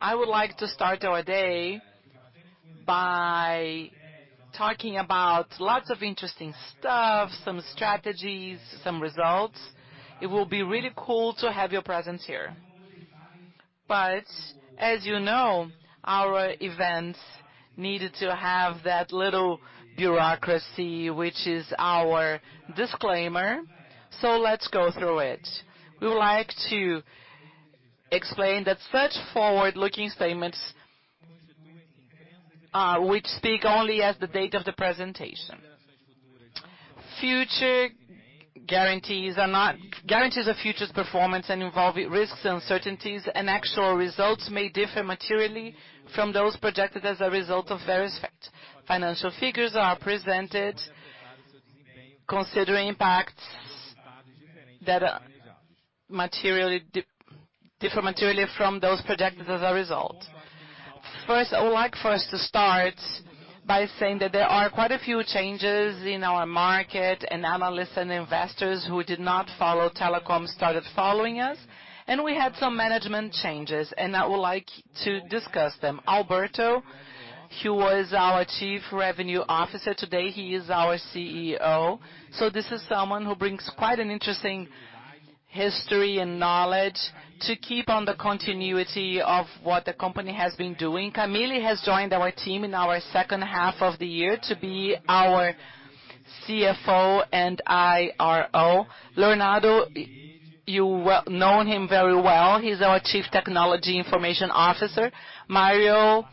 I would like to start our day by talking about lots of interesting stuff, some strategies, some results. It will be really cool to have your presence here. As you know, our events needed to have that little bureaucracy, which is our disclaimer. Let's go through it. We would like to explain that such forward-looking statements, which speak only as the date of the presentation. Future guarantees are not guarantees of future performance and involving risks and uncertainties, and actual results may differ materially from those projected as a result of various fact. Financial figures are presented considering impacts that are materially differ materially from those projected as a result. First, I would like for us to start by saying that there are quite a few changes in our market, and analysts and investors who did not follow Telecom started following us, and we had some management changes, and I would like to discuss them. Alberto, who was our Chief Revenue Officer, today he is our CEO. This is someone who brings quite an interesting history and knowledge to keep on the continuity of what the company has been doing. Camille has joined our team in our second half of the year to be our CFO and IRO. Leonardo, you know him very well. He's our Chief Technology Information Officer. Mario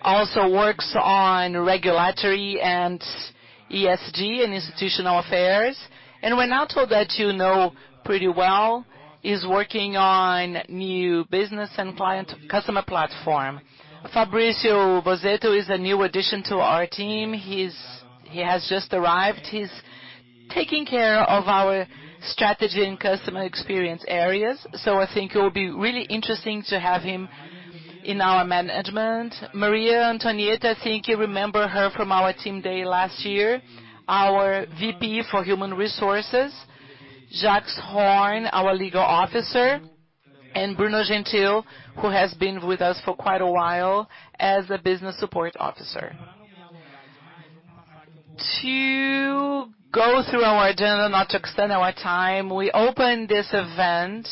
also works on regulatory and ESG and institutional affairs. Renato that you know pretty well is working on new business and client customer platform. Fabrizio Bozzetto is a new addition to our team. He has just arrived. He's taking care of our strategy and customer experience areas. I think it will be really interesting to have him in our management. Maria Antonietta, I think you remember her from our team day last year. Our VP for Human Resources. Jaques Horn, our Legal Officer, and Bruno Gentil, who has been with us for quite a while as a Business Support Officer. To go through our agenda, not to extend our time, we open this event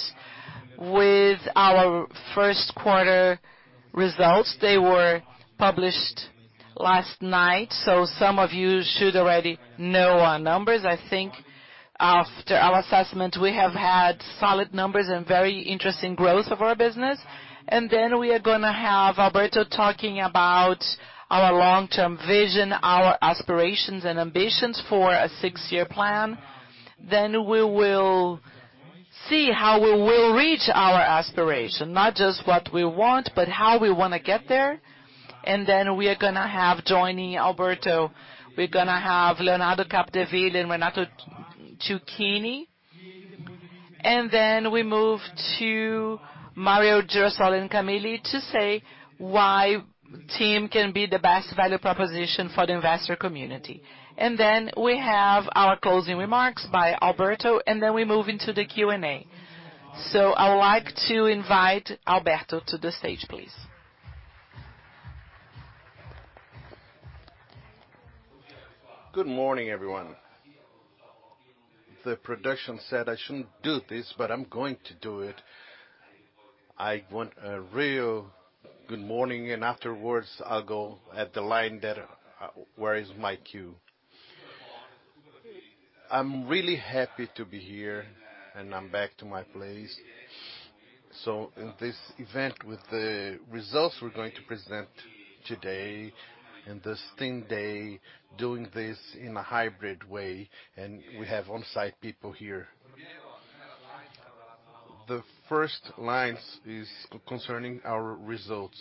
with our first quarter results. They were published last night, so some of you should already know our numbers. I think after our assessment, we have had solid numbers and very interesting growth of our business. Then we are gonna have Alberto talking about our long-term vision, our aspirations and ambitions for a six-year plan. We will see how we will reach our aspiration, not just what we want, but how we wanna get there. We are gonna have joining Alberto. We're gonna have Leonardo Capdeville and Renato Ciuchini. We move to Mario Girasole and Camille Faria to say why TIM can be the best value proposition for the investor community. We have our closing remarks by Alberto, and then we move into the Q&A. I would like to invite Alberto to the stage, please. Good morning, everyone. The production said I shouldn't do this, but I'm going to do it. I want a real good morning, and afterwards, I'll go at the line that, where is my cue. I'm really happy to be here, and I'm back to my place. In this event, with the results we're going to present today in this TIM Day, doing this in a hybrid way, and we have on-site people here. The first lines is concerning our results.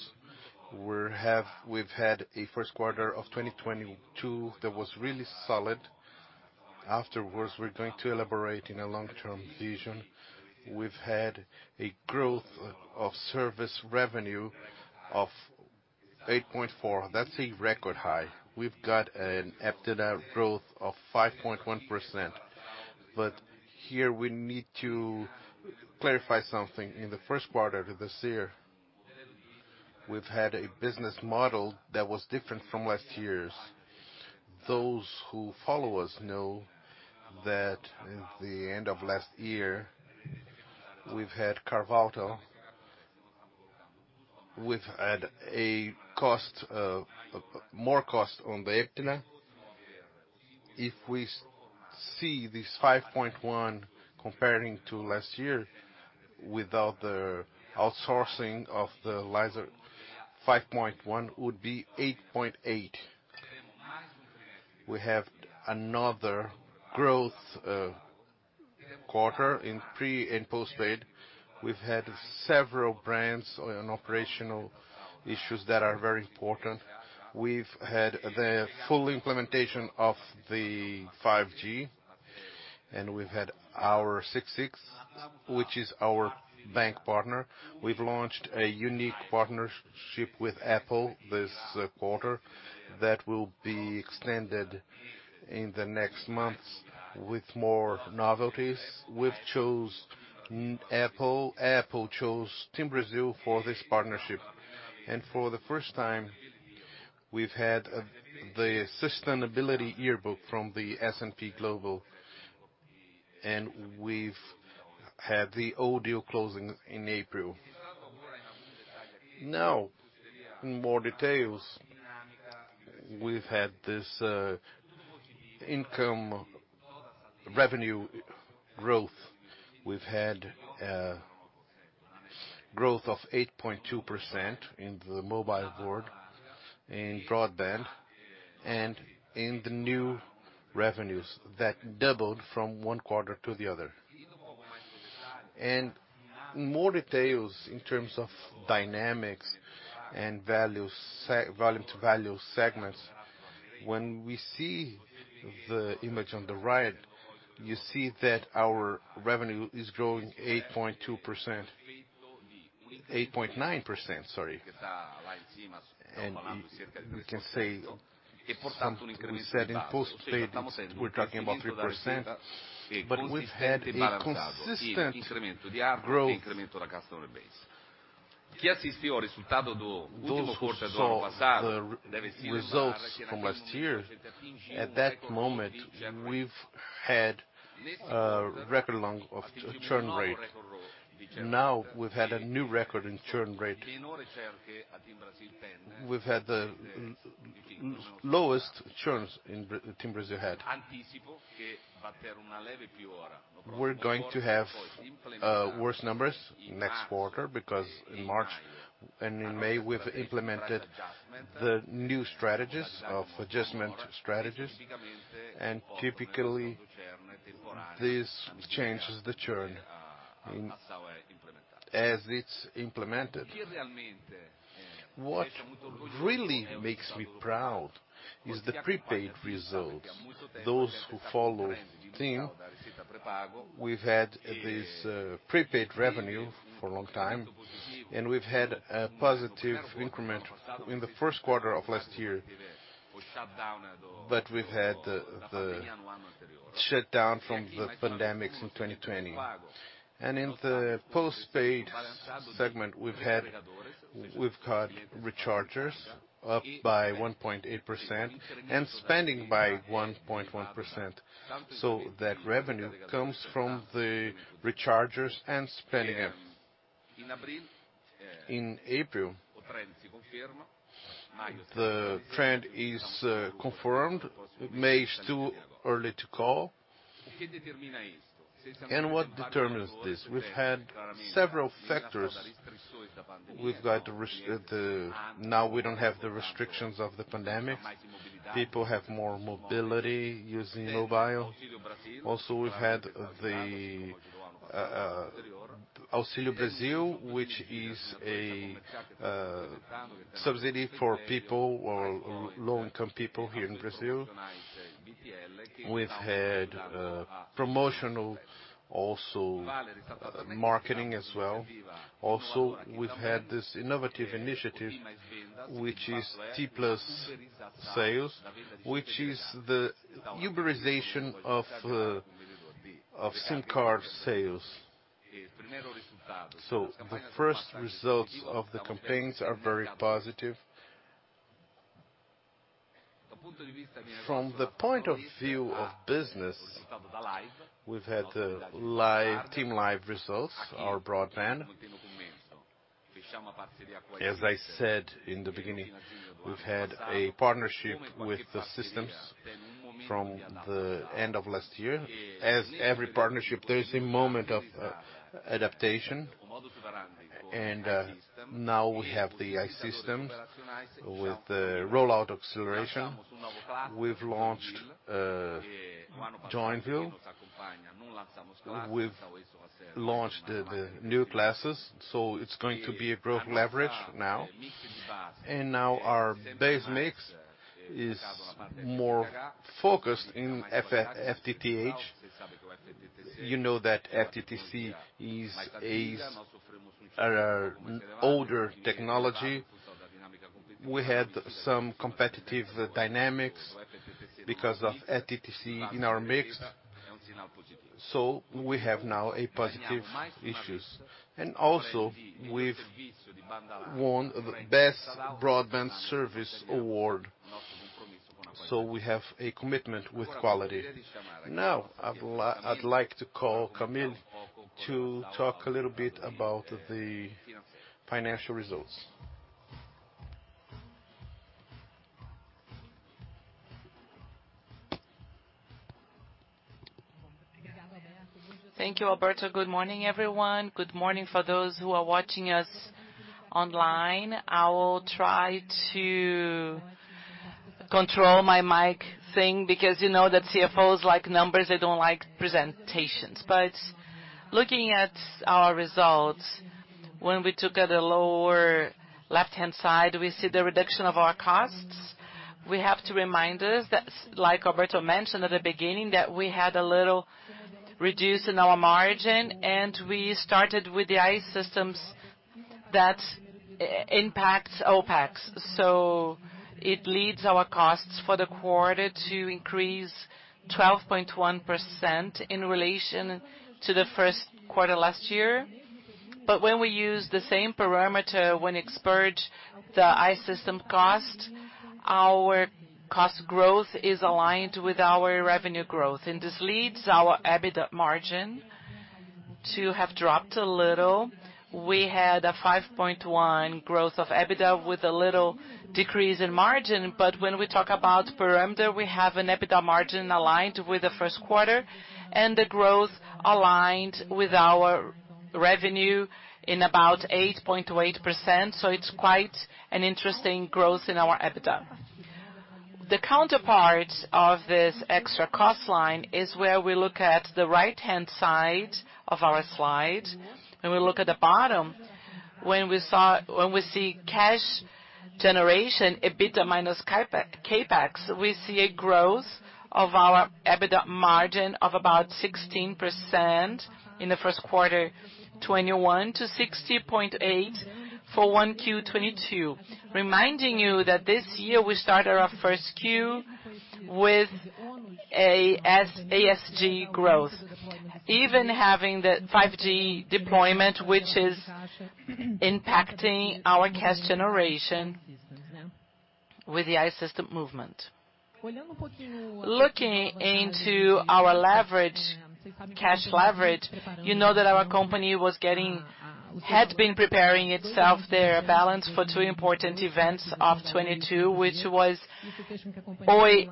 We've had a first quarter of 2022 that was really solid. Afterwards, we're going to elaborate in a long-term vision. We've had a growth of service revenue of 8.4%. That's a record high. We've got an EBITDA growth of 5.1%. Here we need to clarify something. In the first quarter of this year, we've had a business model that was different from last year's. Those who follow us know that in the end of last year, we've had carve-out. We've had a cost, more cost on the EBITDA. If we see this 5.1% comparing to last year without the outsourcing of the lease, 5.1% would be 8.8%. We have another growth quarter in pre and post-paid. We've had several brands on operational issues that are very important. We've had the full implementation of the 5G, and we've had our C6 Bank, which is our bank partner. We've launched a unique partnership with Apple this quarter. That will be extended in the next months with more novelties. We've chose Apple chose TIM Brasil for this partnership. For the first time, we've had the sustainability yearbook from the S&P Global. We've had the Oi closing in April. Now, more details. We've had this income revenue growth. We've had growth of 8.2% in the mobile world, in broadband, and in the new revenues that doubled from one quarter to the other. More details in terms of dynamics and values volume to value segments. When we see the image on the right, you see that our revenue is growing 8.2%. 8.9%, sorry. You can say something we said in postpaid, we're talking about 3%, but we've had a consistent growth. Those who saw the results from last year, at that moment, we've had record low of churn rate. Now we've had a new record in churn rate. We've had the lowest churns in Brazil. TIM Brasil had. We're going to have worse numbers next quarter because in March and in May, we've implemented the new strategies of adjustment strategies, and typically, this changes the churn as it's implemented. What really makes me proud is the prepaid results. Those who follow TIM, we've had this prepaid revenue for a long time, and we've had a positive increment in the first quarter of last year. We've had the shutdown from the pandemic in 2020. In the postpaid segment, we've had recharges up by 1.8% and spending by 1.1%. That revenue comes from the recharges and spending. In April, the trend is confirmed. May is too early to call. What determines this? We've had several factors. Now we don't have the restrictions of the pandemic. People have more mobility using mobile. Also, we've had the Auxílio Brasil, which is a subsidy for people or low-income people here in Brazil. We've had promotional also marketing as well. Also, we've had this innovative initiative, which is TIM + Vendas, which is the uberization of SIM card sales. So the first results of the campaigns are very positive. From the point of view of business, we've had the TIM Live results, our broadband. As I said in the beginning, we've had a partnership with I-Systems from the end of last year. As every partnership, there is a moment of adaptation. Now we have the I-Systems with the rollout acceleration. We've launched Joinville. We've launched the new classes, so it's going to be a growth leverage now. Now our base mix is more focused in FTTH. You know that FTTC is an older technology. We had some competitive dynamics because of FTTC in our mix. We have now a positive issues. Also, we've won the Best Broadband Service award. We have a commitment with quality. Now, I'd like to call Camille to talk a little bit about the financial results. Thank you, Alberto. Good morning, everyone. Good morning for those who are watching us online. I will try to control my mic thing because you know that CFOs like numbers. They don't like presentations. Looking at our results, when we look at the lower left-hand side, we see the reduction of our costs. We have to remind us that, like Alberto mentioned at the beginning, that we had a little reduction in our margin, and we started with the I-Systems. That's impacts OpEx. It leads our costs for the quarter to increase 12.1% in relation to the first quarter last year. When we use the same parameter when exclude the I-Systems cost, our cost growth is aligned with our revenue growth. This leads our EBITDA margin to have dropped a little. We had a 5.1 growth of EBITDA with a little decrease in margin. When we talk about parameter, we have an EBITDA margin aligned with the first quarter and the growth aligned with our revenue in about 8.8%. It's quite an interesting growth in our EBITDA. The counterpart of this extra cost line is where we look at the right-hand side of our slide, and we look at the bottom. When we see cash generation, EBITDA minus CapEx, we see a growth of our EBITDA margin of about 16% in the first quarter 2021 to 60.8 for 1Q 2022. Reminding you that this year we started our first Q with a ESG growth, even having the 5G deployment, which is impacting our cash generation with the I-Systems movement. Looking into our leverage, cash leverage, you know that our company had been preparing its balance for two important events of 2022, which were Oi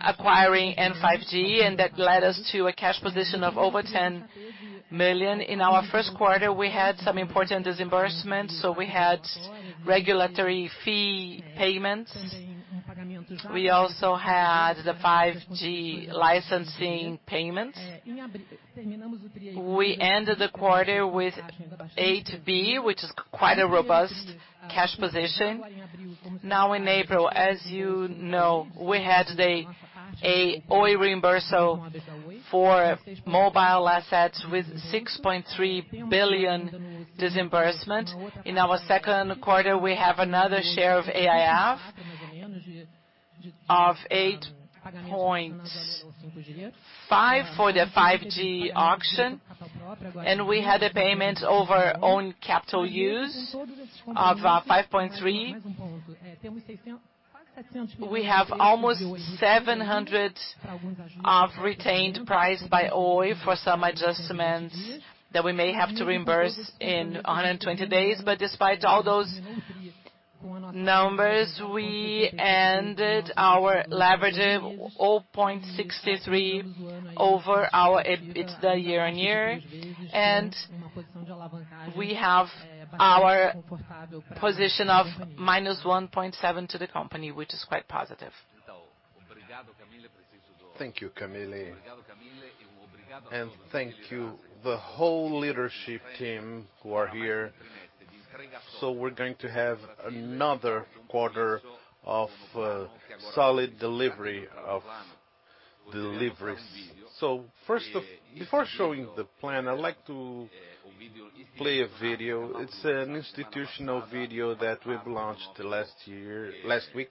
acquisition and 5G, and that led us to a cash position of over 10 million. In our first quarter, we had some important disbursements, so we had regulatory fee payments. We also had the 5G licensing payments. We ended the quarter with BRL 8 billion, which is quite a robust cash position. Now, in April, as you know, we had an Oi reimbursement for mobile assets with 6.3 billion disbursement. In our second quarter, we have another share of AIF of 8.5 for the 5G auction, and we had a payment over own capital use of 5.3. We have almost 700 of retained price by Oi for some adjustments that we may have to reimburse in 120 days. Despite all those numbers, we ended our leverage at 0.63 year-over-year, and we have our position of -1.7 to the company, which is quite positive. Thank you, Camille. Thank you the whole leadership team who are here. We're going to have another quarter of solid delivery of deliveries. Before showing the plan, I'd like to play a video. It's an institutional video that we've launched last week,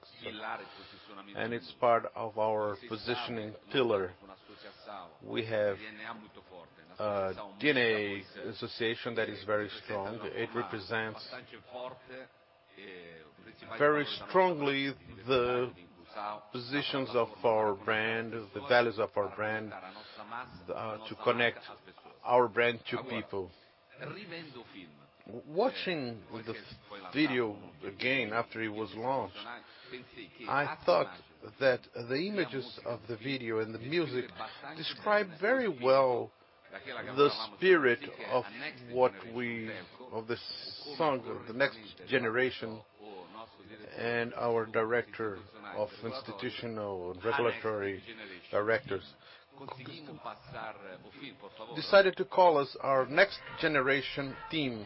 and it's part of our positioning pillar. We have a DNA association that is very strong. It represents very strongly the positions of our brand, the values of our brand, to connect our brand to people. Watching the video again after it was launched, I thought that the images of the video and the music describe very well the spirit of this song, of the next generation and our director of institutional and regulatory directors decided to call as our next generation team.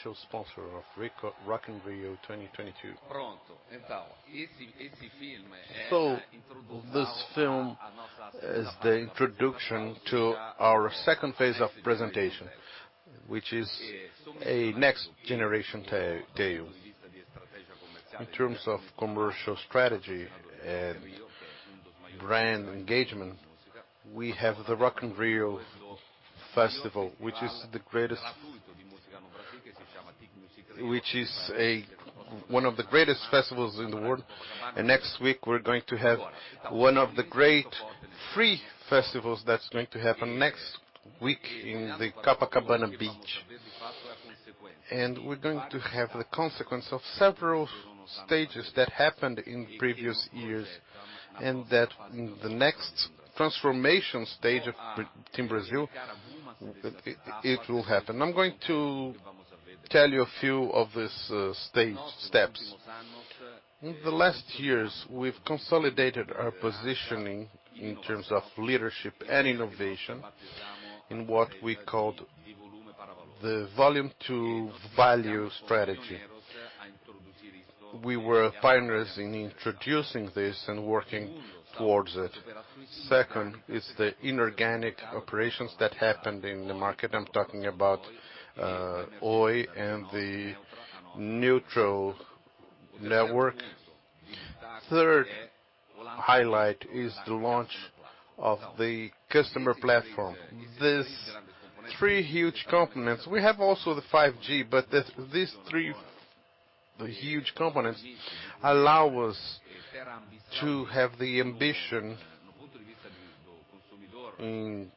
TIM is an official sponsor of Rock in Rio 2022. This film is the introduction to our second phase of presentation, which is a next generation telco. In terms of commercial strategy, brand engagement. We have the Rock in Rio festival, which is one of the greatest festivals in the world. Next week, we're going to have one of the great free festivals that's going to happen next week in the Copacabana Beach. We're going to have the consequence of several stages that happened in previous years, and that in the next transformation stage of TIM Brasil, it will happen. I'm going to tell you a few of these stage steps. In the last years, we've consolidated our positioning in terms of leadership and innovation, in what we called the volume to value strategy. We were pioneers in introducing this and working towards it. Second is the inorganic operations that happened in the market. I'm talking about Oi and the neutral network. Third highlight is the launch of the customer platform. These three huge components. We have also the 5G, but these three huge components allow us to have the ambition in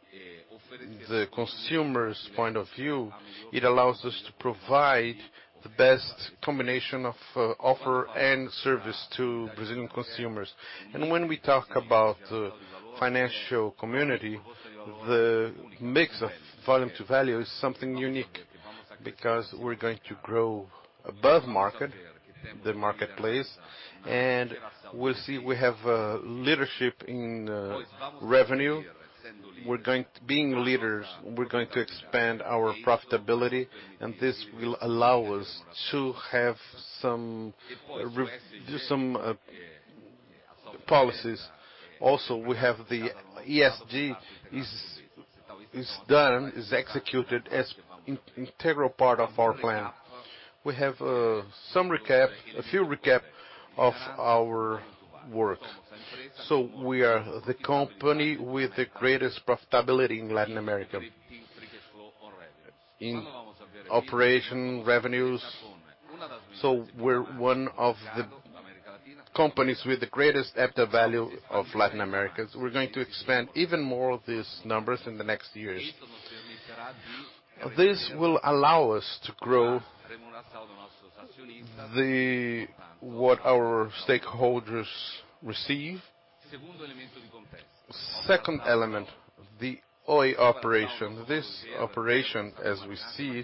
the consumer's point of view. It allows us to provide the best combination of offer and service to Brazilian consumers. When we talk about the financial community, the mix of volume to value is something unique because we're going to grow above market, the marketplace, and we'll see we have leadership in revenue. Being leaders, we're going to expand our profitability, and this will allow us to have some room to do some policies. The ESG is done, is executed as an integral part of our plan. We have some recap of our work. We are the company with the greatest profitability in Latin America. In operating revenues, we're one of the companies with the greatest EBITDA value in Latin America. We're going to expand even more these numbers in the next years. This will allow us to grow what our stakeholders receive. Second element, the Oi operation. This operation, as we see,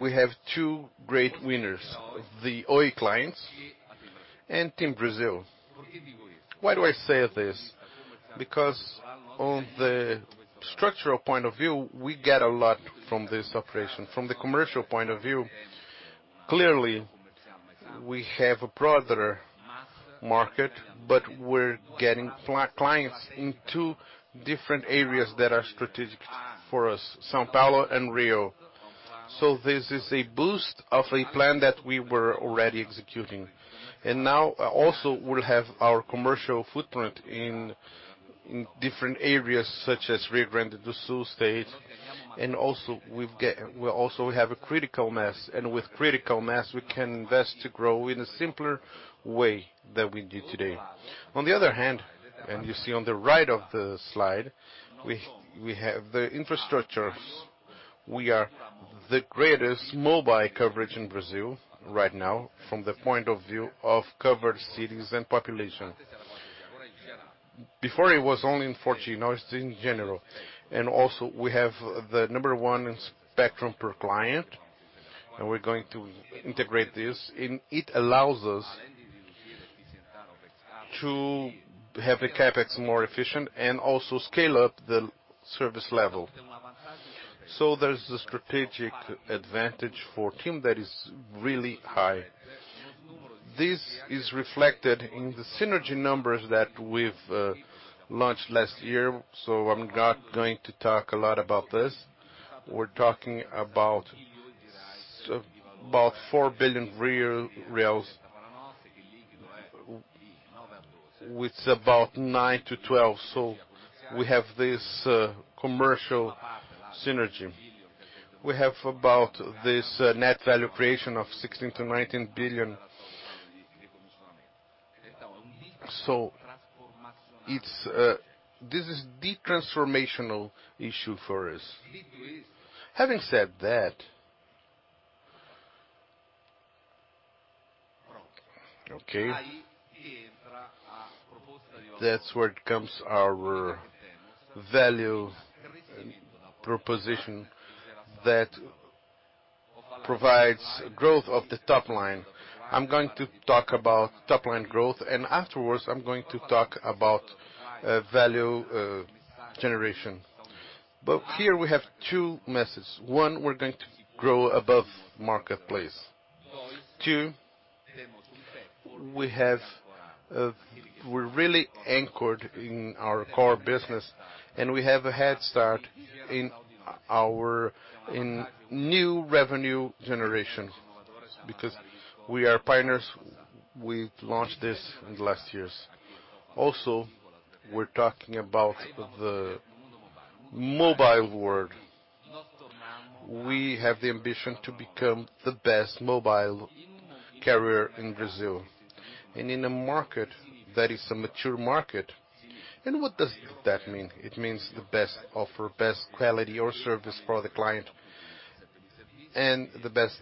we have two great winners, the Oi clients and TIM Brasil. Why do I say this? Because on the structural point of view, we get a lot from this operation. From the commercial point of view, clearly, we have a broader market, but we're getting clients in two different areas that are strategic for us, São Paulo and Rio. This is a boost of a plan that we were already executing. Now, also, we'll have our commercial footprint in different areas such as Rio Grande do Sul state. We also have a critical mass, and with critical mass, we can invest to grow in a simpler way than we do today. On the other hand, you see on the right of the slide, we have the infrastructures. We have the greatest mobile coverage in Brazil right now from the point of view of covered cities and population. Before, it was only in 4G, now it's in general. We also have the number one in spectrum per client, and we're going to integrate this. It allows us to have the CapEx more efficient and also scale up the service level. There's a strategic advantage for TIM that is really high. This is reflected in the synergy numbers that we've launched last year, so I'm not going to talk a lot about this. We're talking about four billion reals with about 9-12. We have this commercial synergy. We have about this net value creation of 16-19 billion. It's this is the transformational issue for us. Having said that. That's where it comes our value proposition that provides growth of the top line. I'm going to talk about top-line growth, and afterwards, I'm going to talk about value generation. Here we have two messages. One, we're going to grow above marketplace. Two, we're really anchored in our core business, and we have a head start in our new revenue generations. We are pioneers. We launched this in the last years. Also, we're talking about the mobile world. We have the ambition to become the best mobile carrier in Brazil and in a market that is a mature market. What does that mean? It means the best offer, best quality or service for the client, and the best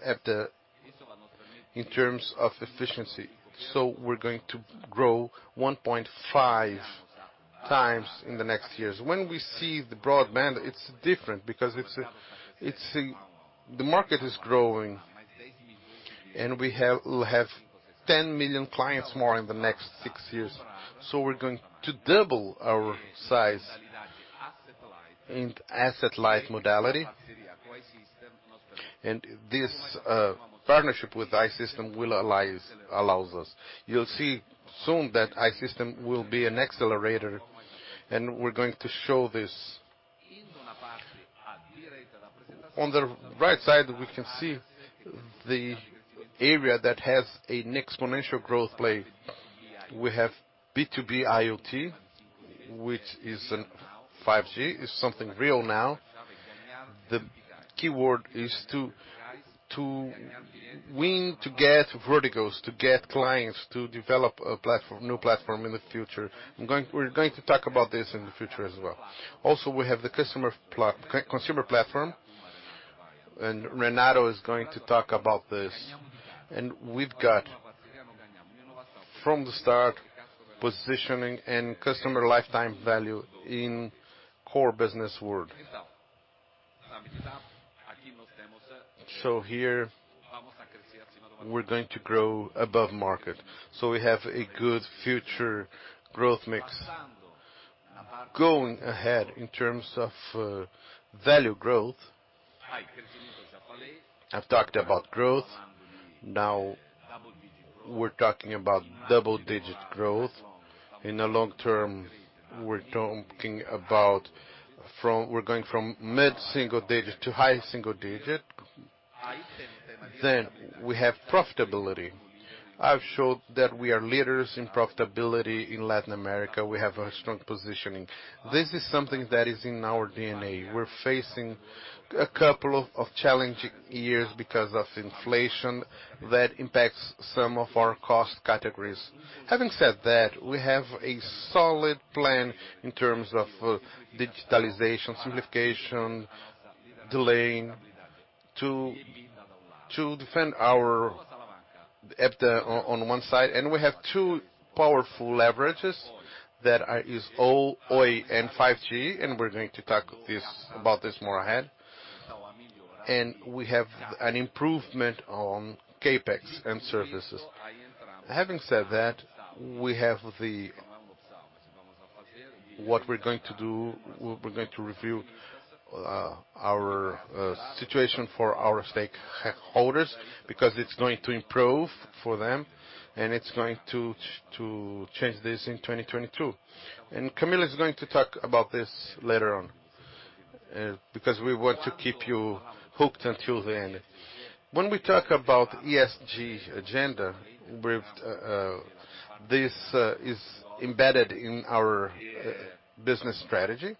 in terms of efficiency. We're going to grow 1.5x in the next years. When we see the broadband, it's different because it's a. The market is growing, and we have, we'll have 10 million clients more in the next six years. We're going to double our size in asset light modality. This partnership with I-Systems will allow us. You'll see soon that I-Systems will be an accelerator, and we're going to show this. On the right side, we can see the area that has an exponential growth play. We have B2B IoT, which is 5G. It's something real now. The keyword is to get verticals, to get clients, to develop a new platform in the future. We're going to talk about this in the future as well. We have the consumer platform, and Renato is going to talk about this. We've got from the start positioning and customer lifetime value in core business world. Here, we're going to grow above market, so we have a good future growth mix. Going ahead in terms of value growth, I've talked about growth. Now we're talking about double-digit growth. In the long term, we're going from mid-single digit to high single digit. We have profitability. I've showed that we are leaders in profitability in Latin America. We have a strong positioning. This is something that is in our DNA. We're facing a couple of challenging years because of inflation that impacts some of our cost categories. Having said that, we have a solid plan in terms of digitalization, simplification, delaying to defend our EBITDA on one side. We have two powerful leverages that are Oi and 5G, and we're going to talk about this more ahead. We have an improvement on CapEx and services. Having said that, we're going to review our situation for our stakeholders because it's going to improve for them, and it's going to change this in 2022. Camille is going to talk about this later on because we want to keep you hooked until the end. When we talk about ESG agenda, this is embedded in our business strategy.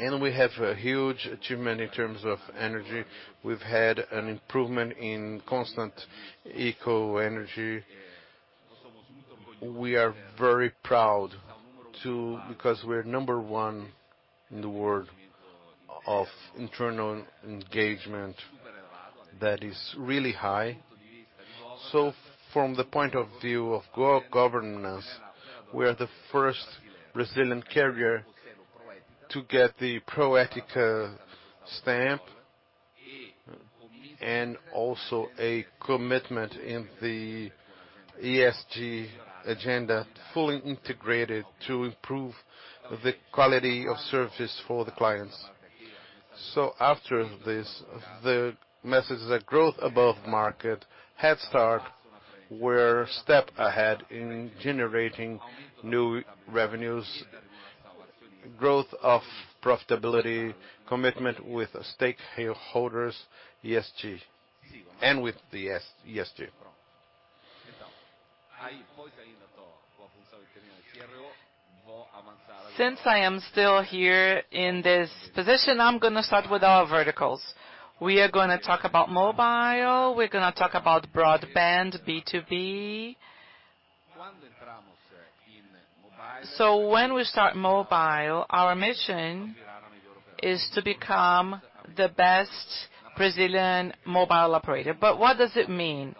We have a huge achievement in terms of energy. We've had an improvement in constant eco energy. We are very proud because we're number one in the world of internal engagement that is really high. From the point of view of governance, we are the first Brazilian carrier to get the Pró-Ética stamp, and also a commitment in the ESG agenda, fully integrated to improve the quality of service for the clients. After this, the message is that growth above market, head start, we're a step ahead in generating new revenues, growth of profitability, commitment with stakeholders, ESG, and with the ESG. Since I am still here in this position, I'm gonna start with our verticals. We are gonna talk about mobile. We're gonna talk about broadband B2B. When we start mobile, our mission is to become the best Brazilian mobile operator. What does it mean?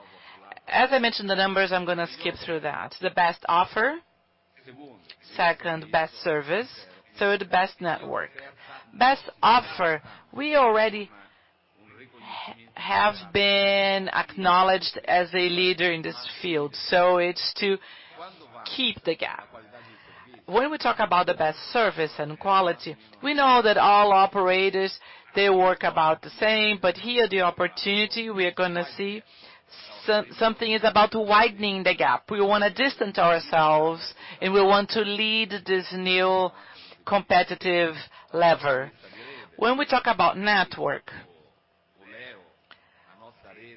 As I mentioned the numbers, I'm gonna skip through that. The best offer. Second, best service. Third, best network. Best offer, we already have been acknowledged as a leader in this field, so it's to keep the gap. When we talk about the best service and quality, we know that all operators, they work about the same, but here, the opportunity we're gonna see something is about widening the gap. We wanna distance ourselves, and we want to lead this new competitive lever. When we talk about network,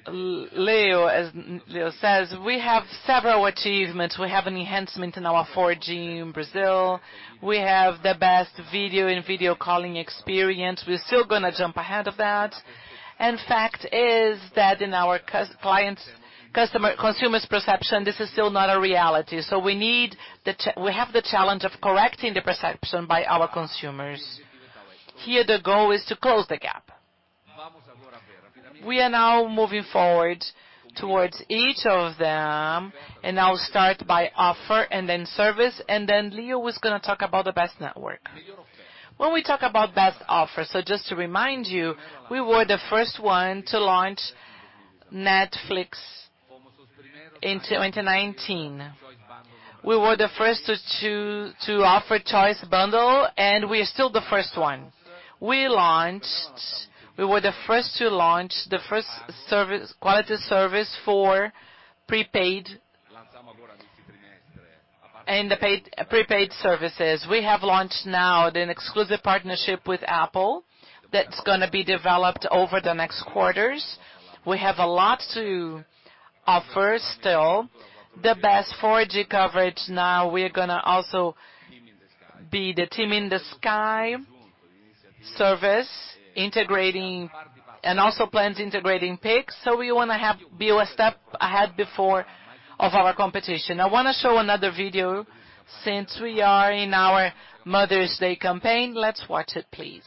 Leo, as Leo says, we have several achievements. We have an enhancement in our 4G in Brazil. We have the best video and video calling experience. We're still gonna jump ahead of that. Fact is that in our consumer's perception, this is still not a reality. We have the challenge of correcting the perception by our consumers. Here, the goal is to close the gap. We are now moving forward towards each of them, and I'll start by offer and then service, and then Leo is gonna talk about the best network. When we talk about best offers, just to remind you, we were the first one to launch Netflix in 2019. We were the first to offer choice bundle, and we are still the first one. We were the first to launch quality of service for prepaid. Prepaid services. We have launched now an exclusive partnership with Apple that's gonna be developed over the next quarters. We have a lot to offer still. The best 4G coverage now we're gonna also be the TIM Sky service integrating and also plans integrating Pix. We wanna be a step ahead of our competition. I wanna show another video since we are in our Mother's Day campaign. Let's watch it, please.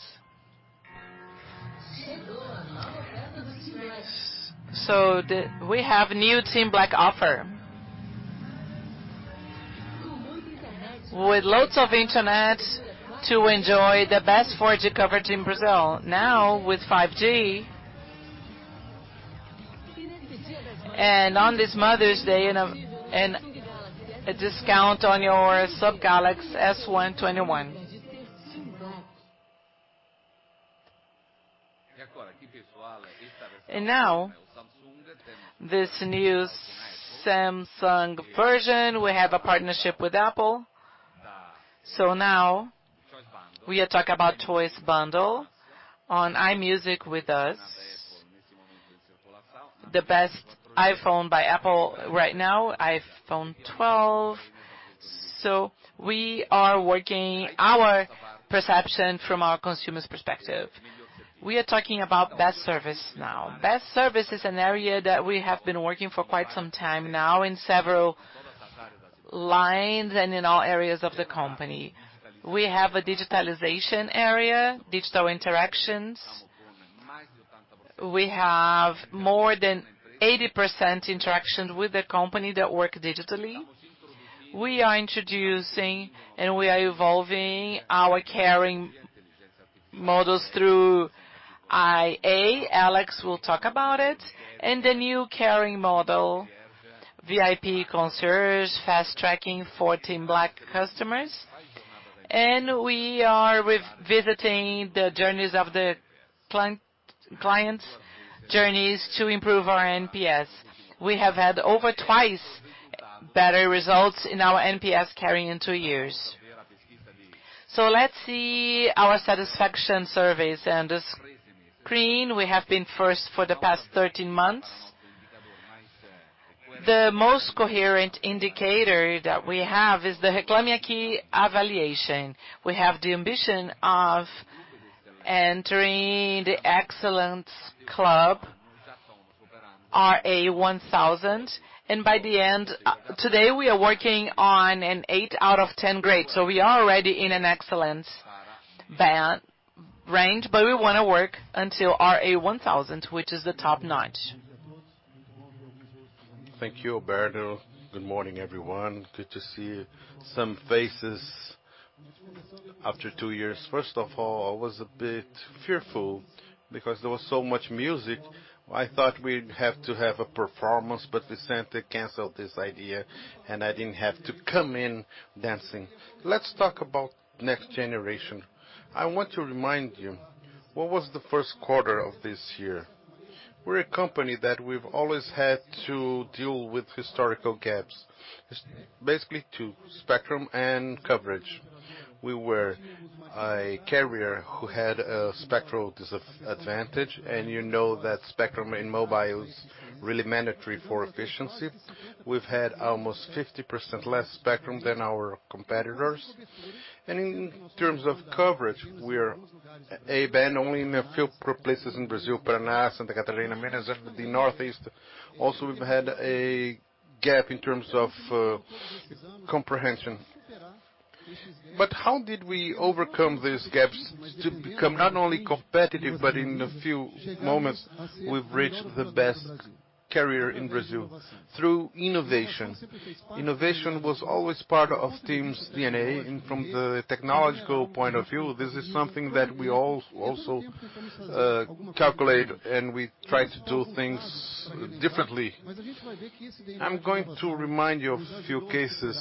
We have new TIM Black offer. With loads of internet to enjoy the best 4G coverage in Brazil. Now with 5G. On this Mother's Day, and a discount on your new Galaxy S21. And now, this new Samsung version, we have a partnership with Apple. Now we talk about choice bundle on Apple Music with us. The best iPhone by Apple right now, iPhone 12. We are working our perception from our consumer's perspective. We are talking about best service now. Best service is an area that we have been working for quite some time now in several lines and in all areas of the company. We have a digitalization area, digital interactions. We have more than 80% interaction with the company that work digitally. We are introducing, and we are evolving our caring models through AI. Alex will talk about it. The new caring model, VIP Concierge, fast-tracking 14 TIM Black customers. We are revisiting the journeys of the clients journeys to improve our NPS. We have had over twice better results in our NPS caring in two years. Let's see our satisfaction surveys. This green, we have been first for the past 13 months. The most coherent indicator that we have is the Reclame Aqui evaluation. We have the ambition of entering the excellence club, RA1000. By the end, today, we are working on an 8 out of 10 grade. We are already in an excellence range, but we wanna work until RA1000, which is the top-notch. Thank you, Alberto. Good morning, everyone. Good to see some faces after two years. First of all, I was a bit fearful because there was so much music. I thought we'd have to have a performance, but Vicente canceled this idea, and I didn't have to come in dancing. Let's talk about next generation. I want to remind you, what was the first quarter of this year? We're a company that we've always had to deal with historical gaps, just basically two: spectrum and coverage. We were a carrier who had a spectrum disadvantage, and you know that spectrum in mobile is really mandatory for efficiency. We've had almost 50% less spectrum than our competitors. In terms of coverage, we're behind only in a few places in Brazil, Paraná and Santa Catarina, Minas Gerais, the Northeast. Also, we've had a gap in terms of comprehension. How did we overcome these gaps to become not only competitive, but in a few moments, we've reached the best carrier in Brazil? Through innovation. Innovation was always part of TIM's DNA, and from the technological point of view, this is something that we calculate, and we try to do things differently. I'm going to remind you of a few cases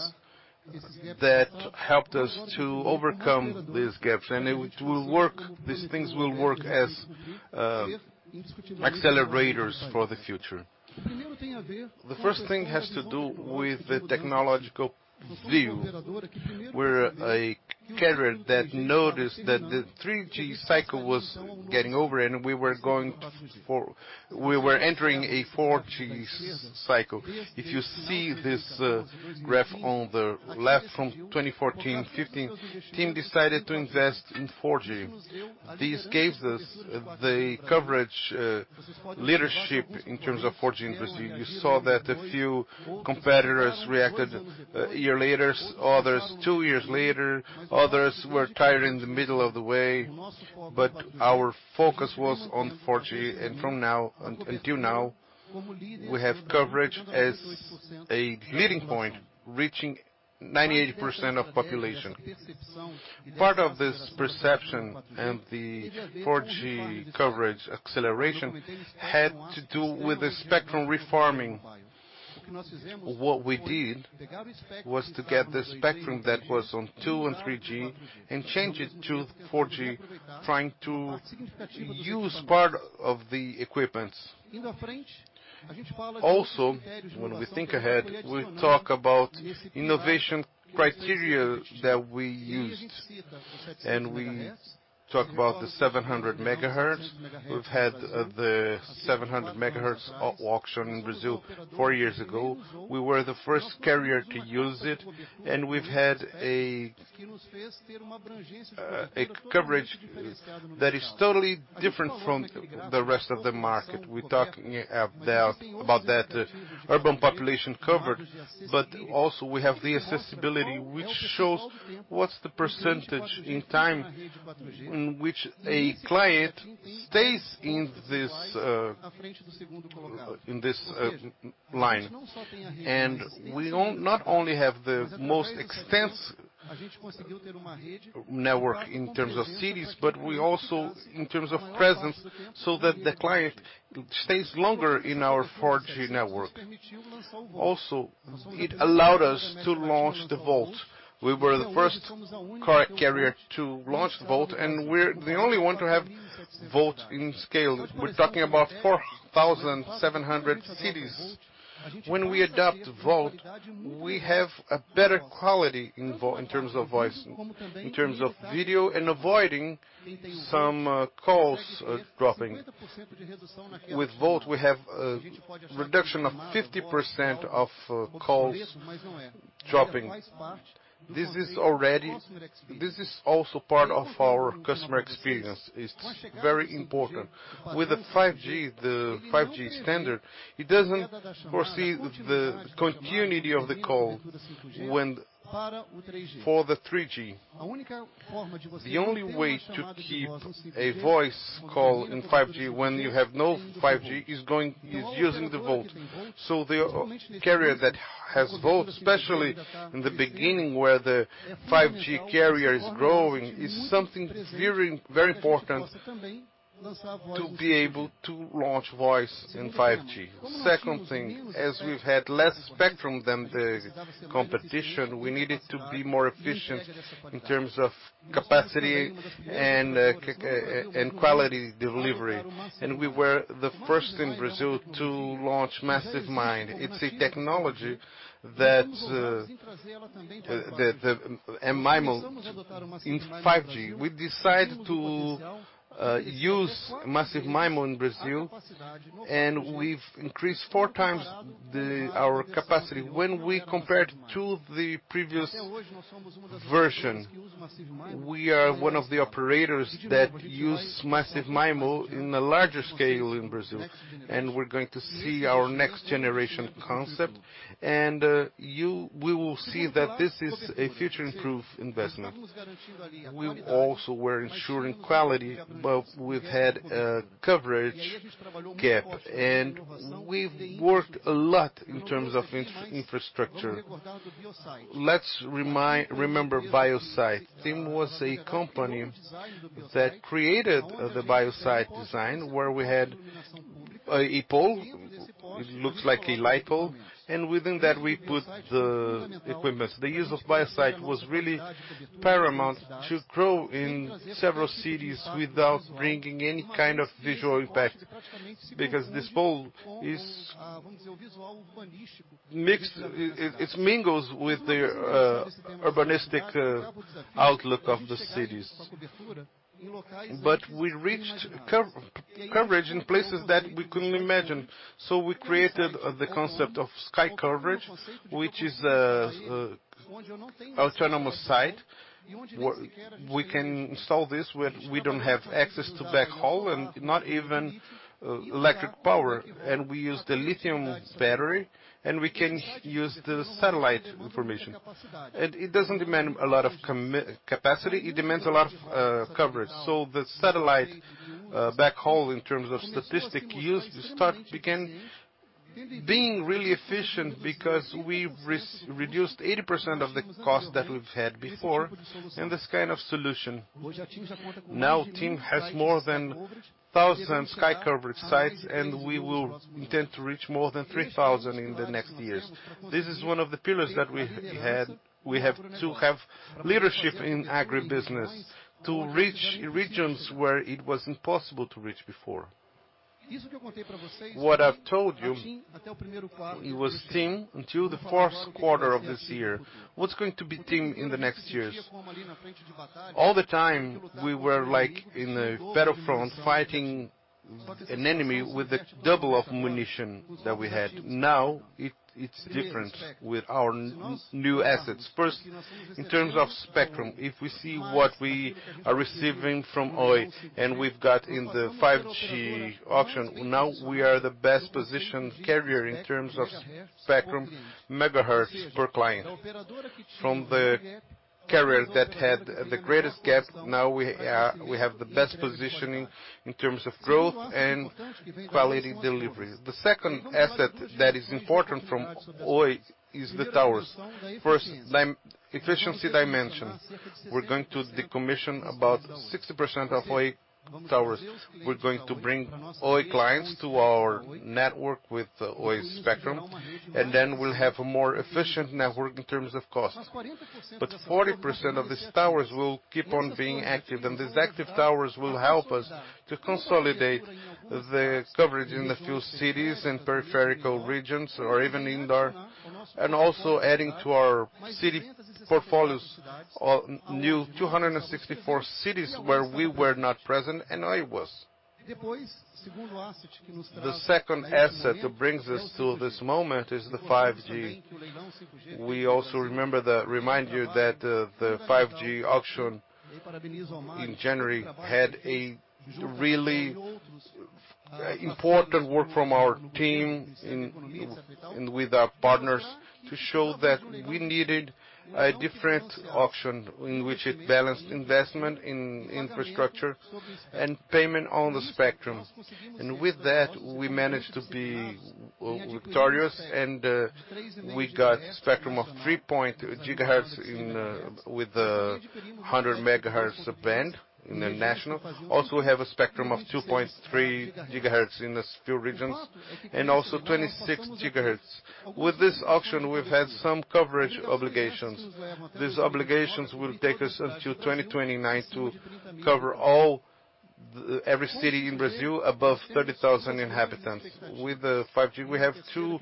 that helped us to overcome these gaps, and it will work, these things will work as accelerators for the future. The first thing has to do with the technological view, where a carrier that noticed that the 3G cycle was getting over and we were going for a 4G cycle. If you see this graph on the left from 2014, 2015, TIM decided to invest in 4G. These gave us the coverage, leadership in terms of 4G in Brazil. You saw that a few competitors reacted a year later, others two years later, others were tired in the middle of the way, but our focus was on 4G, and from then until now, we have coverage as a leading point, reaching 98% of population. Part of this perception and the 4G coverage acceleration had to do with the spectrum refarming. What we did was to get the spectrum that was on 2G and 3G and change it to 4G, trying to use part of the equipment. Also, when we think ahead, we talk about innovation criteria that we used, and we talk about the 700 MHz. We've had the 700 MHz auction in Brazil four years ago. We were the first carrier to use it, and we've had a coverage that is totally different from the rest of the market. We're talking about that urban population covered, but also we have the accessibility, which shows what's the percentage in time in which a client stays in this line. We not only have the most extensive network in terms of cities, but we also in terms of presence, so that the client stays longer in our 4G network. Also, it allowed us to launch the VoLTE. We were the first carrier to launch VoLTE, and we're the only one to have VoLTE in scale. We're talking about 4,700 cities. When we adopt VoLTE, we have a better quality in terms of voice, in terms of video, and avoiding some calls dropping. With VoLTE, we have a reduction of 50% of calls dropping. This is also part of our customer experience. It's very important. With the 5G, the 5G standard, it doesn't foresee the continuity of the call when falling to the 3G. The only way to keep a voice call in 5G when you have no 5G is using the VoLTE. The carrier that has VoLTE, especially in the beginning where the 5G coverage is growing, is something very, very important to be able to launch voice in 5G. Second thing, as we've had less spectrum than the competition, we needed to be more efficient in terms of capacity and quality delivery. We were the first in Brazil to launch Massive MIMO. It's a technology that the M-MIMO in 5G. We decided to use Massive MIMO in Brazil, and we've increased 4x our capacity when we compared to the previous version. We are one of the operators that use Massive MIMO in a larger scale in Brazil, and we're going to see our next generation concept. We will see that this is a future-proof investment. We also were ensuring quality, but we've had a coverage gap, and we've worked a lot in terms of infrastructure. Remember Biosite. TIM was a company that created the Biosite design, where we had a pole, it looks like a light pole, and within that, we put the equipment. The use of Biosite was really paramount to grow in several cities without bringing any kind of visual impact because this pole is mixed. It mingles with the urbanistic outlook of the cities. We reached coverage in places that we couldn't imagine. We created the concept of Sky Coverage, which is autonomous site where we can solve this, where we don't have access to backhaul and not even electric power. We use the lithium battery, and we can use the satellite information. It doesn't demand a lot of capacity. It demands a lot of coverage. The satellite backhaul in terms of statistic use being really efficient because we've reduced 80% of the cost that we've had before in this kind of solution. Now TIM has more than 1,000 Sky Coverage sites, and we will intend to reach more than 3,000 in the next years. This is one of the pillars that we had. We have to have leadership in agribusiness to reach regions where it was impossible to reach before. What I've told you, it was TIM until the fourth quarter of this year. What's going to be TIM in the next years? All the time, we were like in a battlefront, fighting an enemy with the double of ammunition that we had. Now it's different with our new assets. First, in terms of spectrum, if we see what we are receiving from Oi and we've got in the 5G auction, now we are the best-positioned carrier in terms of spectrum megahertz per client. From the carrier that had the greatest gap, now we have the best positioning in terms of growth and quality delivery. The second asset that is important from Oi is the towers. First, efficiency dimension, we're going to decommission about 60% of Oi towers. We're going to bring Oi clients to our network with the Oi spectrum, and then we'll have a more efficient network in terms of cost. 40% of these towers will keep on being active, and these active towers will help us to consolidate the coverage in a few cities and peripheral regions or even indoor, and also adding to our city portfolios, new 264 cities where we were not present and Oi was. The second asset that brings us to this moment is the 5G. We also remind you that, the 5G auction in January had a really important work from our team in with our partners to show that we needed a different auction in which it balanced investment in infrastructure and payment on the spectrum. With that, we managed to be victorious, and we got spectrum of 3 GHz in with the 100 MHz band in the national. Also, we have a spectrum of 2.3 GHz in a few regions and also 26 GHz. With this auction, we've had some coverage obligations. These obligations will take us until 2029 to cover every city in Brazil above 30,000 inhabitants. With the 5G, we have two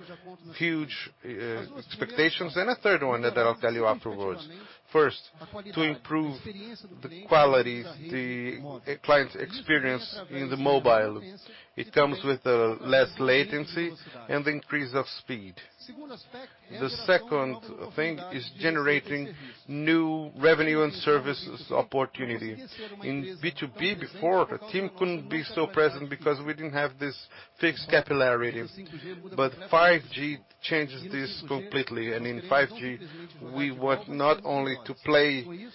huge expectations and a third one that I'll tell you afterwards. First, to improve the quality, the client's experience in the mobile. It comes with less latency and the increase of speed. The second thing is generating new revenue and services opportunity. In B2B before, TIM couldn't be so present because we didn't have this fixed capillarity, but 5G changes this completely and in 5G we want not only to play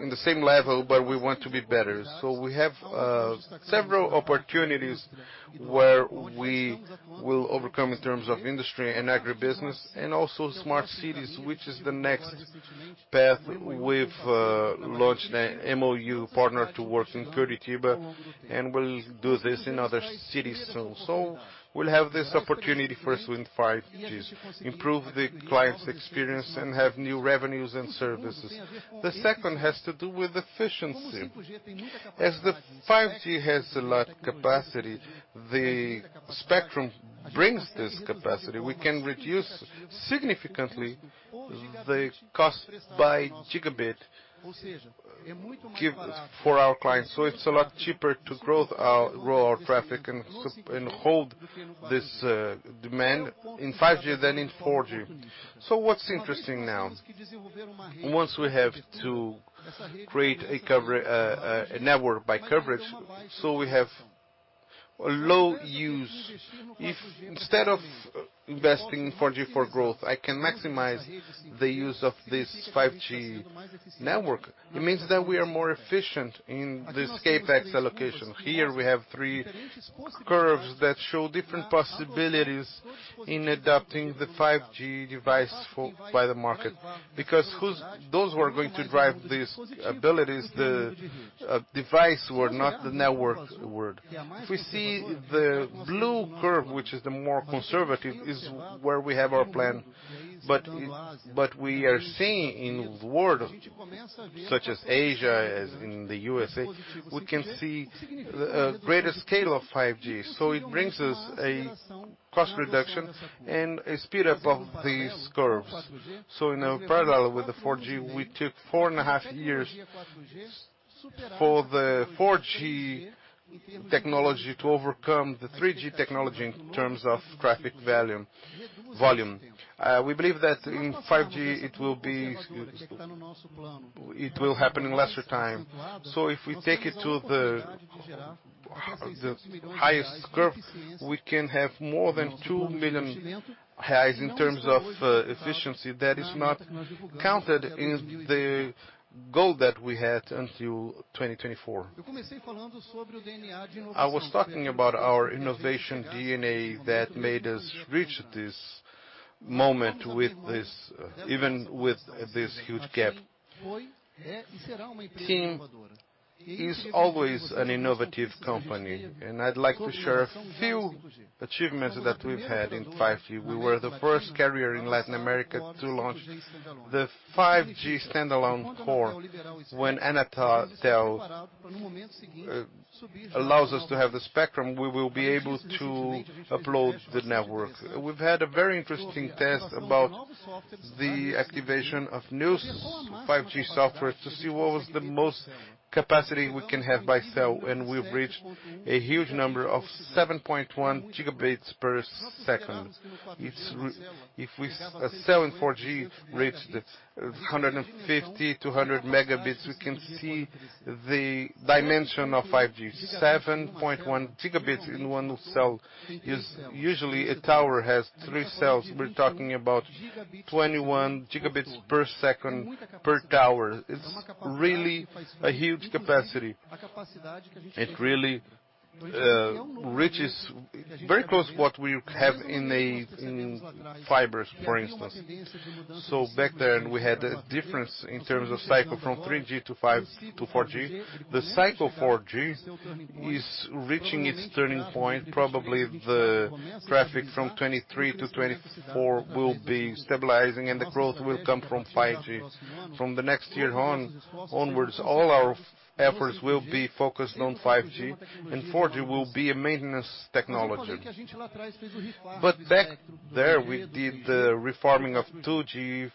in the same level, but we want to be better. We have several opportunities where we will overcome in terms of industry and agribusiness and also smart cities, which is the next path. We've launched a MOU partner to work in Curitiba, and we'll do this in other cities soon. We'll have this opportunity first with 5G, improve the client's experience and have new revenues and services. The second has to do with efficiency. As the 5G has a lot of capacity, the spectrum brings this capacity. We can reduce significantly the cost per gigabit given for our clients, so it's a lot cheaper to grow our traffic and hold this demand in 5G than in 4G. What's interesting now? Once we have to create coverage, a network coverage, so we have low usage. If instead of investing in 4G for growth, I can maximize the use of this 5G network, it means that we are more efficient in this CapEx allocation. Here we have three curves that show different possibilities in adopting the 5G device by the market. Because those who are going to drive these abilities, the device world, not the network world. If we see the blue curve, which is the more conservative, is where we have our plan, but we are seeing in worlds such as Asia, as in the USA, we can see a greater scale of 5G. It brings us a cost reduction and a speed up of these curves. In a parallel with the 4G, we took four and a half years for the 4G technology to overcome the 3G technology in terms of traffic value, volume. We believe that in 5G it will happen in lesser time. If we take it to the highest curve, we can have more than 2 million in terms of efficiency that is not counted in the goal that we had until 2024. I was talking about our innovation DNA that made us reach this moment with this, even with this huge gap. TIM is always an innovative company, and I'd like to share a few achievements that we've had in 5G. We were the first carrier in Latin America to launch the 5G standalone core. When Anatel allows us to have the spectrum, we will be able to upload the network. We've had a very interesting test about the activation of new 5G software to see what was the most capacity we can have by cell, and we've reached a huge number of 7.1 gigabits per second. If a cell in 4G reached 150-200 megabits, we can see the dimension of 5G. 7.1 gigabits in one cell is usually a tower has three cells. We're talking about 21 gigabits per second per tower. It's really a huge capacity. It really reaches very close to what we have in fibers, for instance. Back then, we had a difference in terms of cycle from 3G to 4G. The cycle 4G is reaching its turning point. Probably the traffic from 2023 to 2024 will be stabilizing and the growth will come from 5G. From the next year onwards, all our efforts will be focused on 5G and 4G will be a maintenance technology. Back there, we did the reforming of 2G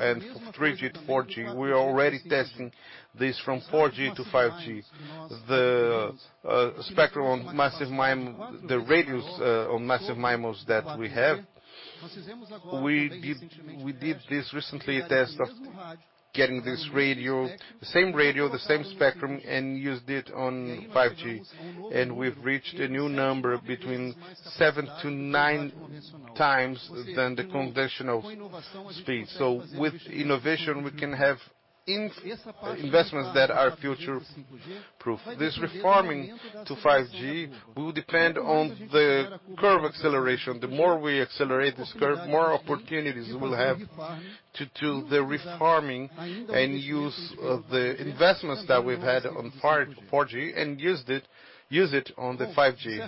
and from 3G to 4G. We are already testing this from 4G to 5G. Spectrum on massive MIMO—the radios on massive MIMOs that we have, we did this recently, a test of getting this radio, the same radio, the same spectrum, and used it on 5G. We've reached a new number between 7x to 9x the conventional speed. With innovation, we can have investments that are future-proof. This re-farming to 5G will depend on the curve acceleration. The more we accelerate this curve, more opportunities we'll have to do the re-farming and use the investments that we've had on 4G and use it on the 5G.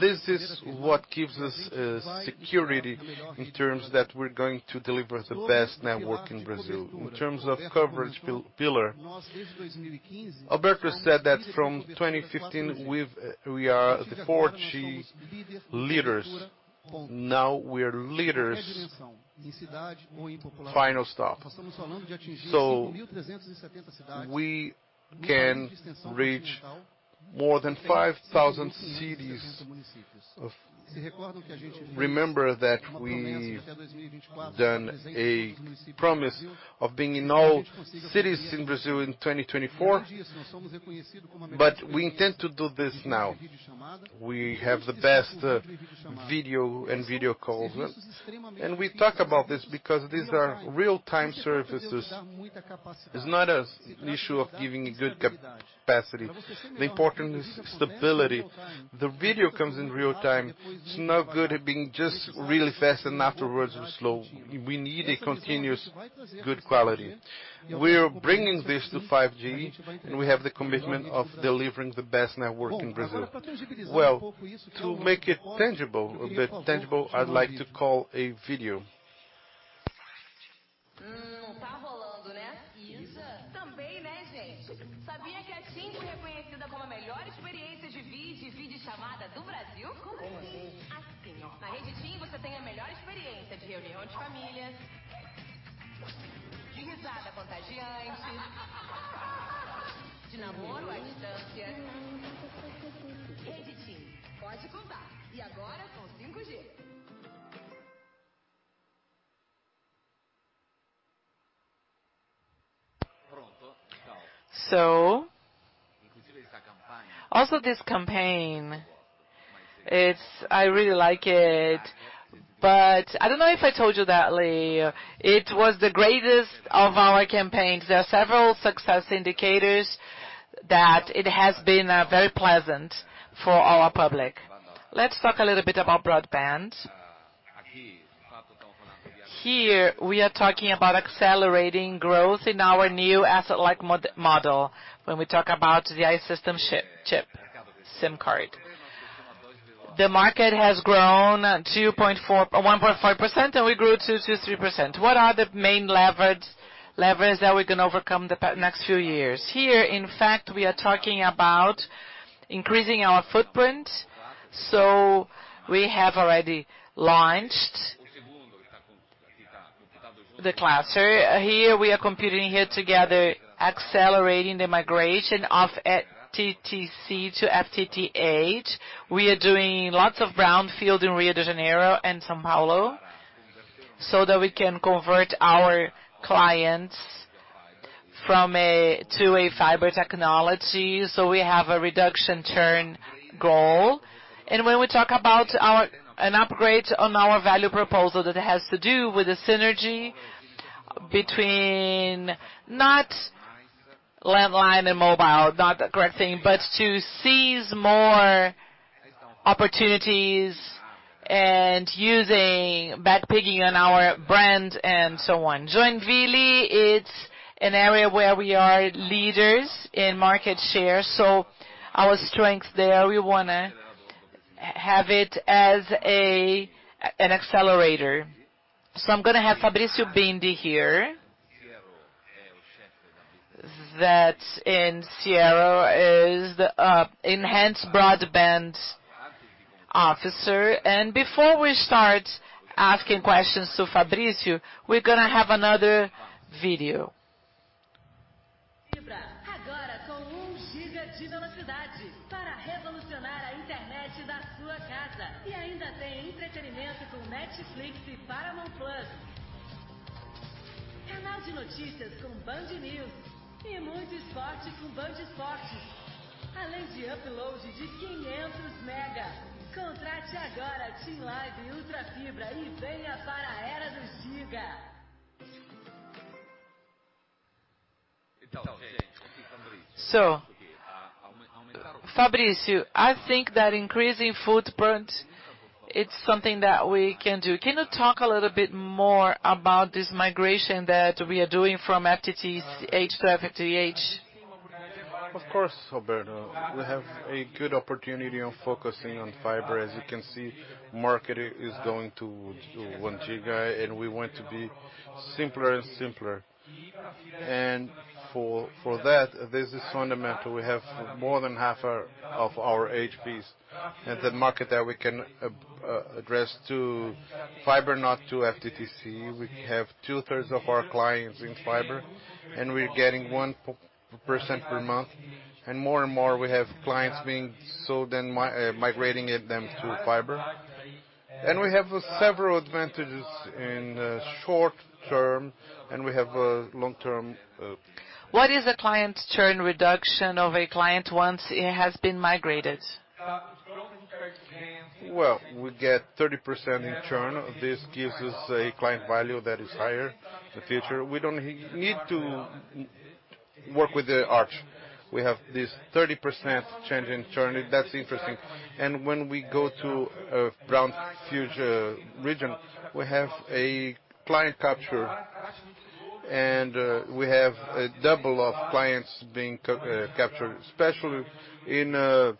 This is what gives us security in terms that we're going to deliver the best network in Brazil. In terms of coverage pillar, Alberto said that from 2015, we've we are the 4G leaders. Now we are leaders, full stop. We can reach more than 5,000 cities. Remember that we've done a promise of being in all cities in Brazil in 2024, but we intend to do this now. We have the best video and video calls. We talk about this because these are real-time services. It's not an issue of giving a good capacity. The important is stability. The video comes in real time. It's no good it being just really fast and afterwards slow. We need a continuous good quality. We are bringing this to 5G, and we have the commitment of delivering the best network in Brazil. Well, to make it tangible, a bit tangible, I'd like to call a video. Also this campaign, it's I really like it, but I don't know if I told you that, Leo, it was the greatest of our campaigns. There are several success indicators that it has been very pleasant for our public. Let's talk a little bit about broadband. Here, we are talking about accelerating growth in our new asset-like model when we talk about the I-Systems partnership, SIM card. The market has grown 1.5%, and we grew it 2% to 3%. What are the main levers that we can pull in the next few years? Here, in fact, we are talking about increasing our footprint, so we have already launched the cluster. Here, we are competing here together, accelerating the migration of FTTC to FTTH. We are doing lots of brownfield in Rio de Janeiro and São Paulo so that we can convert our clients. From to a fiber technology. We have a reduction churn goal. When we talk about our an upgrade on our value proposition, that has to do with the synergy between not landline and mobile, not the correct thing, but to seize more opportunities and using back picking on our brand and so on. Joinville, it's an area where we are leaders in market share, so our strength there, we wanna have it as an accelerator. I'm gonna have Fabricio Bindi here. That in Cielo is the enhanced broadband officer. Before we start asking questions to Fabrício, we're gonna have another video. Fabrício, I think that increasing footprint, it's something that we can do. Can you talk a little bit more about this migration that we are doing from FTTH to FTTH? Of course, Alberto. We have a good opportunity on focusing on fiber. As you can see, market is going to one giga, and we want to be simpler and simpler. For that, this is fundamental. We have more than half of our HPs at the market that we can address to fiber, not to FTTC. We have 2/3 of our clients in fiber, and we're getting 1% per month. More and more, we have clients being sold and migrating them to fiber. We have several advantages in the short term, and we have a long-term. What is the client churn reduction of a client once it has been migrated? Well, we get 30% in churn. This gives us a client value that is higher in the future. We don't need to work with the arch. We have this 30% change in churn. That's interesting. When we go to a brownfield region, we have a client capture, we have double of clients being captured, especially in a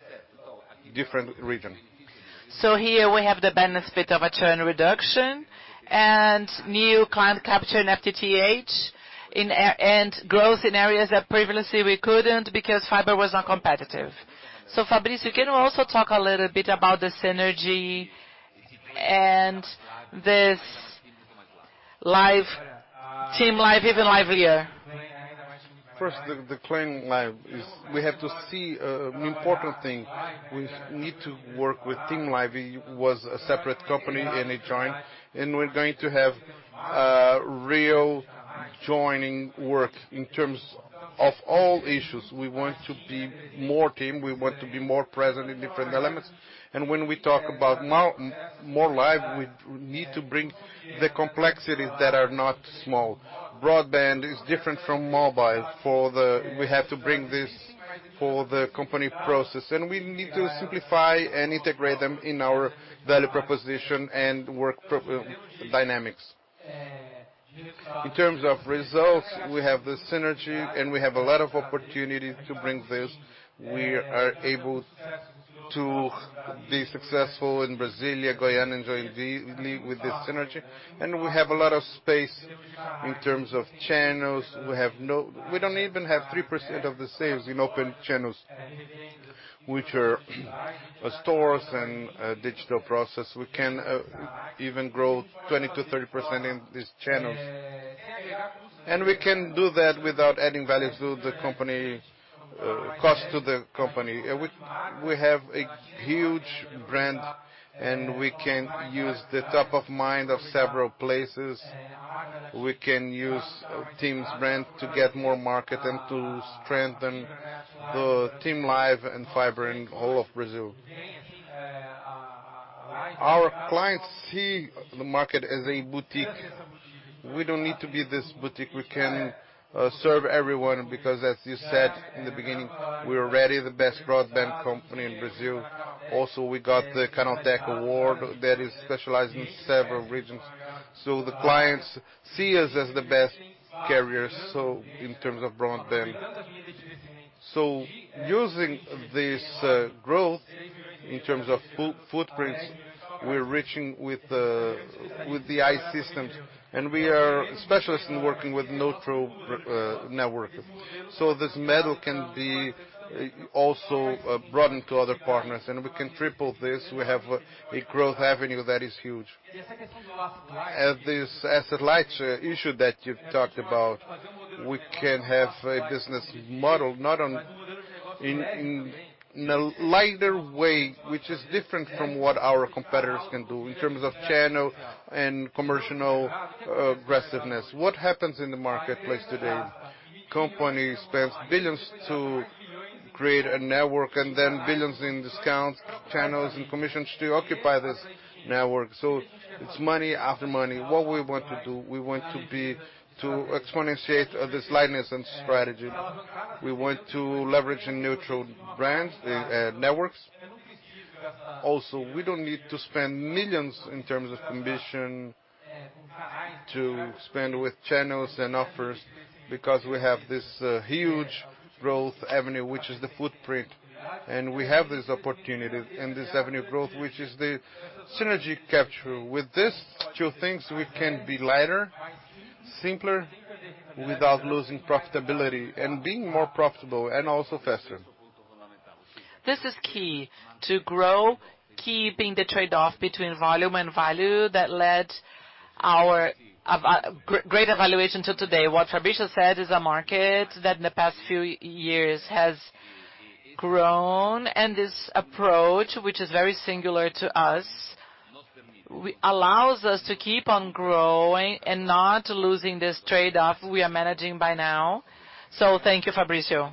different region. Here we have the benefit of a churn reduction and new client capture in FTTH and growth in areas that previously we couldn't because fiber was not competitive. Fabricio, can you also talk a little bit about the synergy and this live, TIM Live even livelier. First, the TIM Live, we have to see important thing. We need to work with TIM Live. It was a separate company and a joint, and we're going to have real joining work in terms of all issues. We want to be one team. We want to be more present in different elements. When we talk about TIM Live, we need to bring the complexities that are not small. Broadband is different from mobile. For the company, we have to bring this for the company process, and we need to simplify and integrate them in our value proposition and work process dynamics. In terms of results, we have the synergy, and we have a lot of opportunity to bring this. We are able to be successful in Brasília, Goiânia, and Joinville with this synergy, and we have a lot of space in terms of channels. We don't even have 3% of the sales in open channels, which are stores and digital process. We can even grow 20% to 30% in these channels. We can do that without adding cost to the company. We have a huge brand, and we can use the top of mind in several places. We can use TIM's brand to get more market and to strengthen the TIM Live and fiber in whole of Brazil. Our clients see us as a boutique. We don't need to be this boutique. We can serve everyone because as you said in the beginning, we're already the best broadband company in Brazil. Also, we got the Canaltech award that is specialized in several regions, so the clients see us as the best carrier, so in terms of broadband. Using this growth in terms of footprints, we're reaching with the I-Systems, and we are specialists in working with neutral networks. This model can be also broadened to other partners, and we can triple this. We have a growth avenue that is huge. This asset-light issue that you've talked about, we can have a business model not in a lighter way, which is different from what our competitors can do in terms of channel and commercial aggressiveness. What happens in the marketplace today? Companies spend billions to create a network and then billions in discounts, channels, and commissions to occupy this network. It's money after money. What we want to do, we want to exponentiate this lightness and strategy. We want to leverage in neutral branded networks. Also, we don't need to spend millions in terms of commission to spend with channels and offers because we have this huge growth avenue, which is the footprint. We have this opportunity and this avenue growth, which is the synergy capture. With these two things, we can be lighter, simpler, without losing profitability and being more profitable and also faster. This is key to grow, keeping the trade-off between volume and value that led our great evaluation till today. What Fabrizio said is a market that in the past few years has grown, and this approach, which is very singular to us, allows us to keep on growing and not losing this trade-off we are managing by now. Thank you, Fabrizio.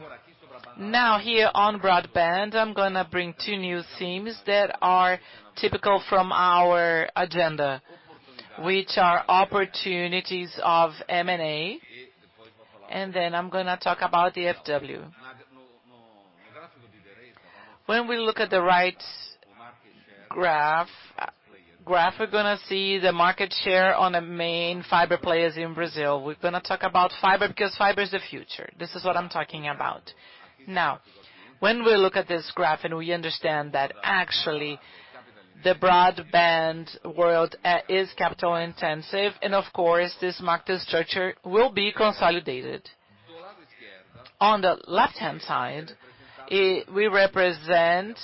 Now, here on broadband, I'm gonna bring two new themes that are typical from our agenda, which are opportunities of M&A, and then I'm gonna talk about the FWA. When we look at the right graph, we're gonna see the market share on the main fiber players in Brazil. We're gonna talk about fiber because fiber is the future. This is what I'm talking about. Now, when we look at this graph and we understand that actually the broadband world is capital-intensive, and of course, this market structure will be consolidated. On the left-hand side, we represent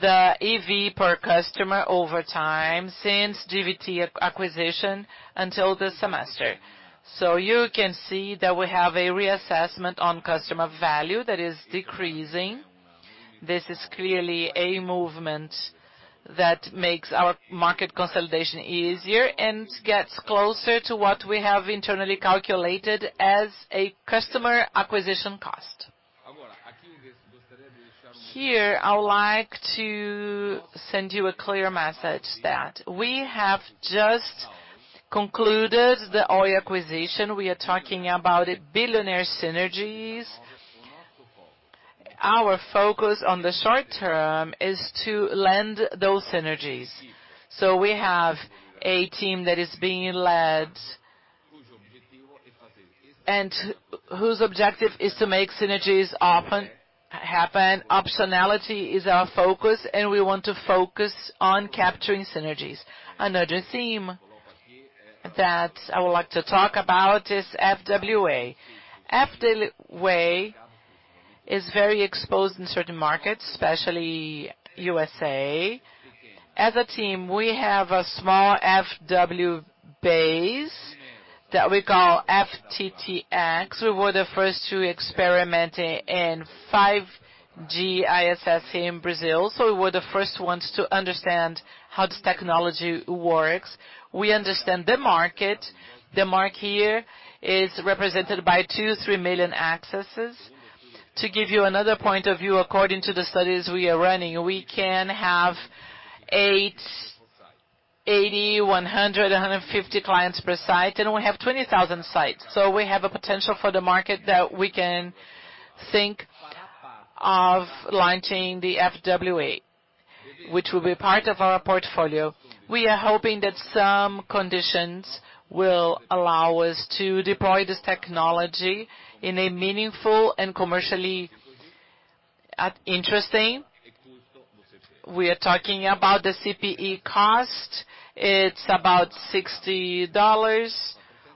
the EV per customer over time since GVT acquisition until this semester. You can see that we have a reassessment on customer value that is decreasing. This is clearly a movement that makes our market consolidation easier and gets closer to what we have internally calculated as a customer acquisition cost. Here, I would like to send you a clear message that we have just concluded the Oi acquisition. We are talking about billion synergies. Our focus on the short term is to land those synergies. We have a team that is being led and whose objective is to make those synergies happen. Optionality is our focus, and we want to focus on capturing synergies. Another theme that I would like to talk about is FWA. FWA is very exposed in certain markets, especially USA. As a team, we have a small FWA base that we call FTTx. We were the first to experiment in 5G SA in Brazil, so we were the first ones to understand how this technology works. We understand the market. The market here is represented by 2-3 million accesses. To give you another point of view, according to the studies we are running, we can have 8, 80, 100, 150 clients per site, and we have 20,000 sites. We have a potential for the market that we can think of launching the FWA, which will be part of our portfolio. We are hoping that some conditions will allow us to deploy this technology in a meaningful and commercially interesting. We are talking about the CPE cost. It's about $60.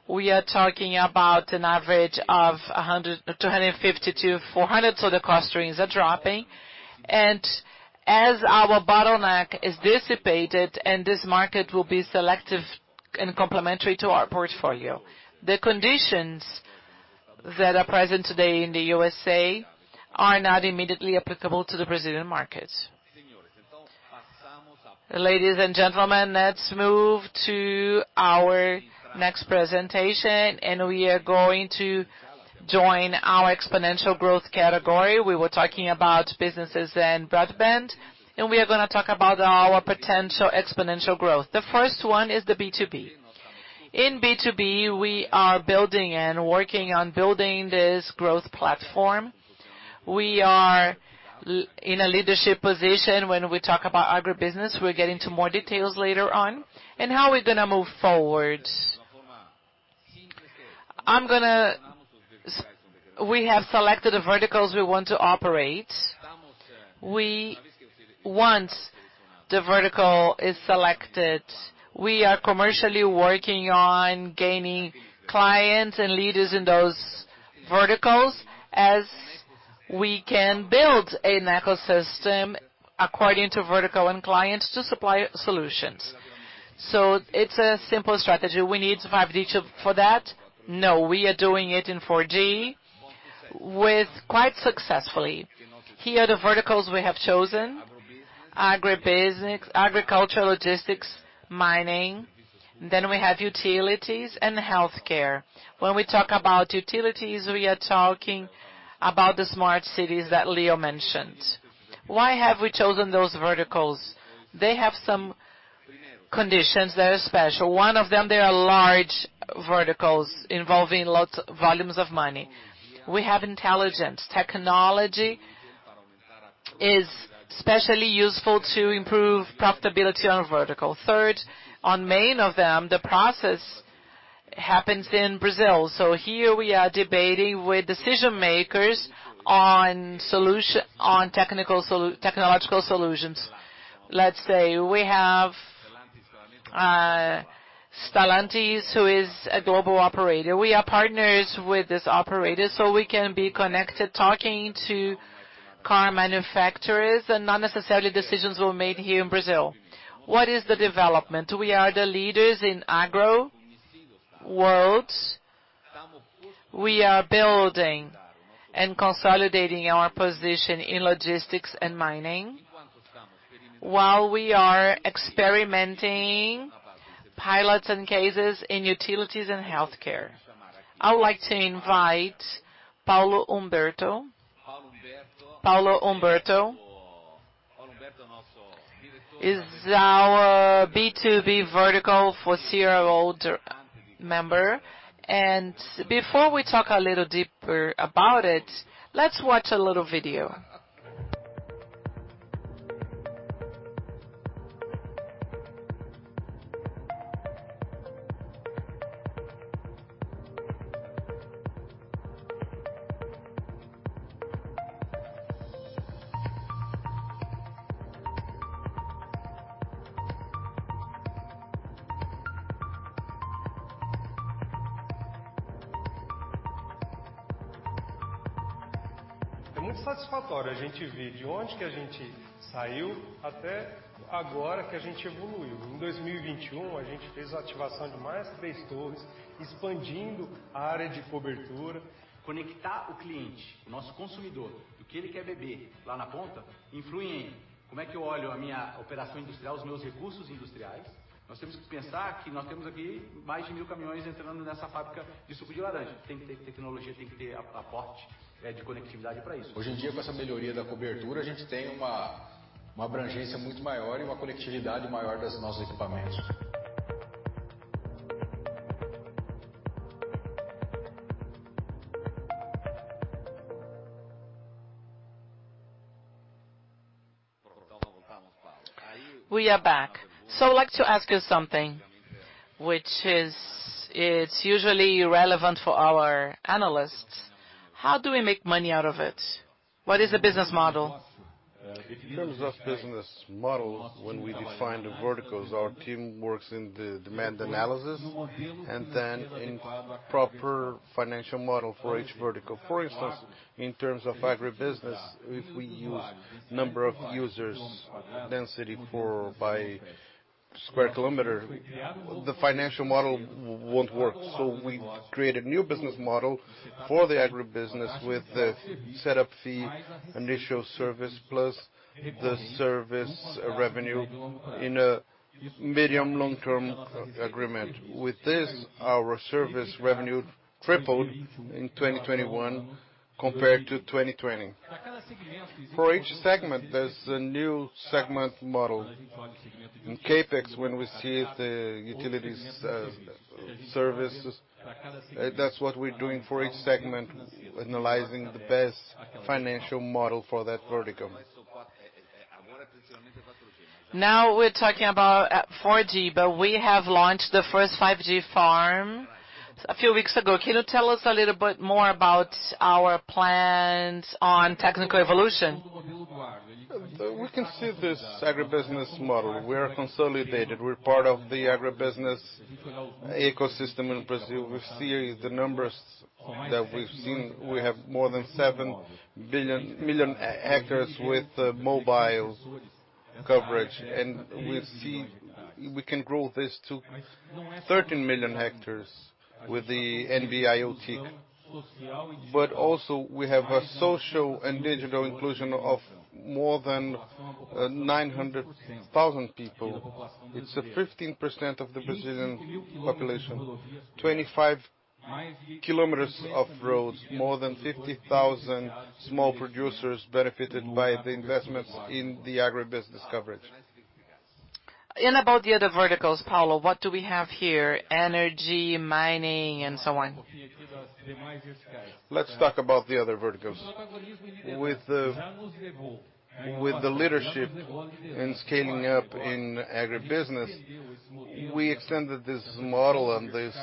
We are talking about an average of 100 to 250 to 400, so the cost range are dropping. As our bottleneck is dissipated, and this market will be selective and complementary to our portfolio, the conditions that are present today in the USA are not immediately applicable to the Brazilian market. Ladies and gentlemen, let's move to our next presentation, we are going to join our exponential growth category. We were talking about businesses and broadband, we are gonna talk about our potential exponential growth. The first one is the B2B. In B2B, we are building and working on building this growth platform. We are in a leadership position when we talk about agribusiness. We'll get into more details later on. How are we gonna move forward? I'm gonna say we have selected the verticals we want to operate. Once the vertical is selected, we are commercially working on gaining clients and leaders in those verticals as we can build an ecosystem according to vertical and clients to supply solutions. It's a simple strategy. We need 5G for that. No, we are doing it in 4G quite successfully. Here are the verticals we have chosen. Agribusiness, agricultural logistics, mining, then we have utilities and healthcare. When we talk about utilities, we are talking about the smart cities that Leo mentioned. Why have we chosen those verticals? They have some conditions that are special. One of them, they are large verticals involving lots volumes of money. We have intelligence. Technology is especially useful to improve profitability in a vertical. Third, one of the main ones, the process happens in Brazil. Here we are debating with decision-makers on technological solutions. Let's say we have Stellantis, who is a global operator. We are partners with this operator, so we can be connected talking to car manufacturers, and not necessarily decisions were made here in Brazil. What is the development? We are the leaders in agro worlds. We are building and consolidating our position in logistics and mining, while we are experimenting with pilots and use cases in utilities and healthcare. I would like to invite Paulo Humberto. Paulo Humberto is our B2B vertical for CRO member. Before we talk a little deeper about it, let's watch a little video. We are back. I'd like to ask you something, which is, it's usually relevant for our analysts, how do we make money out of it? What is the business model? In terms of business model, when we define the verticals, our team works in the demand analysis and then in proper financial model for each vertical. For instance, in terms of agribusiness, if we use number of users density per square kilometer, the financial model won't work. We created a new business model for the agribusiness with the set-up fee, initial service, plus the service revenue in a medium long-term agreement. With this, our service revenue tripled in 2021 compared to 2020. For each segment, there's a new segment model. In CapEx, when we see the utilities, services, that's what we're doing for each segment, analyzing the best financial model for that vertical. Now we're talking about 4G, but we have launched the first 5G farm a few weeks ago. Can you tell us a little bit more about our plans on technical evolution? We can see this agribusiness model. We are consolidated. We're part of the agribusiness ecosystem in Brazil. We see the numbers that we've seen. We have more than 7 million hectares with mobile coverage, and we see we can grow this to 13 million hectares with the NB-IoT. Also we have a social and digital inclusion of more than 900,000 people. It's 15% of the Brazilian population, 25 km of roads, more than 50,000 small producers benefited by the investments in the agribusiness coverage. About the other verticals, Paulo, what do we have here? Energy, mining, and so on. Let's talk about the other verticals. With the leadership in scaling up in agribusiness, we extended this model and this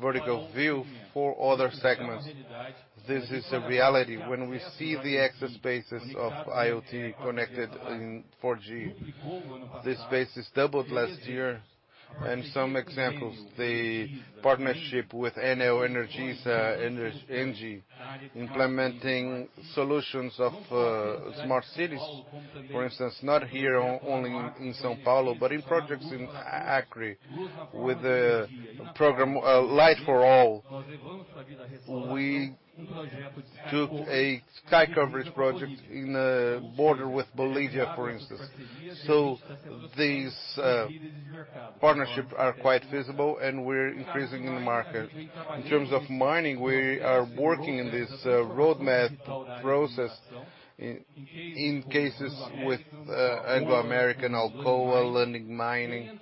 vertical view for other segments. This is a reality. When we see the access bases of IoT connected in 4G, this base is doubled last year. Some examples, the partnership with Enel Energia implementing solutions of smart cities, for instance, not only here in São Paulo, but in projects in Acre, with the program Light for All. We took a Sky Coverage project in the border with Bolivia, for instance. These partnerships are quite visible and we're increasing in the market. In terms of mining, we are working in this roadmap process in cases with Anglo American, Alcoa, Lundin Mining.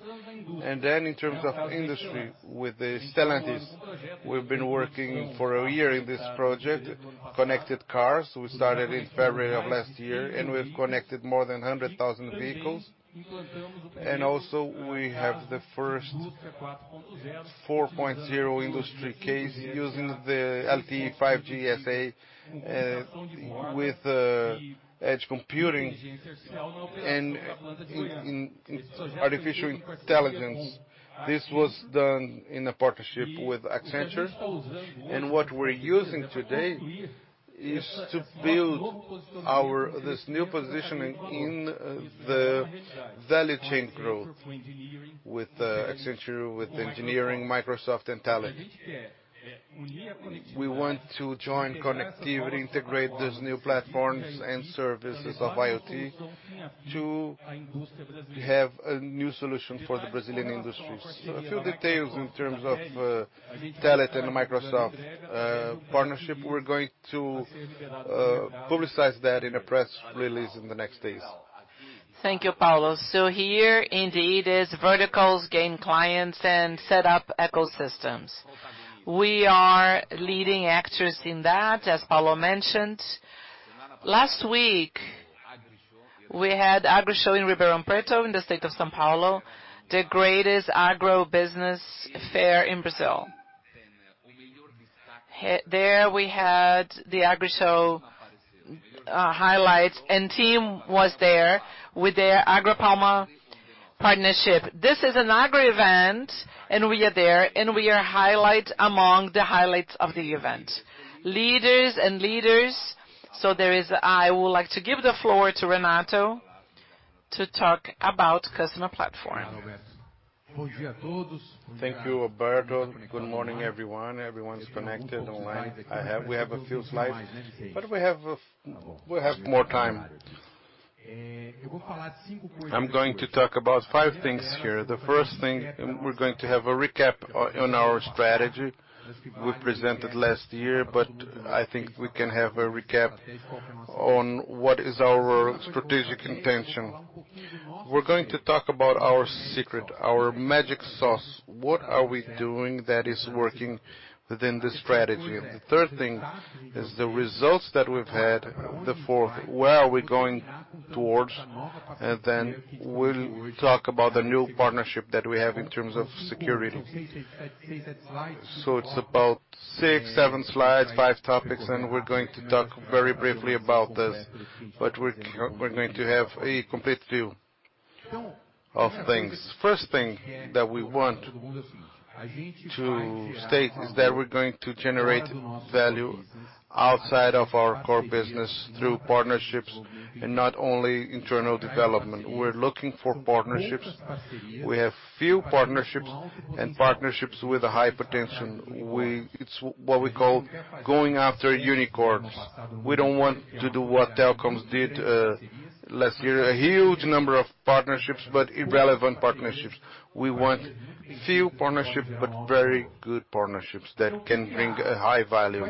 In terms of industry, with Stellantis, we've been working for a year in this project, connected cars. We started in February of last year, and we've connected more than 100,000 vehicles. Also we have the first 4.0 industry case using the LTE 5G SA with edge computing and artificial intelligence. This was done in a partnership with Accenture. What we're using today is to build this new positioning in the value chain growth with Accenture, with engineering, Microsoft, and Telit. We want to join connectivity, integrate these new platforms and services of IoT to have a new solution for the Brazilian industries. A few details in terms of Telit and Microsoft partnership, we're going to publicize that in a press release in the next days. Thank you, Paulo. Here indeed is verticals gain clients and set up ecosystems. We are leading actors in that, as Paulo mentioned. Last week, we had Agrishow in Ribeirão Preto in the state of São Paulo, the greatest agribusiness fair in Brazil. There we had the Agrishow highlight, and TIM was there with their Agropalma partnership. This is an agro event, and we are there, and we are highlight among the highlights of the event. Leaders, I would like to give the floor to Renato to talk about customer platform. Thank you, Alberto. Good morning, everyone. Everyone's connected online. We have a few slides, but we have more time. I'm going to talk about five things here. The first thing. We're going to have a recap on our strategy we presented last year, but I think we can have a recap on what is our strategic intention. We're going to talk about our secret, our magic sauce. What are we doing that is working within this strategy? The third thing is the results that we've had. The fourth, where are we going towards? Then we'll talk about the new partnership that we have in terms of security. It's about six, seven slides, five topics, and we're going to talk very briefly about this, but we're going to have a complete view of things. First thing that we want to state is that we're going to generate value outside of our core business through partnerships and not only internal development. We're looking for partnerships. We have few partnerships and partnerships with a high potential. It's what we call going after unicorns. We don't want to do what telecoms did last year, a huge number of partnerships, but irrelevant partnerships. We want few partnerships, but very good partnerships that can bring a high value.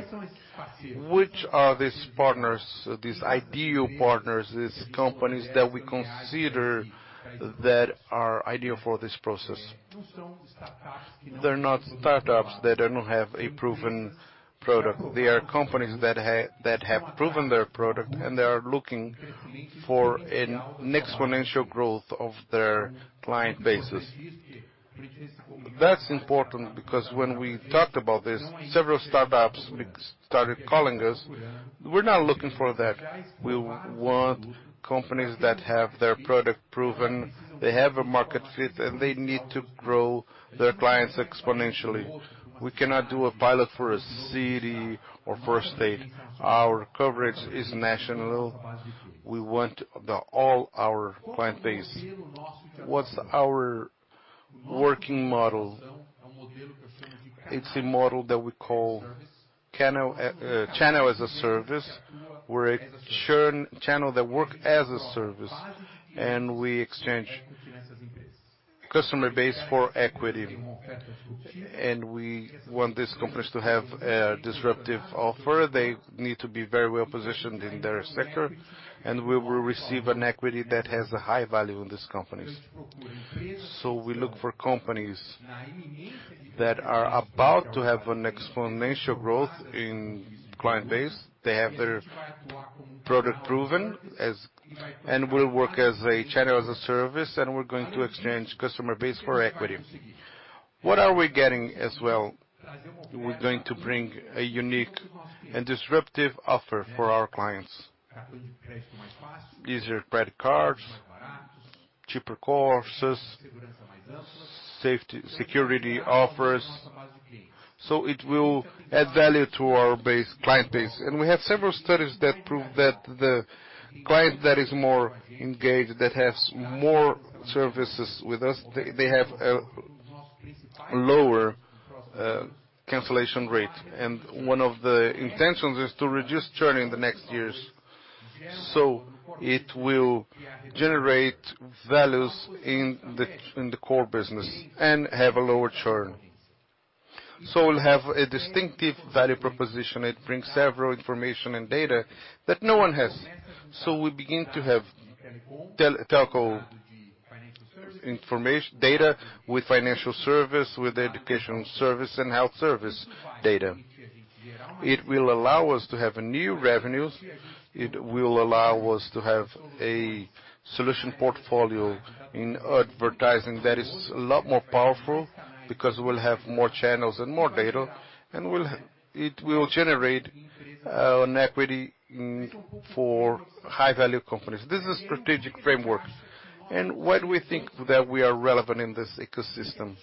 Which are these partners, these ideal partners, these companies that we consider that are ideal for this process? They're not startups that do not have a proven product. They are companies that have proven their product, and they are looking for an exponential growth of their client bases. That's important because when we talked about this, several startups started calling us. We're not looking for that. We want companies that have their product proven, they have a market fit, and they need to grow their clients exponentially. We cannot do a pilot for a city or for a state. Our coverage is national. We want all our client base. What's our working model? It's a model that we call channel as a service, where a channel that works as a service, and we exchange customer base for equity. We want these companies to have a disruptive offer. They need to be very well-positioned in their sector, and we will receive an equity that has a high value in these companies. We look for companies that are about to have an exponential growth in client base. They have their product proven and will work as a Channel as a Service, and we're going to exchange customer base for equity. What are we getting as well? We're going to bring a unique and disruptive offer for our clients. Easier credit cards, cheaper courses, safety security offers. It will add value to our base client base. We have several studies that prove that the client that is more engaged, that has more services with us, they have lower cancellation rate. One of the intentions is to reduce churn in the next years. It will generate values in the core business and have a lower churn. We'll have a distinctive value proposition. It brings several information and data that no one has. We begin to have telco information data with financial service, with educational service and health service data. It will allow us to have new revenues. It will allow us to have a solution portfolio in advertising that is a lot more powerful because we'll have more channels and more data, and it will generate an equity for high-value companies. This is strategic framework. Why do we think that we are relevant in this ecosystem?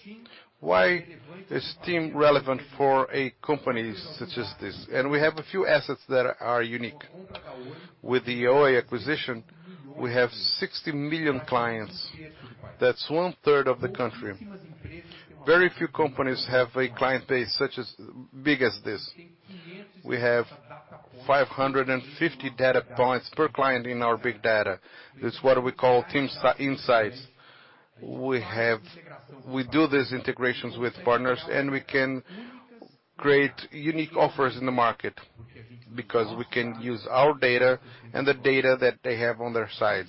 Why is TIM relevant for a company such as this? We have a few assets that are unique. With the Oi acquisition, we have 60 million clients. That's one-third of the country. Very few companies have a client base such as big as this. We have 550 data points per client in our big data. That's what we call TIM Insights. We do these integrations with partners, and we can create unique offers in the market because we can use our data and the data that they have on their side.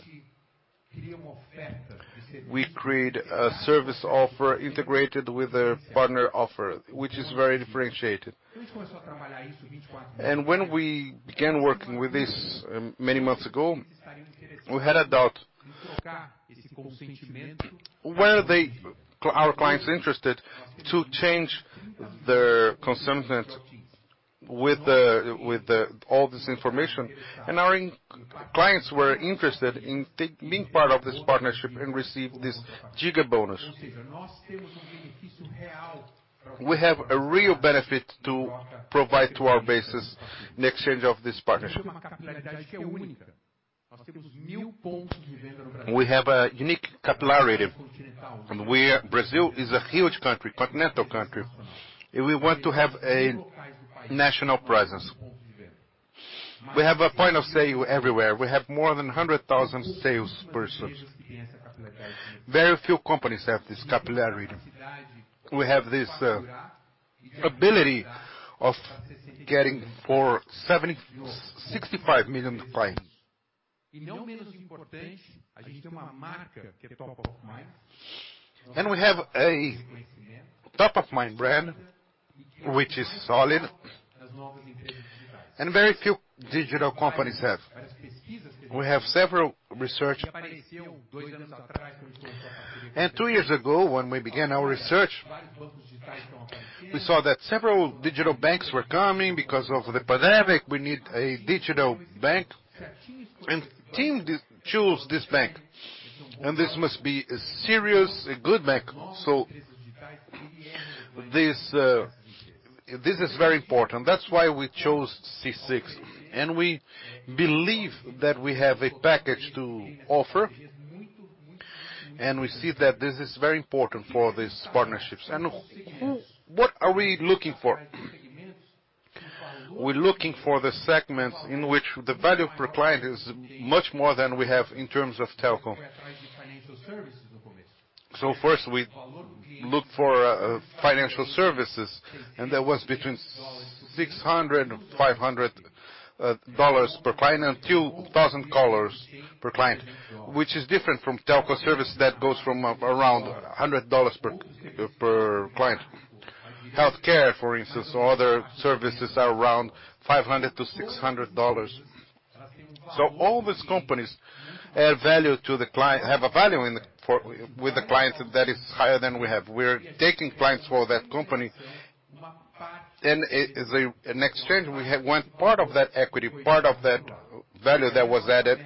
We create a service offer integrated with a partner offer, which is very differentiated. When we began working with this many months ago, we had a doubt. Were our clients interested to change their consent with all this information? Our clients were interested in taking part of this partnership and receive this giga bonus. We have a real benefit to provide to our bases in exchange of this partnership. We have a unique capillarity. Brazil is a huge country, continental country, and we want to have a national presence. We have a point of sale everywhere. We have more than 100,000 salespersons. Very few companies have this capillarity. We have this ability of getting to 65 million clients. We have a top-of-mind brand which is solid, and very few digital companies have. We have several research. Two years ago, when we began our research, we saw that several digital banks were coming. Because of the pandemic, we need a digital bank. TIM chose this bank. This must be a serious, good bank. This is very important. That's why we chose C6. We believe that we have a package to offer, and we see that this is very important for these partnerships. What are we looking for? We're looking for the segments in which the value per client is much more than we have in terms of telco. First, we look for financial services, and that was between $500 and $2,000 per client, which is different from telco service that goes from around $100 per client. Healthcare, for instance, or other services are around $500 to $600. All these companies have a value with the clients that is higher than we have. We're taking clients for that company. In exchange, we have one part of that equity, part of that value that was added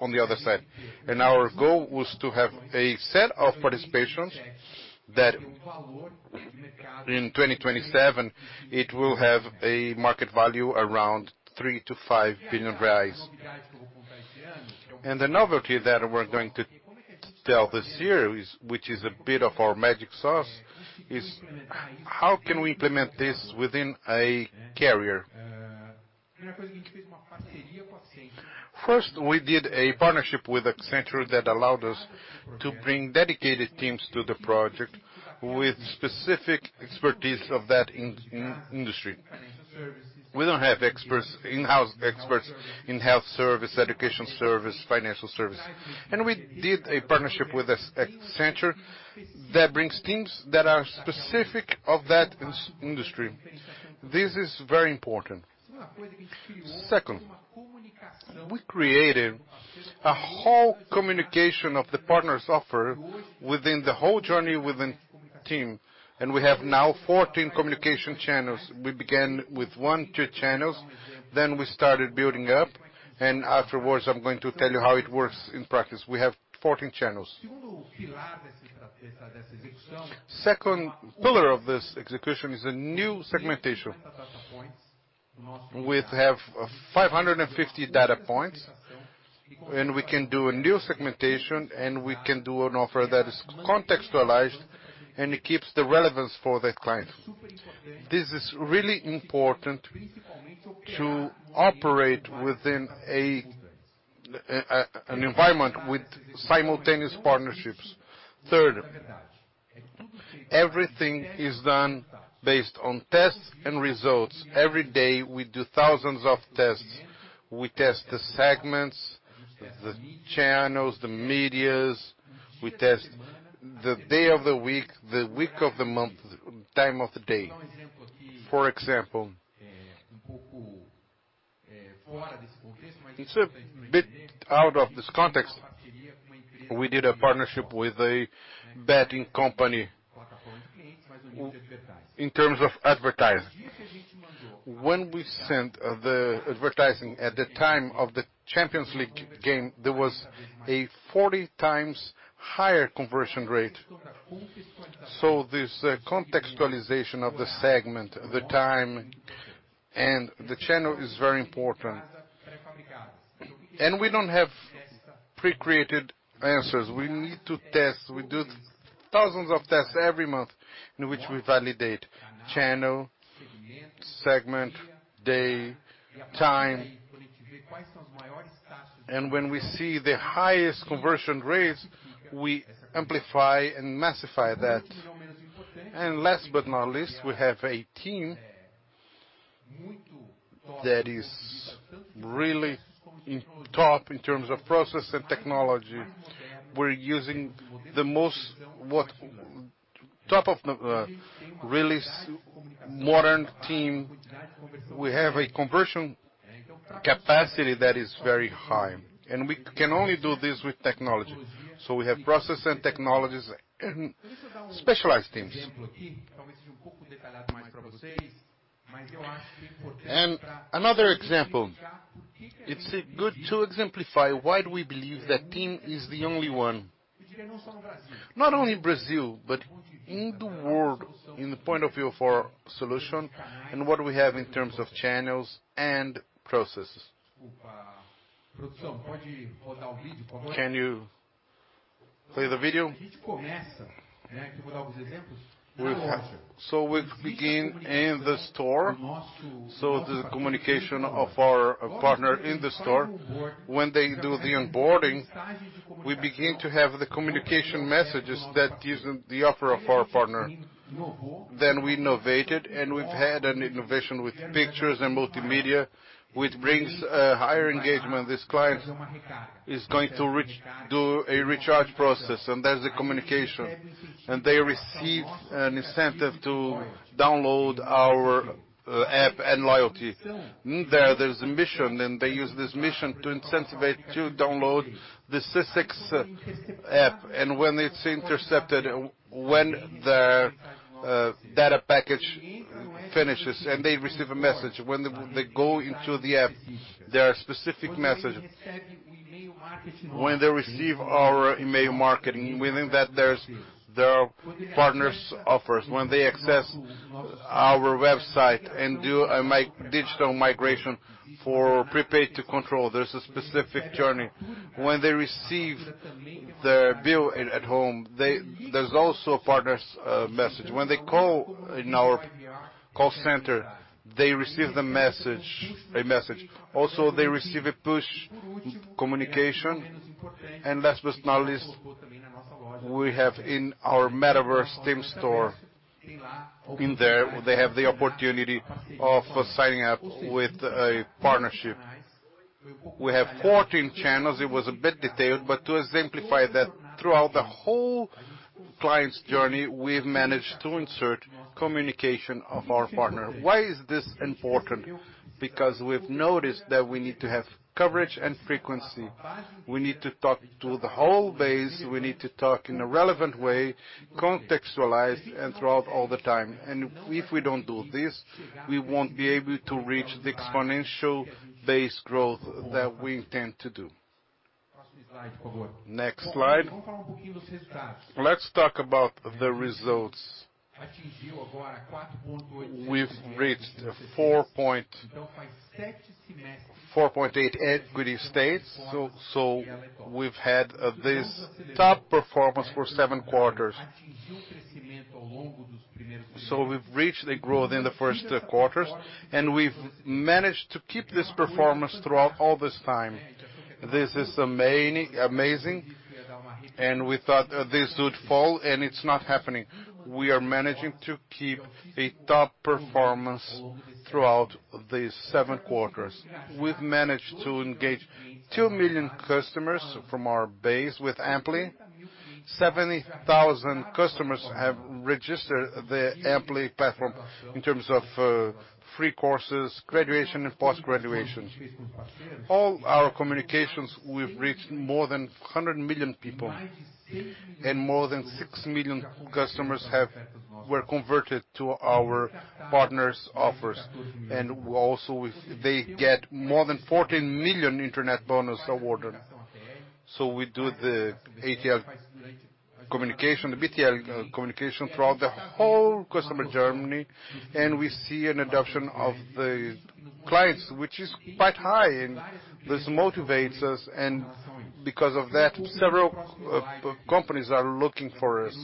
on the other side. Our goal was to have a set of participations that in 2027 it will have a market value around 3 billion-5 billion reais. The novelty that we're going to tell this year is, which is a bit of our magic sauce, is how can we implement this within a carrier? First, we did a partnership with Accenture that allowed us to bring dedicated teams to the project with specific expertise of that in-industry. We don't have experts, in-house experts in health service, education service, financial service. We did a partnership with Accenture that brings teams that are specific of that in-industry. This is very important. Second. We created a whole communication of the partners' offer within the whole journey within team, and we have now 14 communication channels. We began with one, two channels, then we started building up, and afterwards, I'm going to tell you how it works in practice. We have 14 channels. Second pillar of this execution is a new segmentation. We have 550 data points, and we can do a new segmentation, and we can do an offer that is contextualized, and it keeps the relevance for that client. This is really important to operate within an environment with simultaneous partnerships. Third, everything is done based on tests and results. Every day, we do thousands of tests. We test the segments, the channels, the media. We test the day of the week, the week of the month, time of the day. For example, it's a bit out of this context. We did a partnership with a betting company in terms of advertising. When we sent the advertising at the time of the Champions League game, there was a 40x higher conversion rate. This contextualization of the segment, the time, and the channel is very important. We don't have pre-created answers. We need to test. We do thousands of tests every month in which we validate channel, segment, day, time. When we see the highest conversion rates, we amplify and massify that. Last but not least, we have a team that is really top in terms of process and technology. We're using the most top of the really modern team. We have a conversion capacity that is very high, and we can only do this with technology. We have process and technologies and specialized teams. Another example, it's good to exemplify why do we believe that TIM is the only one, not only Brazil, but in the world, in the point of view of our solution and what we have in terms of channels and processes. Can you play the video? We've begun in the store, the communication of our partner in the store. When they do the onboarding, we begin to have the communication messages that is in the offer of our partner. We innovated, and we've had an innovation with pictures and multimedia, which brings higher engagement. This client is going to do a recharge process, and there's the communication, and they receive an incentive to download our app and loyalty. There, there's a mission, and they use this mission to incentivize to download the C6 app. When it's intercepted, when their data package finishes and they receive a message, when they go into the app, there are specific messages. When they receive our email marketing, within that, there are partners' offers. When they access our website and do a digital migration for prepaid to postpaid, there's a specific journey. When they receive their bill at home, there's also a partner's message. When they call in our call center, they receive a message. Also, they receive a push communication. Last but not least, we have in our metaverse TIM store. In there, they have the opportunity of signing up with a partnership. We have 14 channels. It was a bit detailed, but to exemplify that throughout the whole client's journey, we've managed to insert communication of our partner. Why is this important? Because we've noticed that we need to have coverage and frequency. We need to talk to the whole base, we need to talk in a relevant way, contextualized and throughout all the time, and if we don't do this, we won't be able to reach the exponential base growth that we intend to do. Next slide. Let's talk about the results. We've reached a 4.8 equity stake, we've had this top performance for seven quarters. We've reached a growth in the first quarters, and we've managed to keep this performance throughout all this time. This is amazing, and we thought this would fall, and it's not happening. We are managing to keep a top performance throughout these seven quarters. We've managed to engage two million customers from our base with Ampli. 70,000 customers have registered the Ampli platform in terms of free courses, graduation and post-graduation. All our communications, we've reached more than 100 million people and more than 6 million customers were converted to our partners' offers. They get more than 14 million internet bonus awarded. We do the ATL communication, the BTL communication throughout the whole customer journey, and we see an adoption of the clients, which is quite high and this motivates us. Because of that, several companies are looking for us.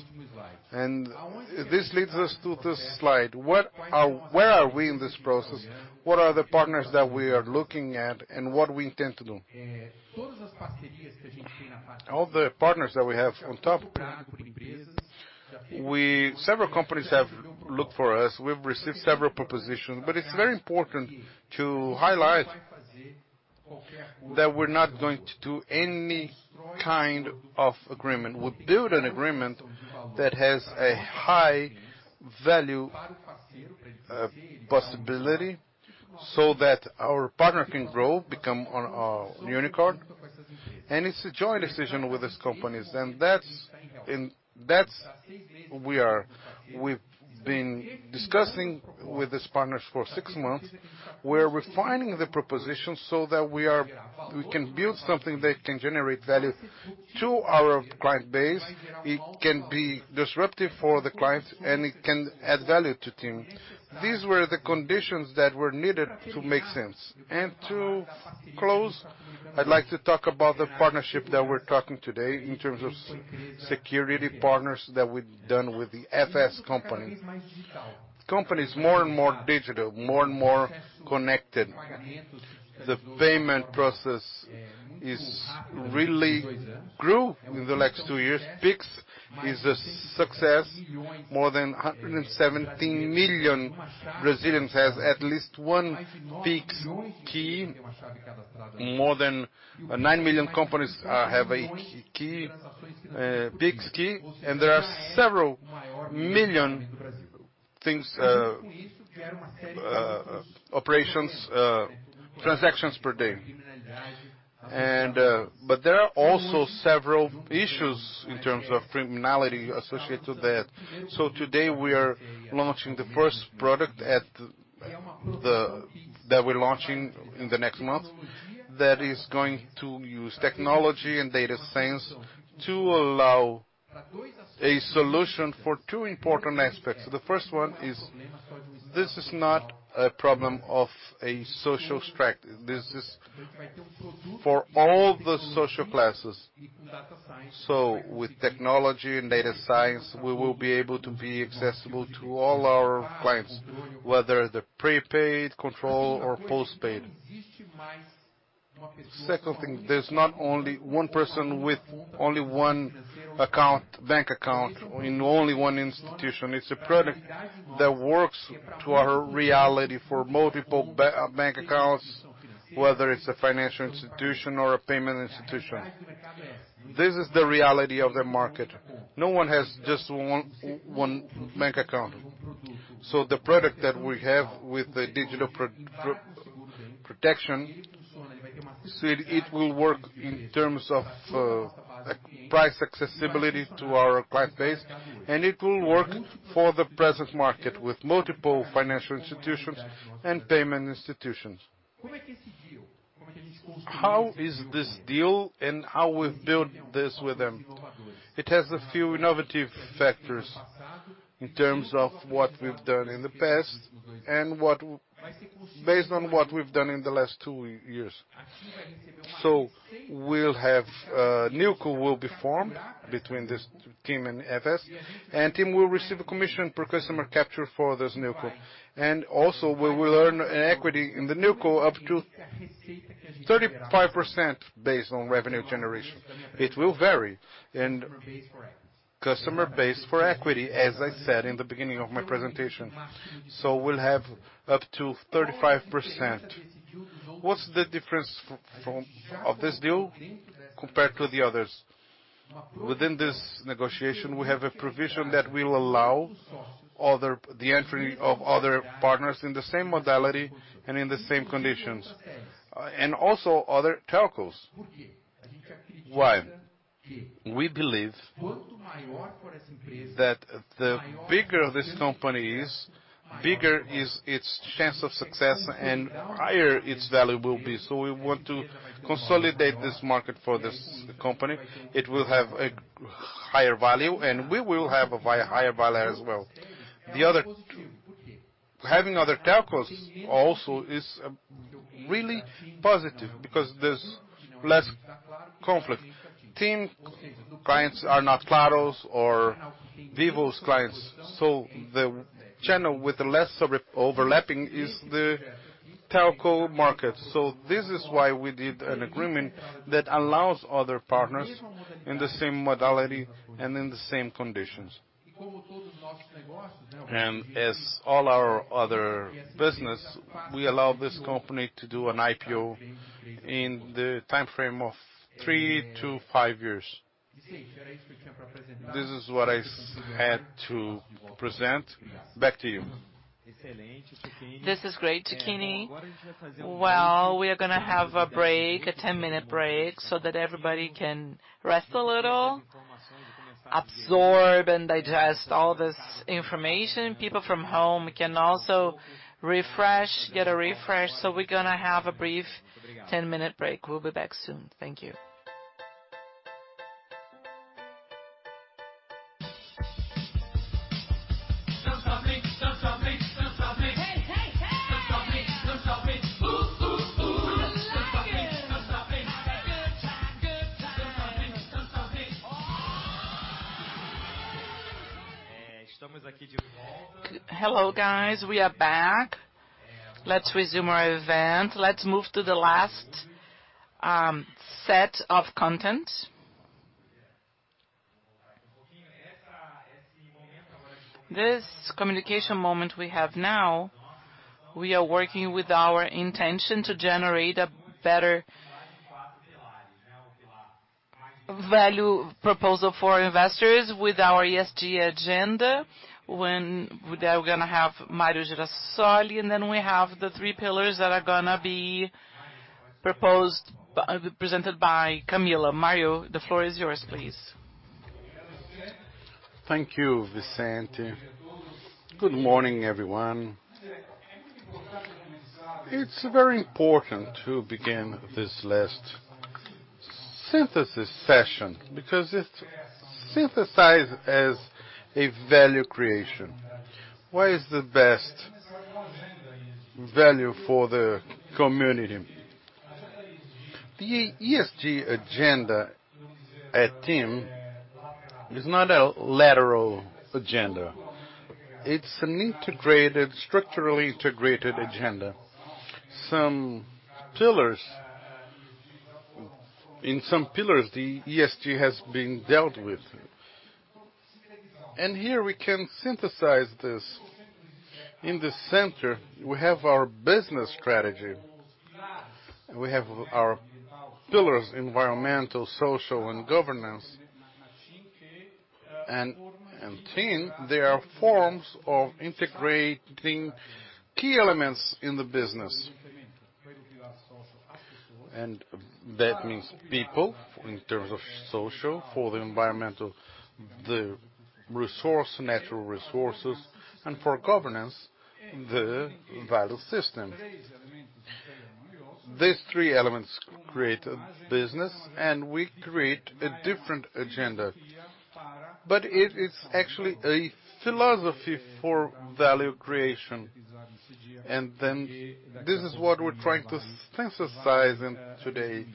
This leads us to this slide. Where are we in this process? What are the partners that we are looking at and what we intend to do? All the partners that we have on top, several companies have looked for us. We've received several propositions. It's very important to highlight that we're not going to do any kind of agreement. We'll build an agreement that has a high value possibility so that our partner can grow, become one unicorn. It's a joint decision with these companies. We've been discussing with these partners for six months. We're refining the proposition so that we can build something that can generate value to our client base. It can be disruptive for the clients, and it can add value to TIM. These were the conditions that were needed to make sense. To close, I'd like to talk about the partnership that we're talking about today in terms of security partners that we've done with FS Security. The company is more and more digital, more and more connected. The payment process has really grown in the last two years. Pix is a success. More than 117 million Brazilians has at least one Pix key. More than 9 million companies have a Pix key. There are several million transactions per day. There are also several issues in terms of criminality associated to that. Today, we are launching the first product that we're launching in the next month that is going to use technology and data science to allow a solution for two important aspects. The first one is, this is not a problem of a social strata. This is for all the social classes. With technology and data science, we will be able to be accessible to all our clients, whether they're prepaid, control or postpaid. Second thing, there's not only one person with only one account, bank account in only one institution. It's a product that works for our reality for multiple bank accounts, whether it's a financial institution or a payment institution. This is the reality of the market. No one has just one bank account. The product that we have with the digital protection, so it will work in terms of price accessibility to our client base, and it will work for the present market with multiple financial institutions and payment institutions. How is this deal and how we build this with them? It has a few innovative factors in terms of what we've done in the past and based on what we've done in the last two years. We'll have NewCo will be formed between this TIM and FS, and TIM will receive a commission per customer capture for this NewCo. Also, we will earn an equity in the NewCo up to 35% based on revenue generation. It will vary. Customer base for equity, as I said in the beginning of my presentation. We'll have up to 35%. What's the difference of this deal compared to the others? Within this negotiation, we have a provision that will allow the entry of other partners in the same modality and in the same conditions, and also other telcos. Why? We believe that the bigger this company is, bigger is its chance of success and higher its value will be. We want to consolidate this market for this company. It will have a higher value, and we will have a higher value as well. Having other telcos also is really positive because there's less conflict. TIM clients are not Claro's or Vivo's clients, so the channel with the least overlapping is the telco market. This is why we did an agreement that allows other partners in the same modality and in the same conditions. As all our other business, we allow this company to do an IPO in the timeframe of three to five years. This is what I had to present. Back to you. This is great, Renato Ciuchini. Well, we are gonna have a break, a 10-minute break, so that everybody can rest a little, absorb and digest all this information. People from home can also refresh, get a refresh. We're gonna have a brief 10-minute break. We'll be back soon. Thank you. Hello, guys. We are back. Let's resume our event. Let's move to the last set of content. This communication moment we have now, we are working with our intention to generate a better value proposal for investors with our ESG agenda, when we are gonna have Mario Girasole, and then we have the three pillars that are gonna be presented by Camille Faria. Mario, the floor is yours, please. Thank you, Vicente. Good morning, everyone. It's very important to begin this last synthesis session because it synthesizes a value creation. What is the best value for the community? The ESG agenda at TIM is not a lateral agenda. It's an integrated, structurally integrated agenda. Some pillars. In some pillars, the ESG has been dealt with. Here we can synthesize this. In the center, we have our business strategy, and we have our pillars, environmental, social, and governance. At TIM, there are forms of integrating key elements in the business. That means people, in terms of social, for the environmental, the resources, natural resources, and for governance, the value system. These three elements create a business, and we create a different agenda. It is actually a philosophy for value creation. Then this is what we're trying to synthesize today.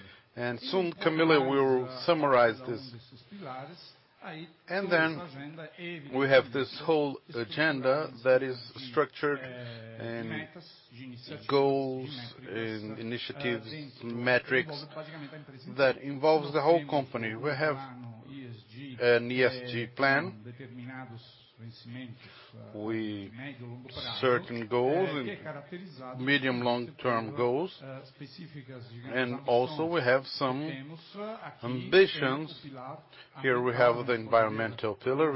Soon, Camille will summarize this. We have this whole agenda that is structured in goals, in initiatives, metrics that involves the whole company. We have an ESG plan. Certain goals and medium- and long-term goals. We also have some ambitions. Here we have the environmental pillar.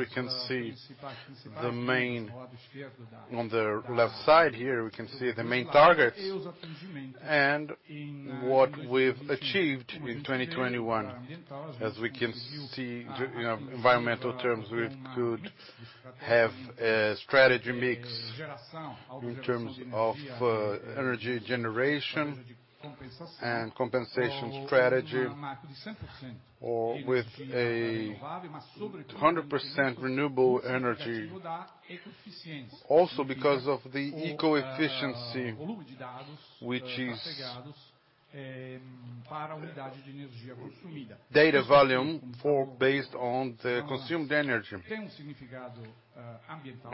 On the left side here, we can see the main targets and what we've achieved in 2021. As we can see, in environmental terms, we could have a strategy mix in terms of energy generation and compensation strategy or with 100% renewable energy. Also because of the eco-efficiency, which is data volume per based on the consumed energy.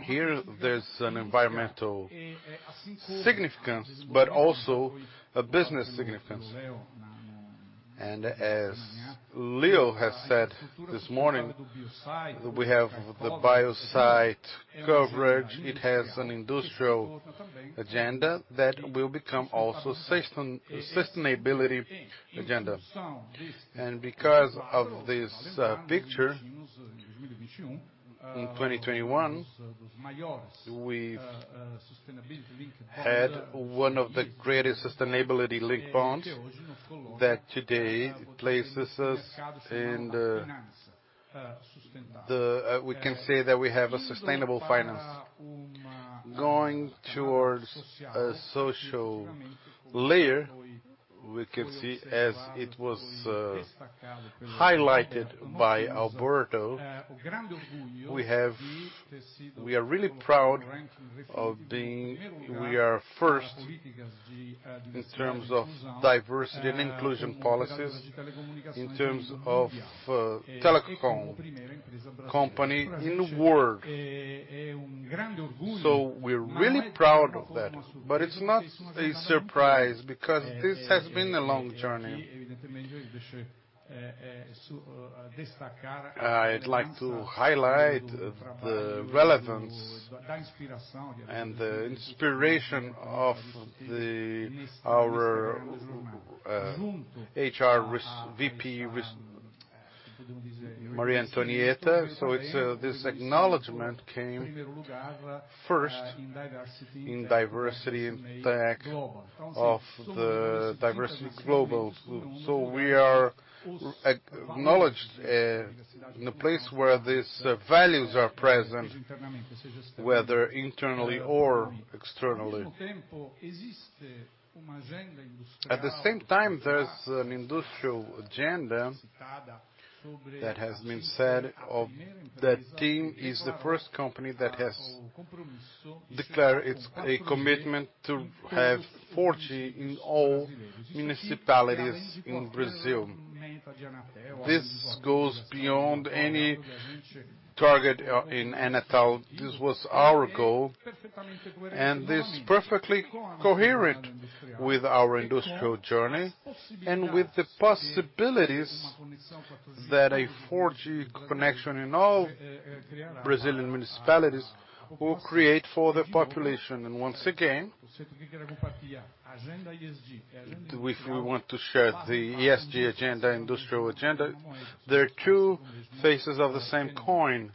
Here, there's an environmental significance, but also a business significance. As Leo has said this morning, we have the Biosite coverage. It has an industrial agenda that will become also sustainability agenda. Because of this picture, in 2021, we've had one of the greatest sustainability-linked bonds that today places us in the. We can say that we have a sustainable finance. Going towards a social layer, we can see as it was highlighted by Alberto, we are really proud of being first in terms of diversity and inclusion policies, in terms of telecom company in the world. We're really proud of that. It's not a surprise because this has been a long journey. I'd like to highlight the relevance and the inspiration of our HR VP Maria Antonietta. This acknowledgment came first in DiversityInc of the global diversity. We are acknowledged in a place where these values are present, whether internally or externally. At the same time, there's an industrial agenda that has been said that TIM is the first company that has declared its commitment to have 4G in all municipalities in Brazil. This goes beyond any target in Anatel. This was our goal, and this perfectly coherent with our industrial journey and with the possibilities that a 4G connection in all Brazilian municipalities will create for the population. Once again, we want to share the ESG agenda, industrial agenda. There are two faces of the same coin.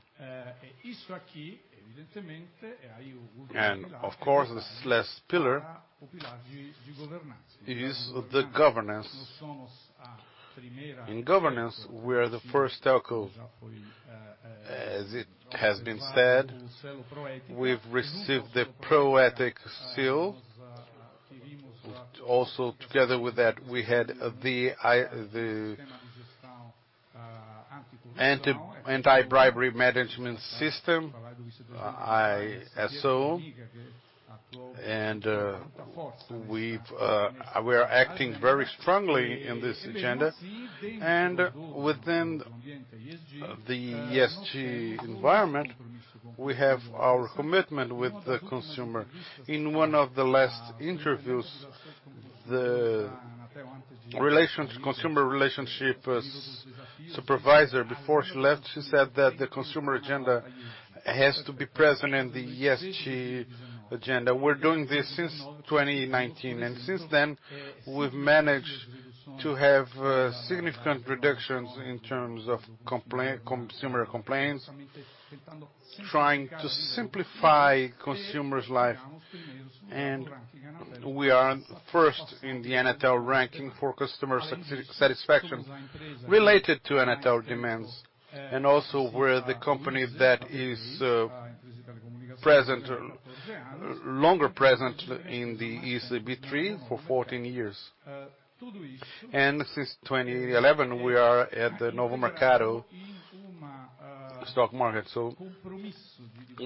Of course, this last pillar is the governance. In governance, we are the first telco, as it has been said, we've received the Pró-Ética seal. Also together with that, we had the anti-bribery management system, ISO. We are acting very strongly in this agenda. Within the ESG environment, we have our commitment with the consumer. In one of the last interviews, the consumer relationship supervisor, before she left, she said that the consumer agenda has to be present in the ESG agenda. We're doing this since 2019, and since then, we've managed to have significant reductions in terms of consumer complaints, trying to simplify consumers' life. We are first in the Anatel ranking for customer satisfaction related to Anatel demands. Also we're the company that is longer present in the ISE B3 for 14 years. Since 2011, we are at the Novo Mercado Stock Market.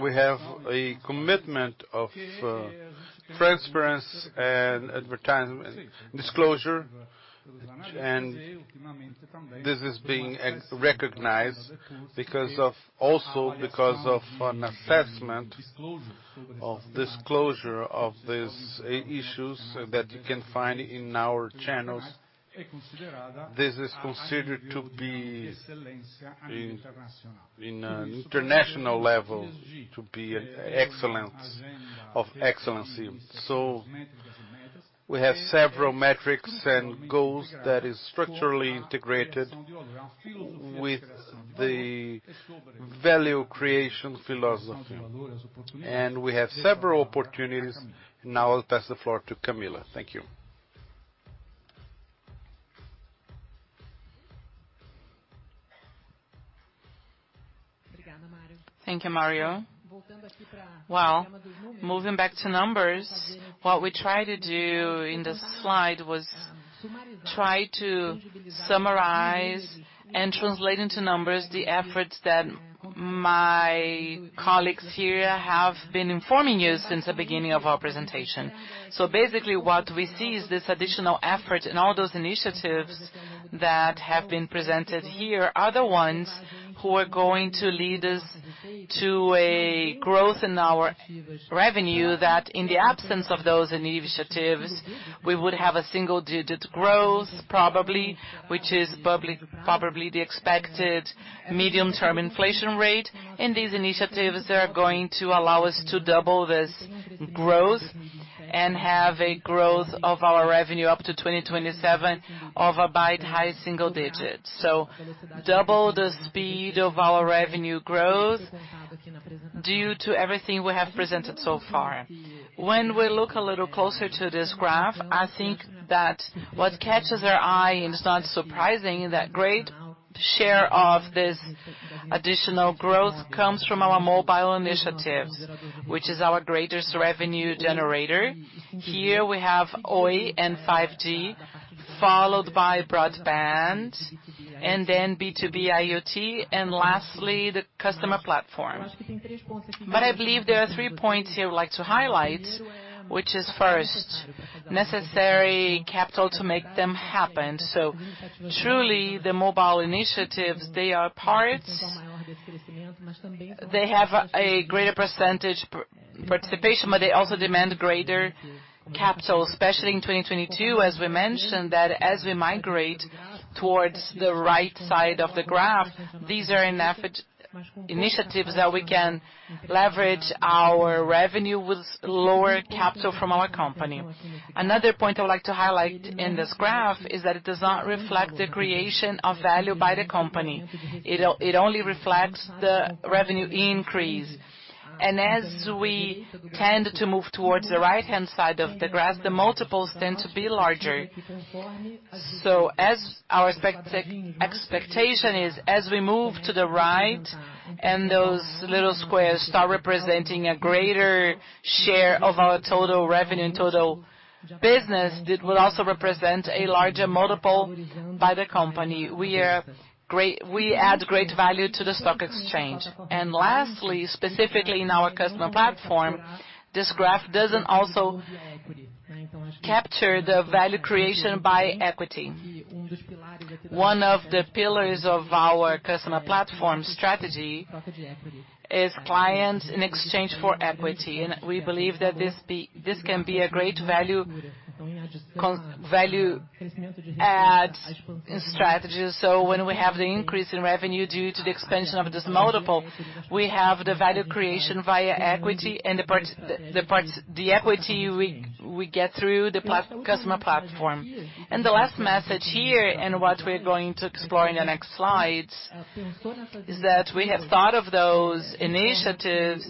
We have a commitment of transparency and advertisement disclosure, and this is being recognized because of also because of an assessment of disclosure of these issues that you can find in our channels. This is considered to be in international level, to be an excellence of excellency. We have several metrics and goals that is structurally integrated with the value creation philosophy. We have several opportunities. Now I'll pass the floor to Camille. Thank you. Thank you, Mario. Well, moving back to numbers, what we tried to do in this slide was try to summarize and translate into numbers the efforts that my colleagues here have been informing you since the beginning of our presentation. Basically what we see is this additional effort and all those initiatives that have been presented here are the ones who are going to lead us to a growth in our revenue, that in the absence of those initiatives, we would have a single-digit growth probably, which is public, probably the expected medium-term inflation rate. These initiatives are going to allow us to double this growth and have a growth of our revenue up to 2027 of a bit high single digits. Double the speed of our revenue growth due to everything we have presented so far. When we look a little closer to this graph, I think that what catches our eye, and it's not surprising, that great share of this additional growth comes from our mobile initiatives, which is our greatest revenue generator. Here we have Oi and 5G, followed by broadband and then B2B IoT, and lastly, the customer platform. I believe there are three points here I'd like to highlight, which is first, necessary capital to make them happen. Truly, the mobile initiatives, they are part. They have a greater percentage participation, but they also demand greater capital, especially in 2022, as we mentioned, that as we migrate towards the right side of the graph, these are initiatives that we can leverage our revenue with lower capital from our company. Another point I would like to highlight in this graph is that it does not reflect the creation of value by the company. It only reflects the revenue increase. We tend to move towards the right-hand side of the graph, the multiples tend to be larger. Our expectation is, as we move to the right and those little squares start representing a greater share of our total revenue and total business, it will also represent a larger multiple by the company. We add great value to the stock exchange. Lastly, specifically in our customer platform, this graph doesn't also capture the value creation by equity. One of the pillars of our customer platform strategy is clients in exchange for equity, and we believe that this can be a great value add in strategies. When we have the increase in revenue due to the expansion of this multiple, we have the value creation via equity and the part the equity we get through the customer platform. The last message here, and what we're going to explore in the next slides, is that we have thought of those initiatives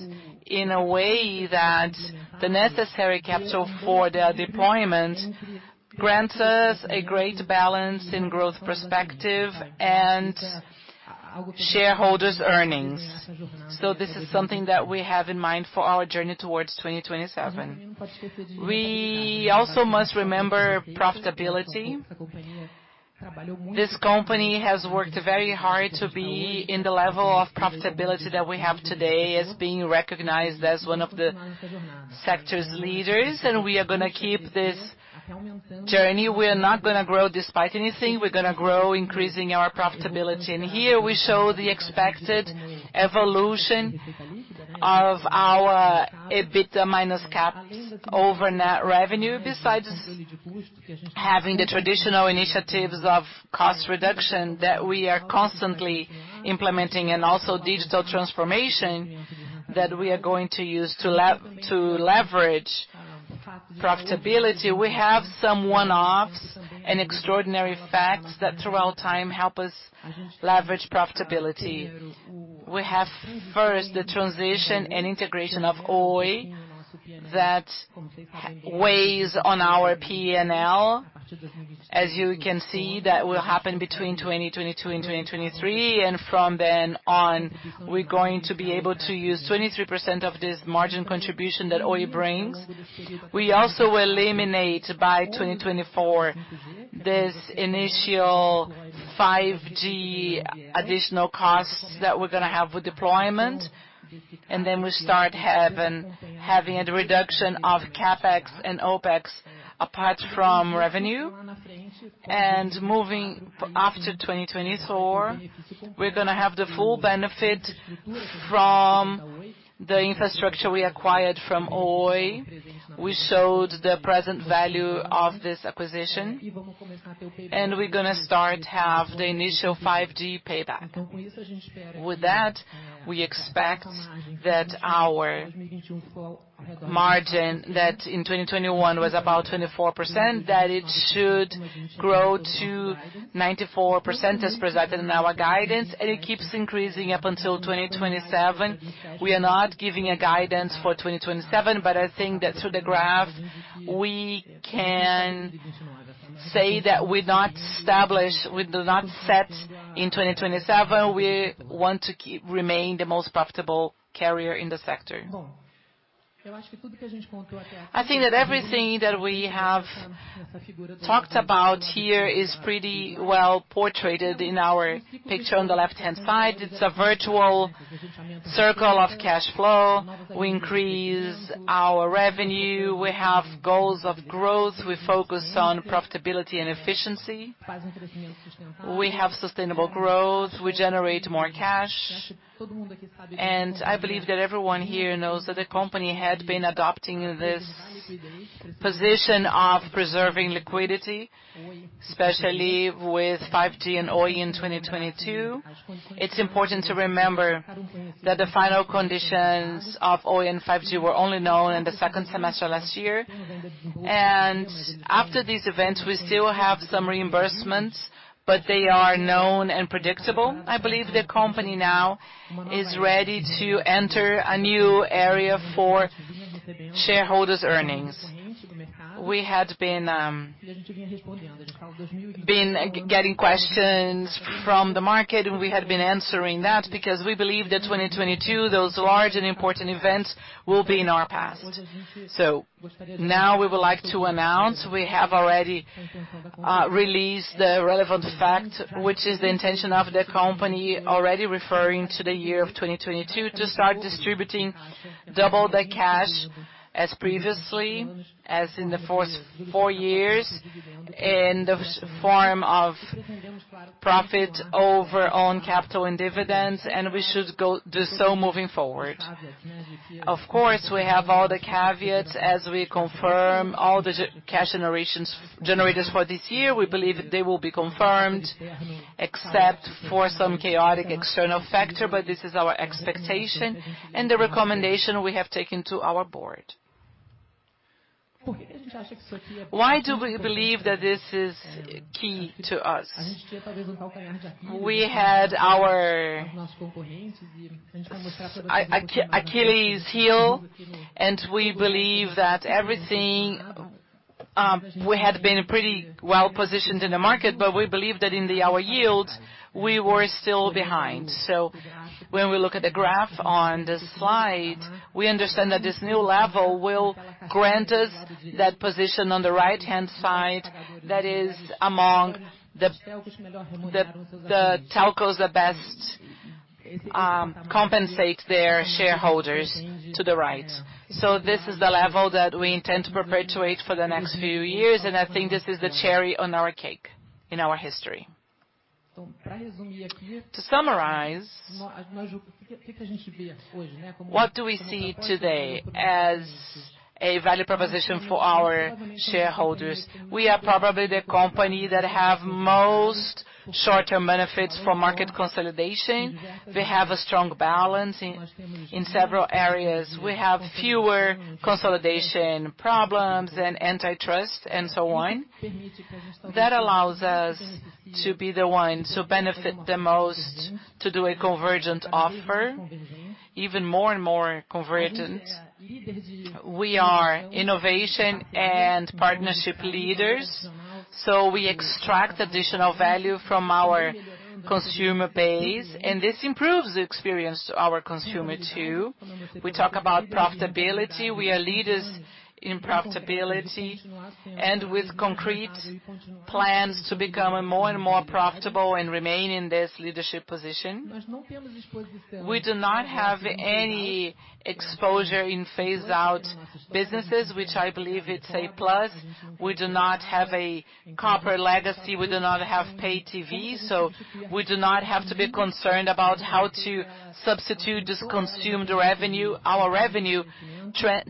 in a way that the necessary capital for their deployment grants us a great balance in growth perspective and shareholders' earnings. This is something that we have in mind for our journey towards 2027. We also must remember profitability. This company has worked very hard to be in the level of profitability that we have today as being recognized as one of the sector's leaders, and we are gonna keep this journey. We are not gonna grow despite anything. We're gonna grow increasing our profitability. Here, we show the expected evolution of our EBITDA minus CapEx over net revenue. Besides having the traditional initiatives of cost reduction that we are constantly implementing and also digital transformation that we are going to use to leverage profitability, we have some one-offs and extraordinary facts that throughout time help us leverage profitability. We have first the transition and integration of Oi that weighs on our P&L. As you can see, that will happen between 2022 and 2023. From then on, we're going to be able to use 23% of this margin contribution that Oi brings. We also will eliminate by 2024 this initial 5G additional costs that we're gonna have with deployment. Then we start having a reduction of CapEx and OpEx apart from revenue. Moving after 2024, we're gonna have the full benefit from the infrastructure we acquired from Oi. We showed the present value of this acquisition, and we're gonna start have the initial 5G payback. With that, we expect that our margin that in 2021 was about 24%, that it should grow to 94% as presented in our guidance, and it keeps increasing up until 2027. We are not giving a guidance for 2027, but I think that through the graph, we can say that we do not set in 2027. We want to remain the most profitable carrier in the sector. I think that everything that we have talked about here is pretty well-portrayed in our picture on the left-hand side. It's a virtual circle of cash flow. We increase our revenue. We have goals of growth. We focus on profitability and efficiency. We have sustainable growth. We generate more cash. I believe that everyone here knows that the company had been adopting this position of preserving liquidity, especially with 5G and Oi in 2022. It's important to remember that the final conditions of Oi and 5G were only known in the second semester last year. After these events, we still have some reimbursements, but they are known and predictable. I believe the company now is ready to enter a new area for shareholders' earnings. We had been getting questions from the market, and we had been answering that because we believe that 2022, those large and important events will be in our past. Now we would like to announce we have already released the relevant fact, which is the intention of the company already referring to the year of 2022 to start distributing double the cash as previously as in the first four years in the form of profit over our own capital and dividends, and we should do so moving forward. Of course, we have all the caveats as we confirm all the cash generators for this year. We believe they will be confirmed, except for some chaotic external factor. This is our expectation and the recommendation we have taken to our board. Why do we believe that this is key to us? We had our Achilles' heel, and we believe that everything. We had been pretty well-positioned in the market, but we believe that in our yields, we were still behind. When we look at the graph on the slide, we understand that this new level will grant us that position on the right-hand side that is among the telcos that best compensate their shareholders to the right. This is the level that we intend to perpetuate for the next few years, and I think this is the cherry on our cake in our history. To summarize, what do we see today as a value proposition for our shareholders? We are probably the company that have most short-term benefits for market consolidation. We have a strong balance in several areas. We have fewer consolidation problems and antitrust and so on. That allows us to be the one to benefit the most to do a convergent offer, even more and more convergent. We are innovation and partnership leaders, so we extract additional value from our consumer base, and this improves the experience to our consumer too. We talk about profitability. We are leaders in profitability and with concrete plans to become more and more profitable and remain in this leadership position. We do not have any exposure in phase-out businesses, which I believe it's a plus. We do not have a copper legacy, we do not have paid TV, so we do not have to be concerned about how to substitute this consumed revenue. Our revenue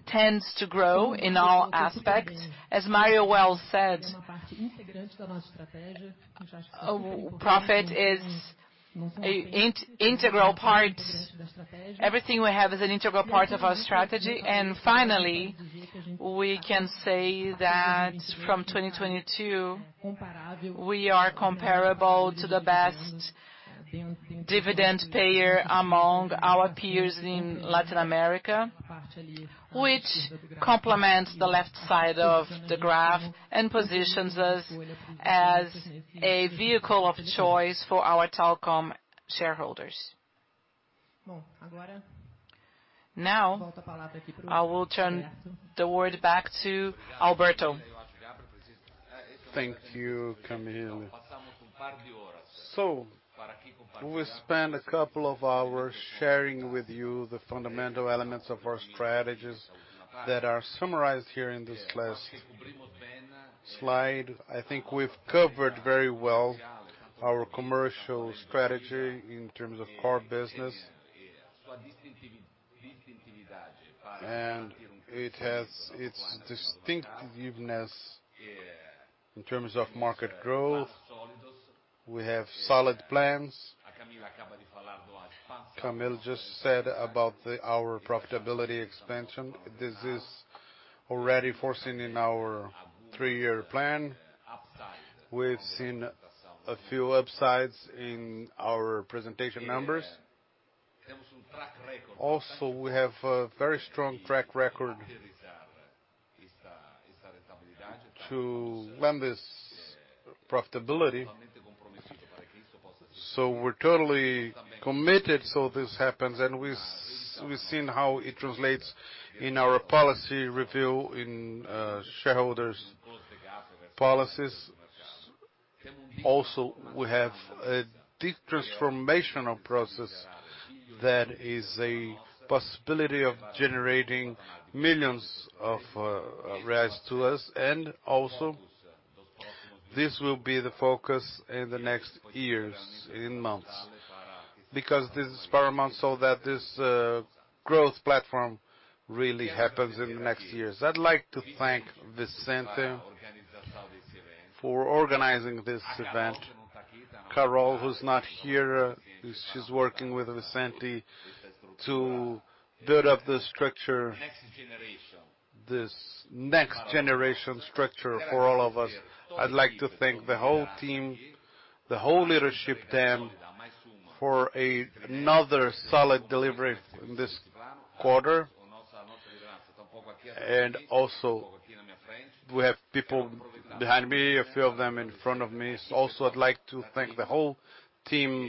tends to grow in all aspects. As Mario well said, profit is a integral part. Everything we have is an integral part of our strategy. Finally, we can say that from 2022, we are comparable to the best dividend payer among our peers in Latin America, which complements the left side of the graph and positions us as a vehicle of choice for our telecom shareholders. Now, I will turn the word back to Alberto. Thank you, Camille. We will spend a couple of hours sharing with you the fundamental elements of our strategies that are summarized here in this last slide. I think we've covered very well our commercial strategy in terms of core business. It has its distinctiveness in terms of market growth. We have solid plans. Camille just said about our profitability expansion. This is already foreseen in our three-year plan. We've seen a few upsides in our presentation numbers. Also, we have a very strong track record to run this profitability. We're totally committed, so this happens, and we've seen how it translates in our policy review in shareholders' policies. Also, we have a deep transformational process that is a possibility of generating millions of reais to us. Also, this will be the focus in the next years, in months. Because this is paramount, so that this growth platform really happens in the next years. I'd like to thank Vicente for organizing this event. Carol, who's not here, she's working with Vicente to build up the structure, this next-generation structure for all of us. I'd like to thank the whole team, the whole leadership team. For another solid delivery in this quarter. We have people behind me, a few of them in front of me. I'd like to thank the whole team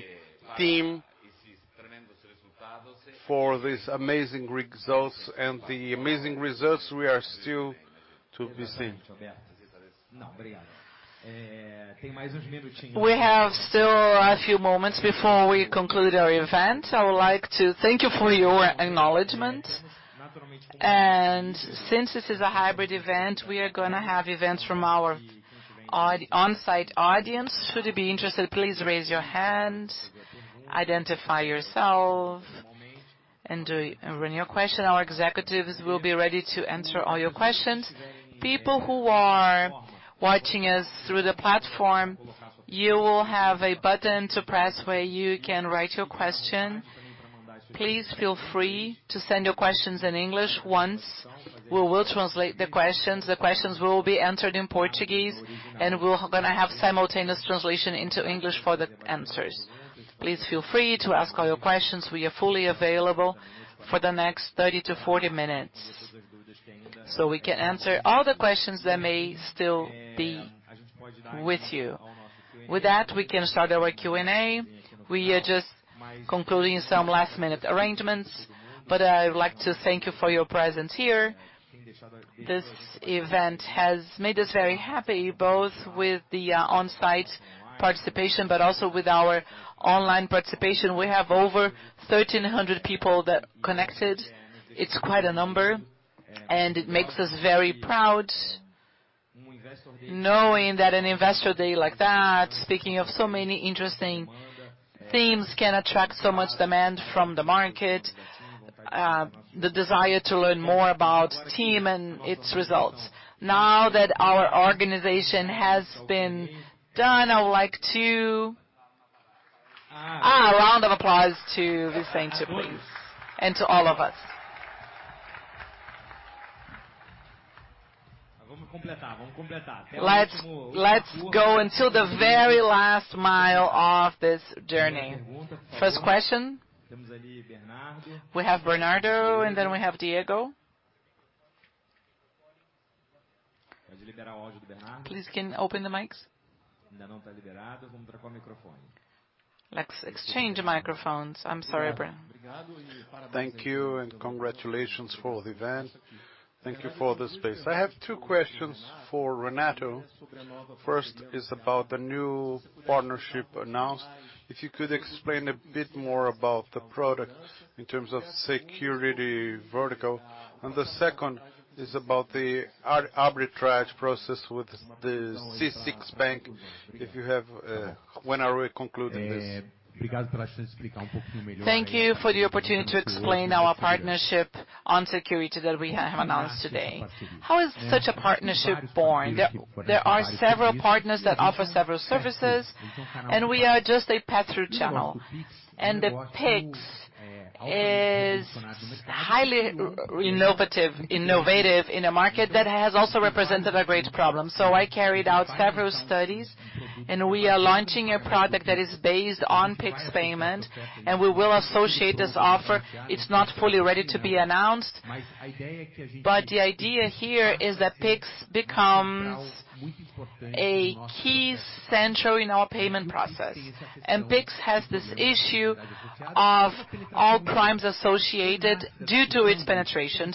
for this amazing results and the amazing results we are still to see. We have still a few moments before we conclude our event. I would like to thank you for your acknowledgment. Since this is a hybrid event, we are gonna have questions from our on-site audience. Should you be interested, please raise your hand, identify yourself and ask your question. Our executives will be ready to answer all your questions. People who are watching us through the platform, you will have a button to press where you can write your question. Please feel free to send your questions in English once. We will translate the questions, the questions will be answered in Portuguese, and we're gonna have simultaneous translation into English for the answers. Please feel free to ask all your questions. We are fully available for the next 30-40 minutes, so we can answer all the questions that may still be with you. With that, we can start our Q&A. We are just concluding some last-minute arrangements, but I would like to thank you for your presence here. This event has made us very happy, both with the on-site participation but also with our online participation. We have over 1,300 people that connected. It's quite a number, and it makes us very proud knowing that an investor day like that, speaking of so many interesting themes, can attract so much demand from the market, the desire to learn more about TIM and its results. Now that our organization has been done, I would like to a round of applause to Vicente, please, and to all of us. Let's go until the very last mile of this journey. First question. We have Bernardo and then we have Diego. Please, can open the mics. Let's exchange microphones. I'm sorry, Bern. Thank you and congratulations for the event. Thank you for the space. I have two questions for Renato. First is about the new partnership announced. If you could explain a bit more about the product in terms of security vertical. The second is about the arbitrage process with the C6 Bank. If you have, when are we concluding this? Thank you for the opportunity to explain our partnership on security that we have announced today. How is such a partnership born? There are several partners that offer several services, and we are just a pass-through channel. The Pix is highly innovative in a market that has also represented a great problem. I carried out several studies, and we are launching a product that is based on Pix payment, and we will associate this offer. It's not fully ready to be announced, but the idea here is that Pix becomes a key center in our payment process. Pix has this issue of all crimes associated due to its penetration.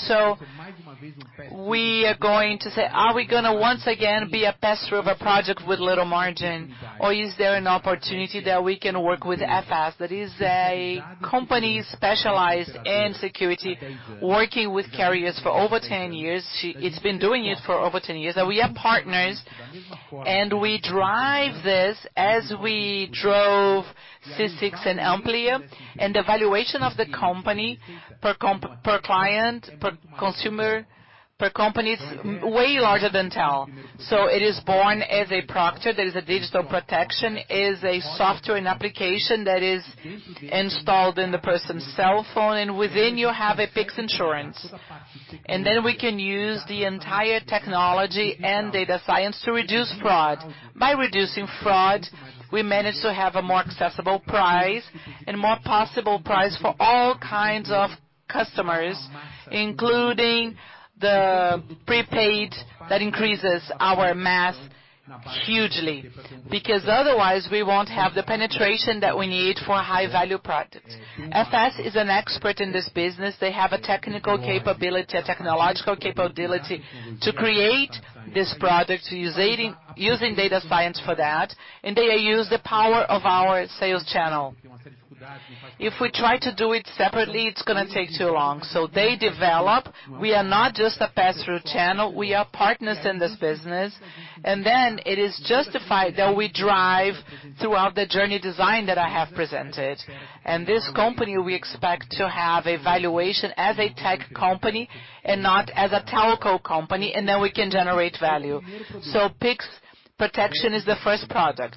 We are going to say, "Are we gonna, once again, be a pass-through of a project with little margin, or is there an opportunity that we can work with FS?" That is a company specialized in security, working with carriers for over 10 years. It's been doing it for over 10 years. We are partners, and we drive this as we drove C6 and Ampli. The valuation of the company per client, per consumer, per company is way larger than Telco. It is born as a protector. There is a digital protection, a software and application that is installed in the person's cell phone, and within you have a Pix insurance. Then we can use the entire technology and data science to reduce fraud. By reducing fraud, we manage to have a more accessible price and more possible price for all kinds of customers, including the prepaid that increases our mass hugely. Because otherwise we won't have the penetration that we need for high-value products. FS is an expert in this business. They have a technical capability, a technological capability to create this product using data science for that, and they use the power of our sales channel. If we try to do it separately, it's gonna take too long. They develop. We are not just a pass-through channel, we are partners in this business. Then it is justified that we drive throughout the journey design that I have presented. This company, we expect to have a valuation as a tech company and not as a telco company, and then we can generate value. Pix protection is the first product.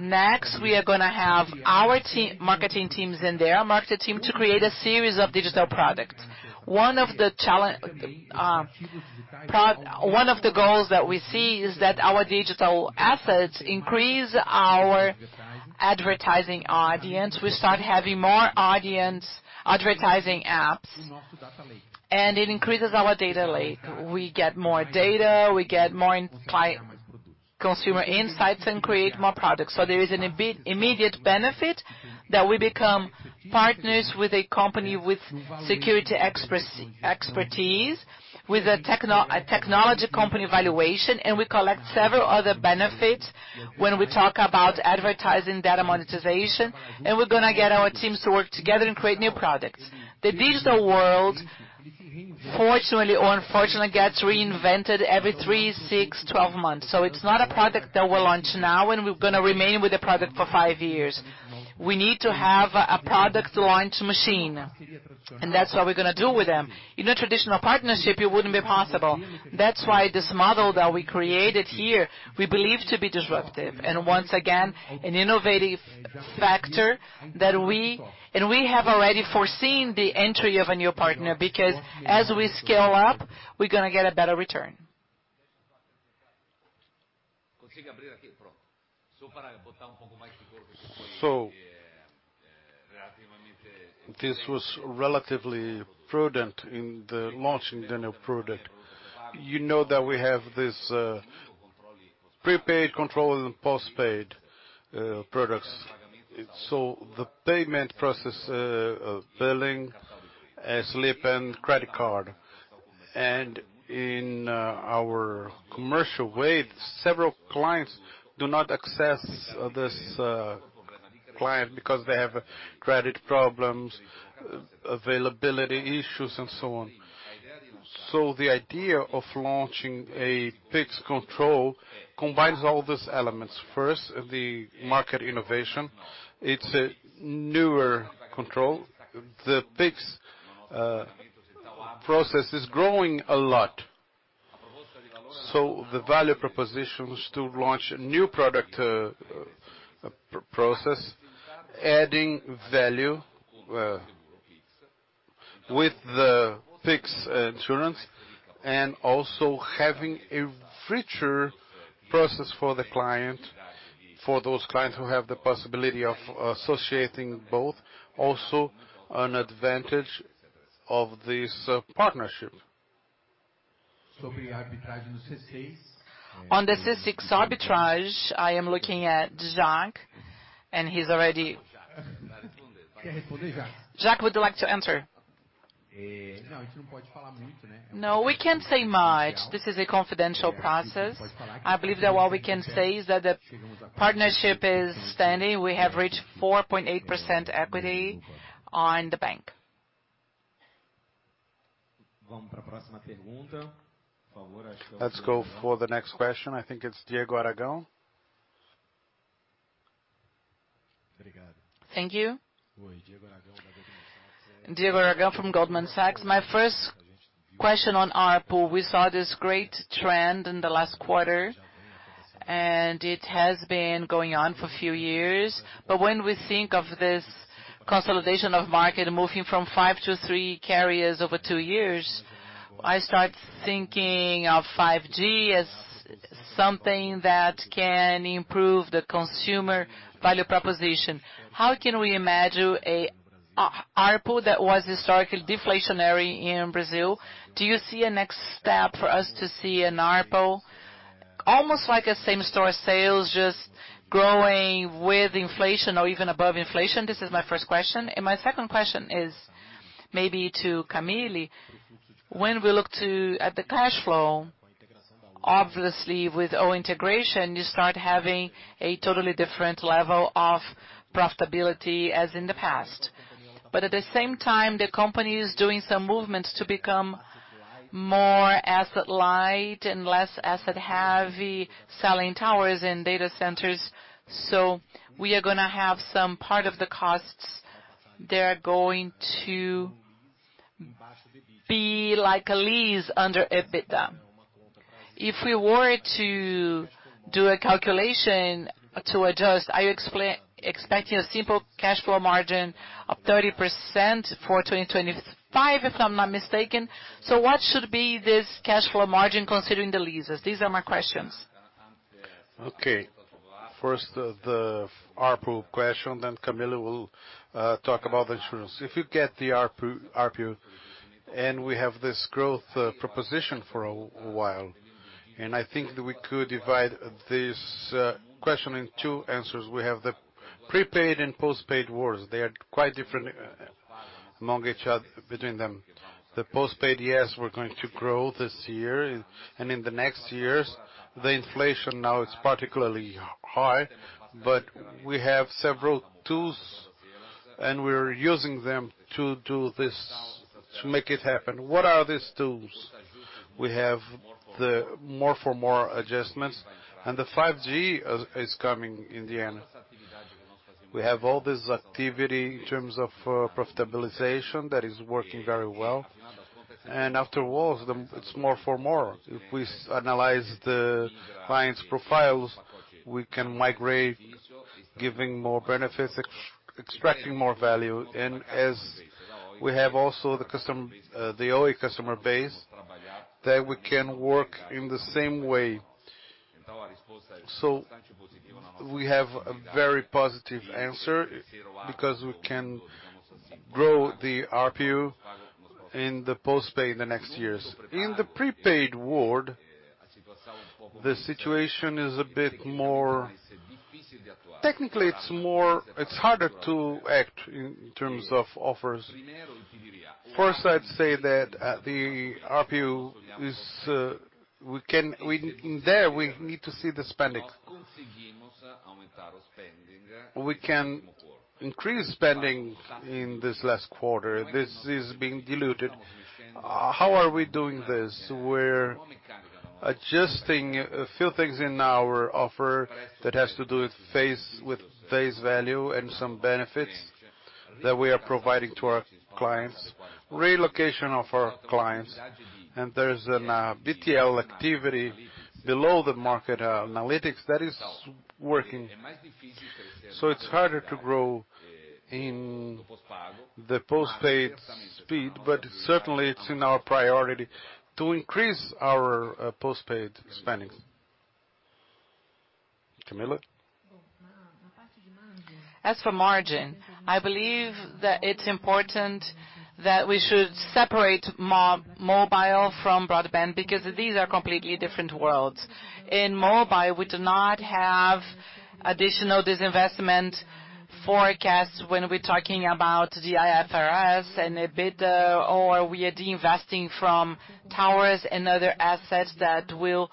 Next, we are gonna have our marketing teams and their marketing team to create a series of digital products. One of the goals that we see is that our digital assets increase our advertising audience. We start having more audience advertising apps. It increases our data lake. We get more data, we get more consumer insights and create more products. There is an immediate benefit that we become partners with a company with security expertise, with a technology company valuation, and we collect several other benefits when we talk about advertising data monetization, and we're gonna get our teams to work together and create new products. The digital world, fortunately or unfortunately, gets reinvented every three, six, 12 months. It's not a product that we'll launch now, and we're gonna remain with the product for five years. We need to have a product launch machine, and that's what we're gonna do with them. In a traditional partnership, it wouldn't be possible. That's why this model that we created here, we believe to be disruptive. Once again, an innovative factor that we have already foreseen the entry of a new partner, because as we scale up, we're gonna get a better return. This was relatively prudent in the launching the new product. You know that we have this, prepaid control and postpaid, products. The payment process, of billing, slip and credit card. In our commercial way, several clients do not access this, client because they have credit problems, availability issues, and so on. The idea of launching a Pix control combines all these elements. First, the market innovation, it's a newer control. The Pix process is growing a lot. The value propositions to launch a new product, process, adding value, with the Pix insurance and also having a richer process for the client, for those clients who have the possibility of associating both, also an advantage of this partnership. On the C6 arbitrage, I am looking at Jaques, and he's already Jaques, would you like to answer? No, we can't say much. This is a confidential process. I believe that what we can say is that the partnership is standing. We have reached 4.8% equity on the bank. Let's go for the next question. I think it's Diego Aragão. Thank you. Diego Aragão from Goldman Sachs. My first question on ARPU. We saw this great trend in the last quarter, and it has been going on for a few years. When we think of this consolidation of market moving from 5 to 3 carriers over 2 years, I start thinking of 5G as something that can improve the consumer value proposition. How can we imagine a ARPU that was historically deflationary in Brazil? Do you see a next step for us to see an ARPU almost like a same-store sales just growing with inflation or even above inflation? This is my first question. My second question is maybe to Camille. When we look at the cash flow, obviously, with Oi integration, you start having a totally different level of profitability as in the past. At the same time, the company is doing some movements to become more asset light and less asset-heavy, selling towers and data centers. We are gonna have some part of the costs that are going to be like a lease under EBITDA. If we were to do a calculation to adjust, are you expecting a simple cash flow margin of 30% for 2025, if I'm not mistaken? What should be this cash flow margin considering the leases? These are my questions. Okay. First, the ARPU question, then Camille will talk about the insurance. If you get the ARPU and we have this growth proposition for a while, I think that we could divide this question in two answers. We have the prepaid and postpaid wars. They are quite different among each other, between them. The postpaid, yes, we're going to grow this year. In the next years, the inflation now is particularly high, but we have several tools, and we're using them to do this, to make it happen. What are these tools? We have the More For More adjustments, and the 5G is coming in the end. We have all this activity in terms of profitabilization that is working very well. Afterwards, it's More For More. If we analyze the clients' profiles, we can migrate, giving more benefits, extracting more value. As we have also the Oi customer base that we can work in the same way. We have a very positive answer because we can grow the RPU in the postpaid in the next years. In the prepaid world, the situation is a bit more technically it's harder to act in terms of offers. First, I'd say that the RPU is in there, we need to see the spending. We can increase spending in this last quarter. This is being diluted. How are we doing this? We're adjusting a few things in our offer that has to do with face value and some benefits that we are providing to our clients, relocation of our clients. There's an BTL activity below the market analytics that is working. It's harder to grow in the postpaid speed, but certainly it's in our priority to increase our postpaid spendings. Camille? As for margin, I believe that it's important that we should separate mobile from broadband because these are completely different worlds. In mobile, we do not have additional disinvestment forecasts when we're talking about the IFRS and EBITDA, or we are deinvesting from towers and other assets that will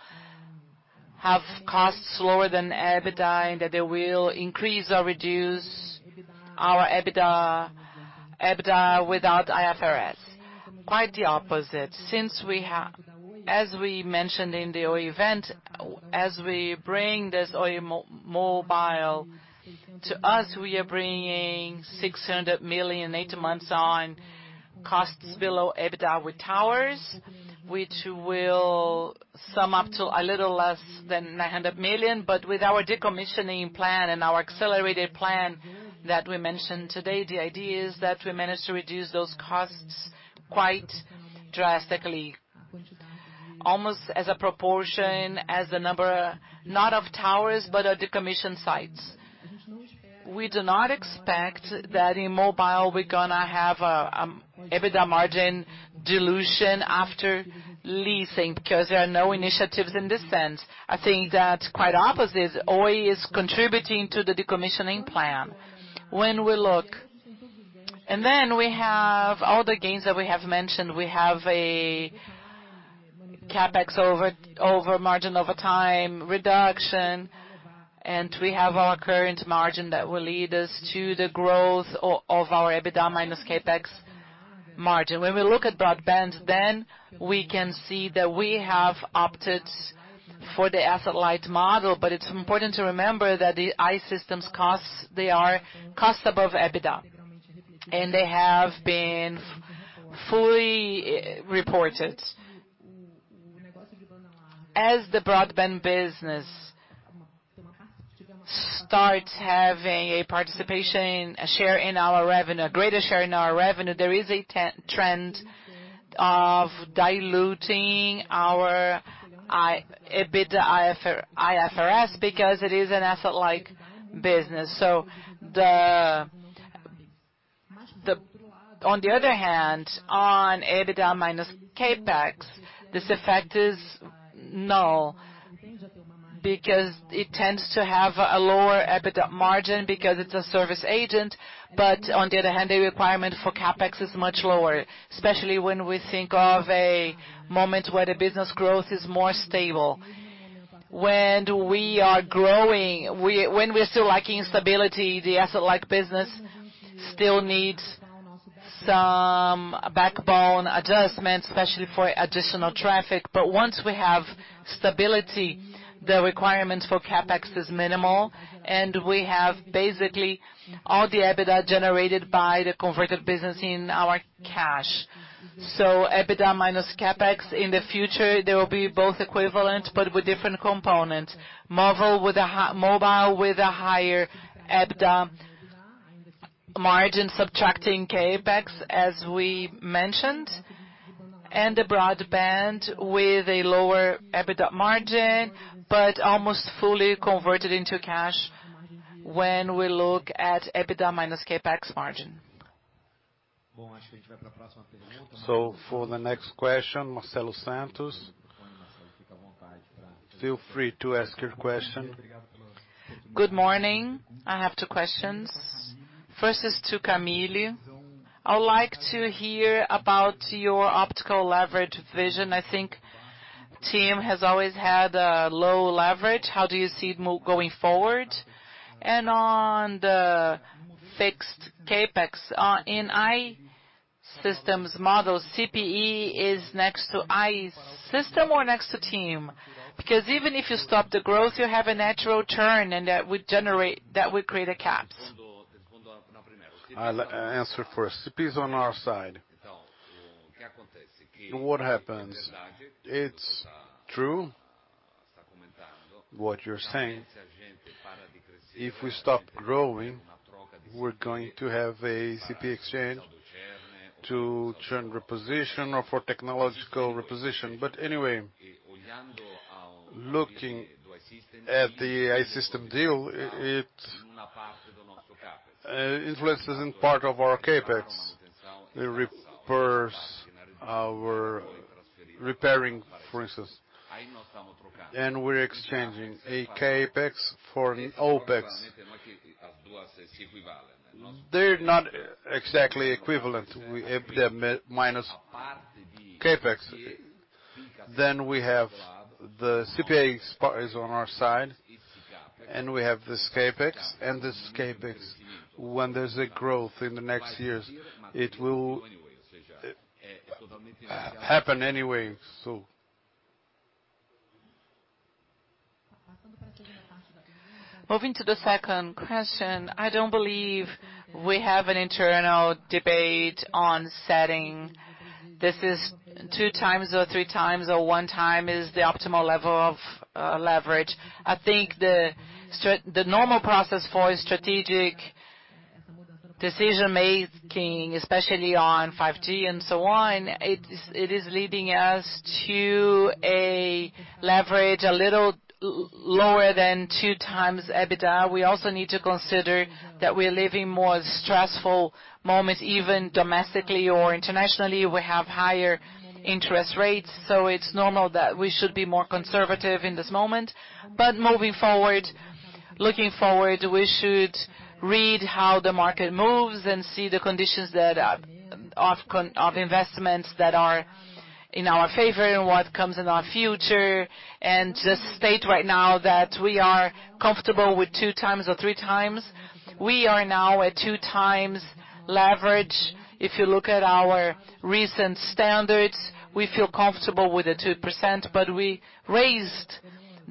have costs lower than EBITDA, and that they will increase or reduce our EBITDA without IFRS. Quite the opposite. As we mentioned in the Oi event, as we bring this Oi mobile to us, we are bringing 600 million eight months on costs below EBITDA with towers, which will sum up to a little less than 900 million. With our decommissioning plan and our accelerated plan that we mentioned today, the idea is that we manage to reduce those costs quite drastically, almost as a proportion, as the number, not of towers, but of decommissioned sites. We do not expect that in mobile, we're gonna have EBITDA margin dilution after lease because there are no initiatives in this sense. I think that quite the opposite, Oi is contributing to the decommissioning plan. When we look, we have all the gains that we have mentioned. We have a CapEx over margin over time reduction, and we have our current margin that will lead us to the growth of our EBITDA minus CapEx margin. When we look at broadband, then we can see that we have opted for the asset-light model, but it's important to remember that the I-Systems costs, they are costs above EBITDA, and they have been fully reported. As the broadband business starts having a participation, a share in our revenue, a greater share in our revenue, there is a trend of diluting our EBITDA IFRS because it is an asset-like business. On the other hand, on EBITDA minus CapEx, this effect is null because it tends to have a lower EBITDA margin because it's a service agent. On the other hand, the requirement for CapEx is much lower, especially when we think of a moment where the business growth is more stable. When we are growing, when we're still lacking stability, the asset-like business still needs some backbone adjustment, especially for additional traffic. Once we have stability, the requirement for CapEx is minimal, and we have basically all the EBITDA generated by the converted business in our cash. EBITDA minus CapEx, in the future, they will be both equivalent but with different components. Model with a mobile with a higher EBITDA margin, subtracting CapEx, as we mentioned, and the broadband with a lower EBITDA margin, but almost fully converted into cash when we look at EBITDA minus CapEx margin. For the next question, Marcelo Santos. Feel free to ask your question. Good morning. I have two questions. First is to Camille. I would like to hear about your optimal leverage vision. I think TIM has always had a low leverage. How do you see it going forward? On the fixed CapEx, in I-Systems models, CPE is next to I-Systems or next to TIM? Because even if you stop the growth, you have a natural churn, and that would generate, that would create a CapEx. I'll answer first. CPE is on our side. What happens, it's true what you're saying. If we stop growing, we're going to have a CPE exchange to reposition or for technological reposition. But anyway, looking at the I-Systems deal, it influences part of our CapEx. It replaces our capex, of course. We're exchanging a CapEx for an OpEx. They're not exactly equivalent. We have the net minus CapEx. Then we have the CPE cost is on our side, and we have this CapEx, and this CapEx, when there's a growth in the next years, it will happen anyway. Moving to the second question, I don't believe we have an internal debate on setting. This is 2x or 3x or 1x is the optimal level of leverage. I think the normal process for strategic decision-making, especially on 5G and so on, it is leading us to a leverage a little lower than 2x EBITDA. We also need to consider that we're living more stressful moments, even domestically or internationally, we have higher interest rates, so it's normal that we should be more conservative in this moment. Moving forward, looking forward, we should read how the market moves and see the conditions that are of investments that are in our favor and what comes in our future, and just state right now that we are comfortable with 2x or 3x. We are now at 2x leverage. If you look at our recent standards, we feel comfortable with the 2%, but we raised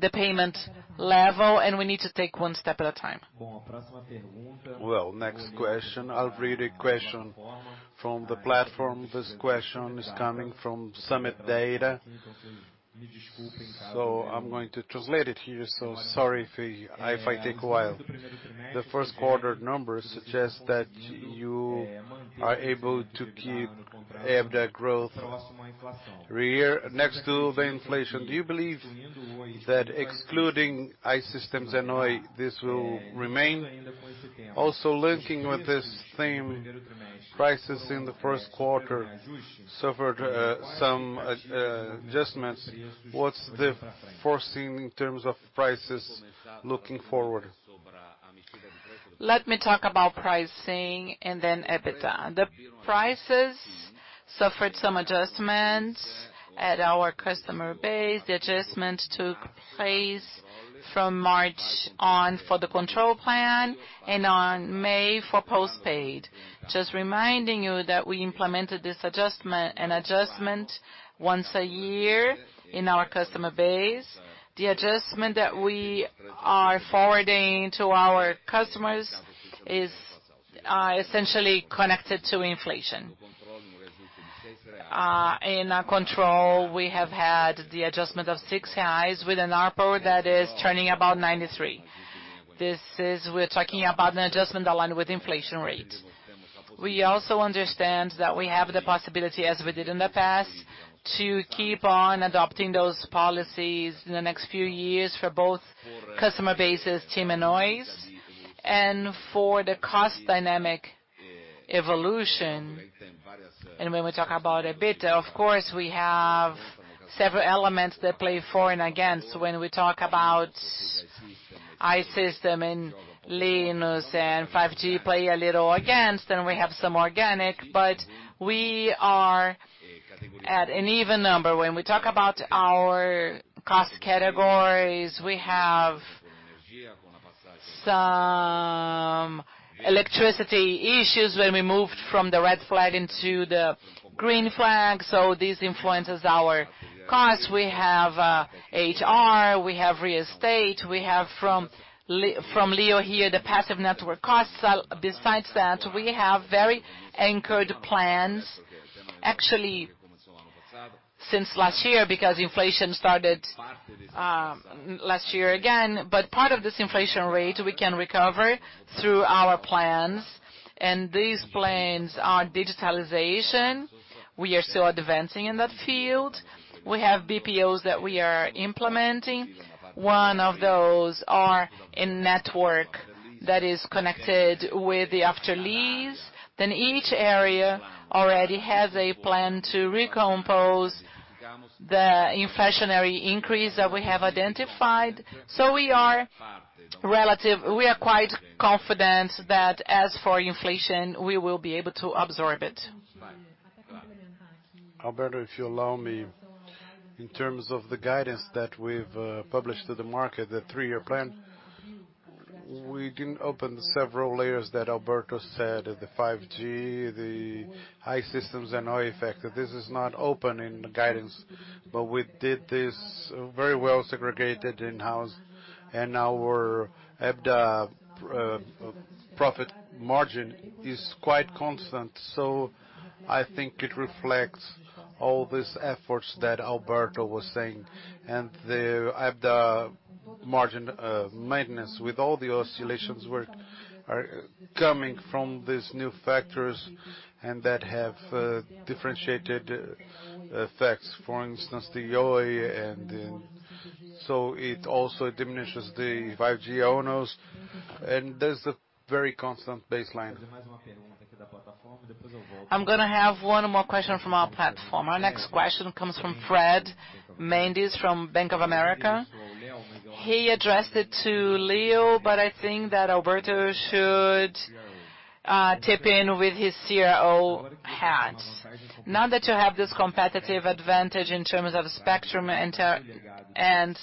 the payment level, and we need to take one step at a time. Well, next question. I'll read a question from the platform. This question is coming from Suno Asset. I'm going to translate it here, so sorry if I take a while. The first quarter numbers suggest that you are able to keep EBITDA growth year-over-year next to the inflation. Do you believe that excluding I-Systems and Oi, this will remain? Also linking with this theme, prices in the first quarter suffered some adjustments. What's foreseen in terms of prices looking forward? Let me talk about pricing and then EBITDA. The prices suffered some adjustments at our customer base. The adjustment took place from March on for the control plan and on May for postpaid. Just reminding you that we implemented this adjustment once a year in our customer base. The adjustment that we are forwarding to our customers is essentially connected to inflation. In control, we have had the adjustment of 6% with an ARPU that is turning about 93. We're talking about an adjustment aligned with inflation rates. We also understand that we have the possibility, as we did in the past, to keep on adopting those policies in the next few years for both customer bases, TIM and Oi's, and for the cost dynamic evolution. When we talk about EBITDA, of course, we have several elements that play for and against. When we talk about I-Systems and I-Systems and 5G play a little against, and we have some organic, but we are at an even number. When we talk about our cost categories, we have some electricity issues when we moved from the red flag into the green flag, so this influences our costs. We have HR, we have real estate, we have from Leo here, the passive network costs. Besides that, we have very anchored plans, actually since last year, because inflation started last year again. Part of this inflation rate we can recover through our plans, and these plans are digitalization. We are still advancing in that field. We have BPOs that we are implementing. One of those are a network that is connected with the After Lease. Each area already has a plan to recompose the inflationary increase that we have identified. We are quite confident that as for inflation, we will be able to absorb it. Alberto, if you'll allow me, in terms of the guidance that we've published to the market, the three-year plan, we didn't open the several layers that Alberto said, the 5G, the I-Systems and Oi effect. This is not open in the guidance, but we did this very well segregated in-house, and our EBITDA profit margin is quite constant. I think it reflects all these efforts that Alberto was saying and the, at the margin, maintenance with all the oscillations are coming from these new factors and that have differentiated effects. For instance, the Oi and it also diminishes the 5G OpEx, and there's a very constant baseline. I'm gonna have one more question from our platform. Our next question comes from Fred Mendes from Bank of America. He addressed it to Leo, but I think that Alberto should chip in with his CRO hats. Now that you have this competitive advantage in terms of spectrum and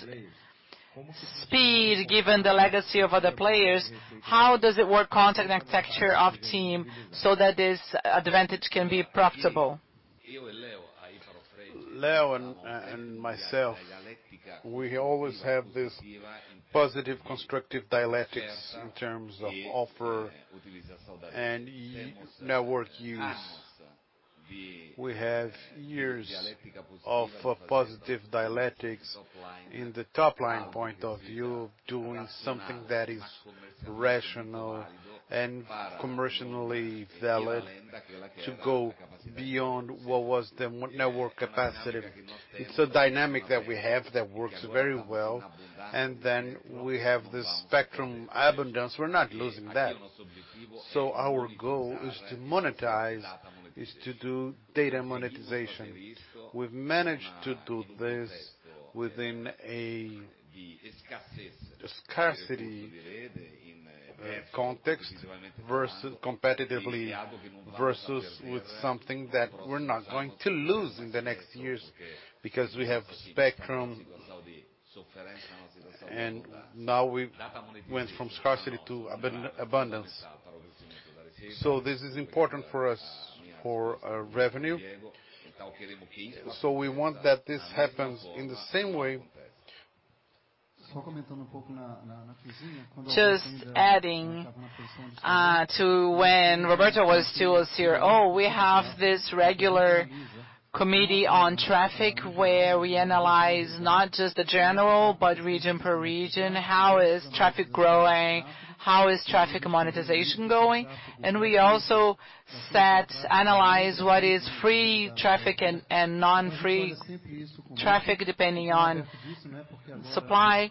speed, given the legacy of other players, how does it work content architecture of TIM so that this advantage can be profitable? Leo and myself, we always have this positive constructive dialectics in terms of offer and our network use. We have years of positive dialectics in the top line point of view, doing something that is rational and commercially valid to go beyond what was our network capacity. It's a dynamic that we have that works very well, and then we have this spectrum abundance. We're not losing that. Our goal is to monetize, to do data monetization. We've managed to do this within a scarcity context versus competitively with something that we're not going to lose in the next years because we have spectrum. Now we've went from scarcity to abundance. This is important for us for our revenue. We want that this happens in the same way. Just adding to when Alberto was still a CRO, we have this regular committee on traffic where we analyze not just the general, but region per region. How is traffic growing? How is traffic monetization going? We also analyze what is free traffic and non-free traffic depending on supply.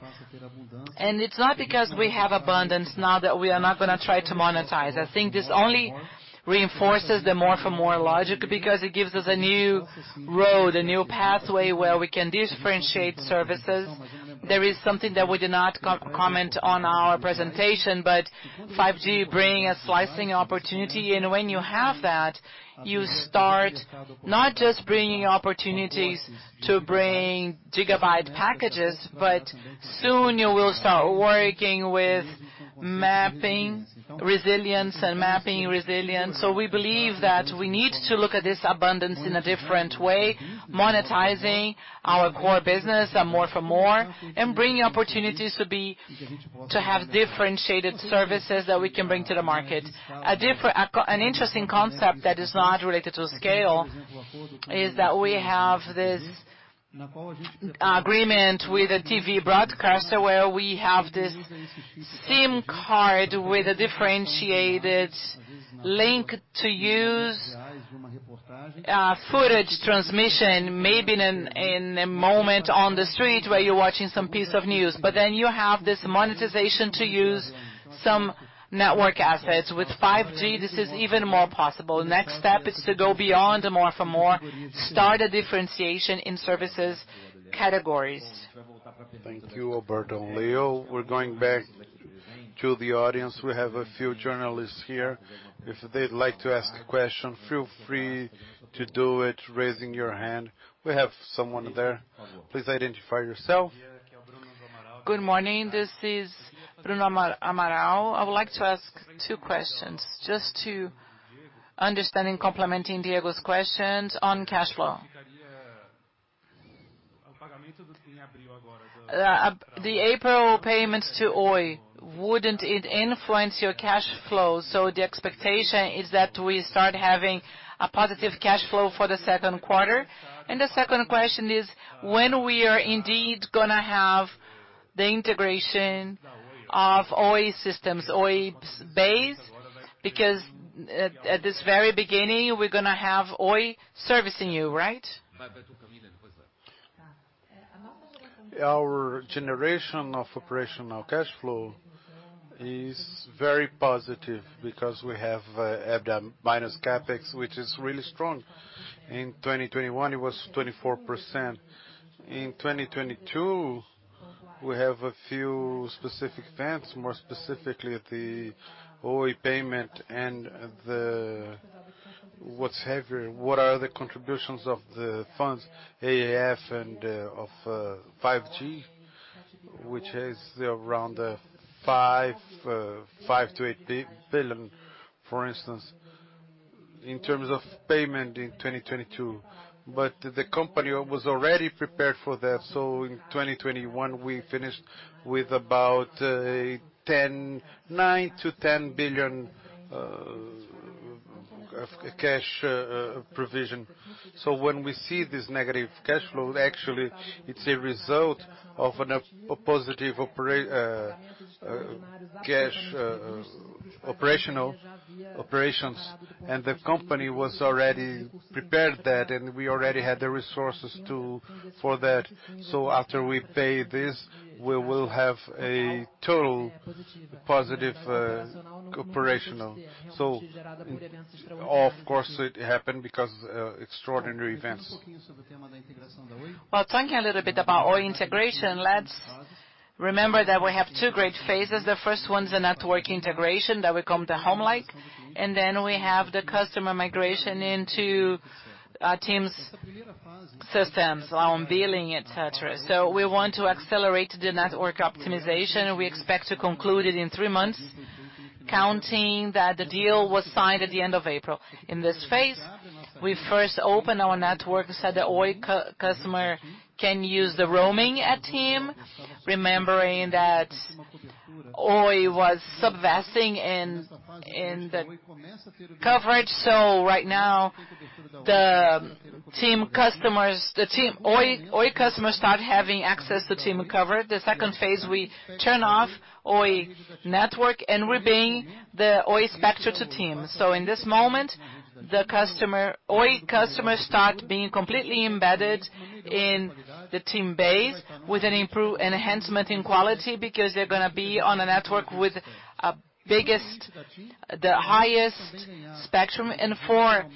It's not because we have abundance now that we are not gonna try to monetize. I think this only reinforces the More for More logic because it gives us a new road, a new pathway where we can differentiate services. There is something that we did not comment on our presentation, but 5G bringing a slicing opportunity, and when you have that, you start not just bringing opportunities to bring gigabyte packages, but soon you will start working with low latency and resilience. We believe that we need to look at this abundance in a different way, monetizing our core business and more for more, and bringing opportunities to have differentiated services that we can bring to the market. An interesting concept that is not related to scale is that we have this agreement with a TV broadcaster where we have this SIM card with a differentiated link to use footage transmission, maybe in a moment on the street where you're watching some piece of news. Then you have this monetization to use some network assets. With 5G, this is even more possible. Next step is to go beyond the more for more, start a differentiation in services categories. Thank you, Alberto and Leo. We're going back to the audience. We have a few journalists here. If they'd like to ask a question, feel free to do it, raising your hand. We have someone there. Please identify yourself. Good morning. This is Bruno do Amaral. I would like to ask two questions just to understanding, complementing Diego Aragão's questions on cash flow. The April payments to Oi, wouldn't it influence your cash flow? The expectation is that we start having a positive cash flow for the second quarter. The second question is, when we are indeed gonna have the integration of Oi systems, Oi's base, because at this very beginning, we're gonna have Oi servicing you, right? Our generation of operational cash flow is very positive because we have EBITDA minus CapEx, which is really strong. In 2021, it was 24%. In 2022, we have a few specific events, more specifically at the Oi payment and the contributions of the funds, AAF and of 5G, which is around 5 billion-8 billion, for instance, in terms of payment in 2022. The company was already prepared for that. In 2021, we finished with about 9 billion-10 billion of cash provision. When we see this negative cash flow, actually it's a result of a positive operational cash operations. The company was already prepared that, and we already had the resources for that. After we pay this, we will have a total positive, operational. Of course it happened because of extraordinary events. Well, talking a little bit about Oi integration, let's remember that we have two great phases. The first one is the network integration that we call the home-like, and then we have the customer migration into TIM's systems on billing, et cetera. We want to accelerate the network optimization, and we expect to conclude it in three months, counting that the deal was signed at the end of April. In this phase, we first open our network, so the Oi customer can use the roaming at TIM, remembering that Oi was subleasing in the coverage. Right now, Oi customers start having access to TIM coverage. The second phase, we turn off Oi network and we bring the Oi spectrum to TIM. In this moment, Oi customers start being completely embedded in the TIM base with an enhancement in quality because they're gonna be on a network with the highest spectrum. For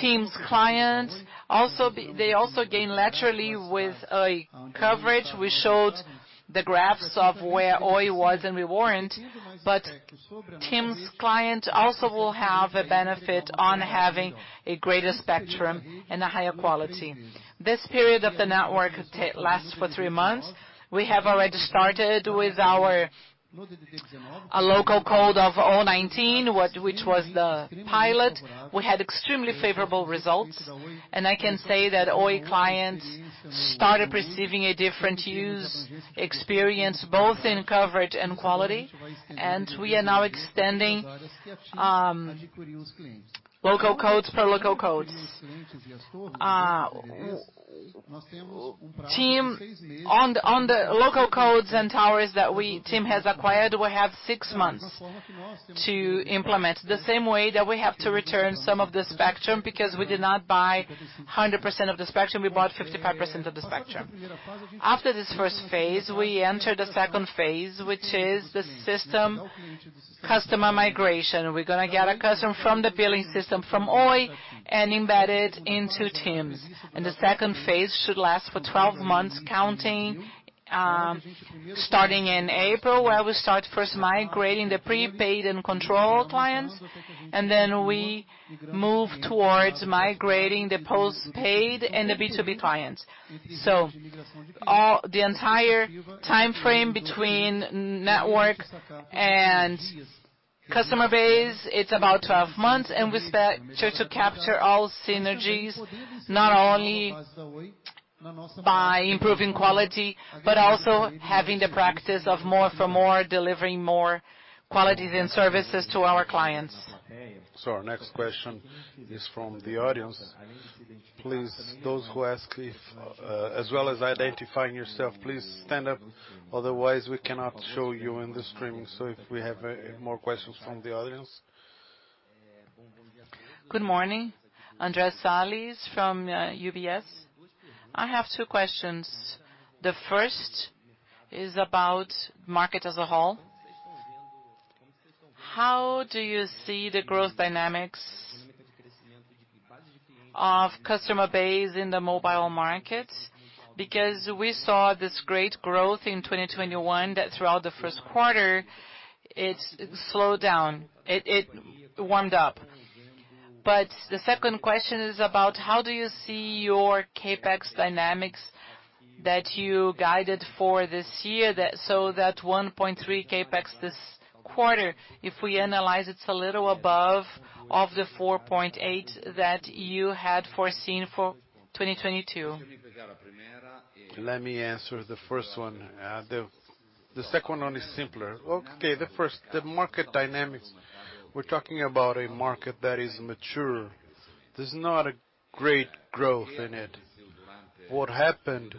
TIM's clients, they also gain laterally with a coverage. We showed the graphs of where Oi was and we weren't. TIM's client also will have a benefit of having a greater spectrum and a higher quality. This period of the network lasts for 3 months. We have already started with our local code of 019, which was the pilot. We had extremely favorable results, and I can say that Oi clients started receiving a different use experience, both in coverage and quality. We are now extending local codes per local codes. TIM on the local codes and towers that TIM has acquired, we have six months to implement, the same way that we have to return some of the spectrum because we did not buy 100% of the spectrum, we bought 55% of the spectrum. After this first phase, we enter the second phase, which is the system customer migration. We're gonna get a customer from the billing system from Oi and embed it into TIM's. The second phase should last for 12 months counting starting in April, where we start first migrating the prepaid and control clients, and then we move towards migrating the postpaid and the B2B clients. The entire timeframe between network and customer base, it's about 12 months, and we expect to capture all synergies, not only by improving quality, but also having the practice of More for More, delivering more qualities and services to our clients. Our next question is from the audience. Please, those who ask if, as well as identifying yourself, please stand up. Otherwise, we cannot show you in the stream. If we have more questions from the audience. Good morning. Andre Salles from UBS. I have two questions. The first is about market as a whole. How do you see the growth dynamics of customer base in the mobile market? Because we saw this great growth in 2021 that throughout the first quarter, it's slowed down. It warmed up. The second question is about how do you see your CapEx dynamics that you guided for this year, so 1.3 CapEx this quarter. If we analyze, it's a little above the 4.8 that you had foreseen for 2022. Let me answer the first one. The second one is simpler. The first, the market dynamics. We're talking about a market that is mature. There's not a great growth in it. What happened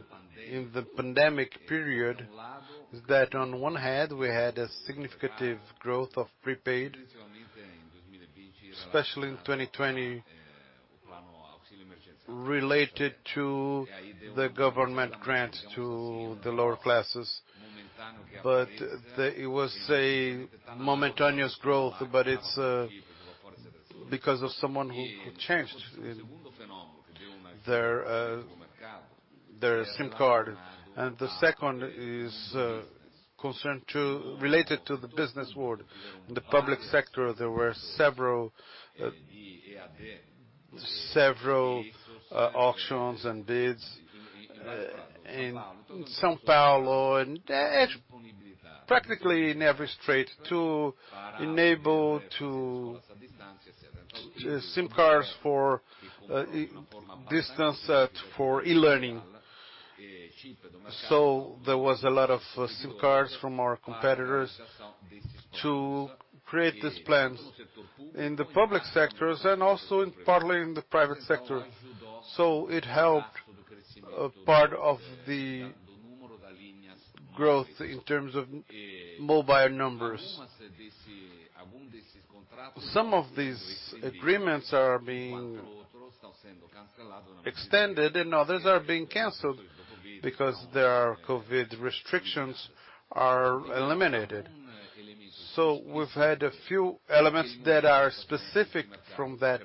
in the pandemic period is that on one hand, we had a significant growth of prepaid, especially in 2020 related to the government grant to the lower classes. It was a momentary growth, but it's because of someone who changed their SIM card. The second is related to the business world. In the public sector, there were several auctions and bids in São Paulo and practically in every state to enable SIM cards for distance e-learning. There was a lot of SIM cards from our competitors to create these plans in the public sector and also partly in the private sector. It helped a part of the growth in terms of mobile numbers. Some of these agreements are being extended and others are being canceled because the COVID restrictions are eliminated. We've had a few elements that are specific from that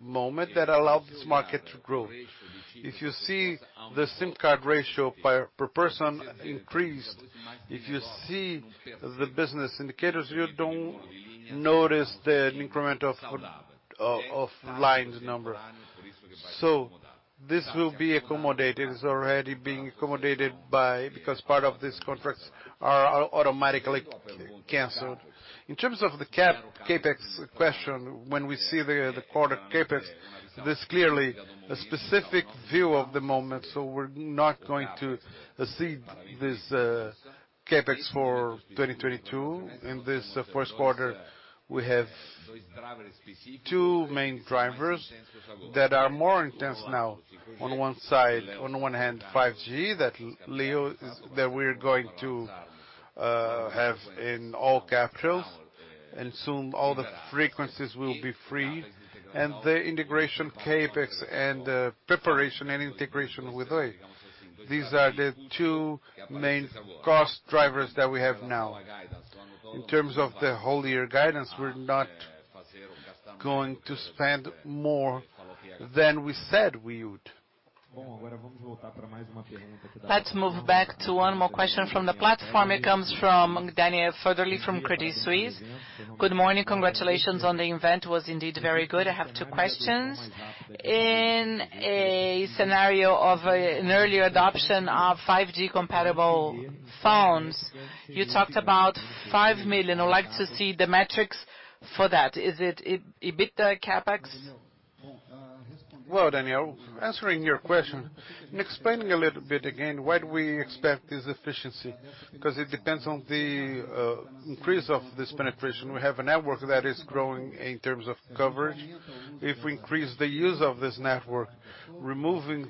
moment that allowed this market to grow. If you see the SIM card ratio per person increased, if you see the business indicators, you don't notice the increment of lines number. This will be accommodated. It's already being accommodated because part of these contracts are automatically canceled. In terms of the CapEx question, when we see the quarter CapEx, this is clearly a specific view of the moment, so we're not going to exceed this CapEx for 2022. In this first quarter, we have two main drivers that are more intense now. On one hand, 5G that we're going to have in all capitals, and soon all the frequencies will be free. The integration CapEx and preparation and integration with Oi. These are the two main cost drivers that we have now. In terms of the whole year guidance, we're not going to spend more than we said we would. Let's move back to one more question from the platform. It comes from Daniel Federle from Credit Suisse. Good morning. Congratulations on the event, it was indeed very good. I have two questions. In a scenario of an earlier adoption of 5G-compatible phones, you talked about 5 million. I'd like to see the metrics for that. Is it EBITDA CapEx? Well, Daniel, answering your question and explaining a little bit again why we expect this efficiency, because it depends on the increase of this penetration. We have a network that is growing in terms of coverage. If we increase the use of this network, removing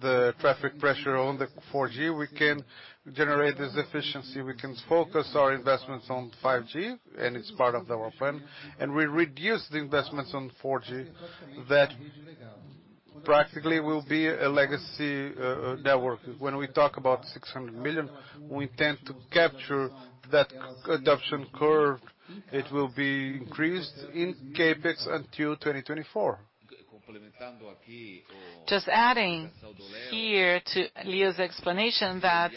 the traffic pressure on the 4G, we can generate this efficiency. We can focus our investments on 5G, and it's part of our plan, and we reduce the investments on 4G that practically will be a legacy network. When we talk about 600 million, we intend to capture that adoption curve. It will be increased in CapEx until 2024. Just adding here to Leo's explanation that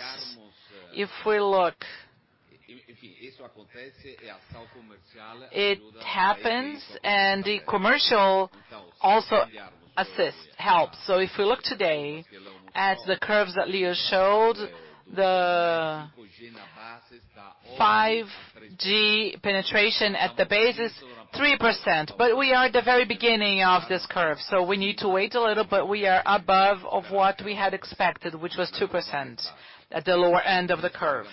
if we look, it happens and the commercial also assists, helps. If we look today at the curves that Leo showed, the 5G penetration at the base is 3%, but we are at the very beginning of this curve. We need to wait a little, but we are above of what we had expected, which was 2% at the lower end of the curve.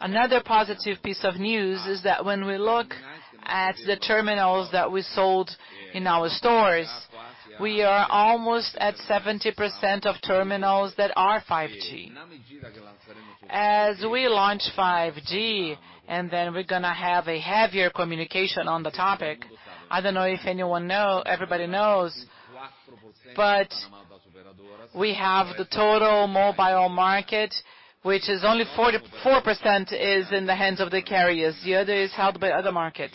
Another positive piece of news is that when we look at the terminals that we sold in our stores, we are almost at 70% of terminals that are 5G. As we launch 5G, then we're gonna have a heavier communication on the topic, I don't know if anyone know everybody knows, but we have the total mobile market, which is only 44% is in the hands of the carriers, the other is held by other markets.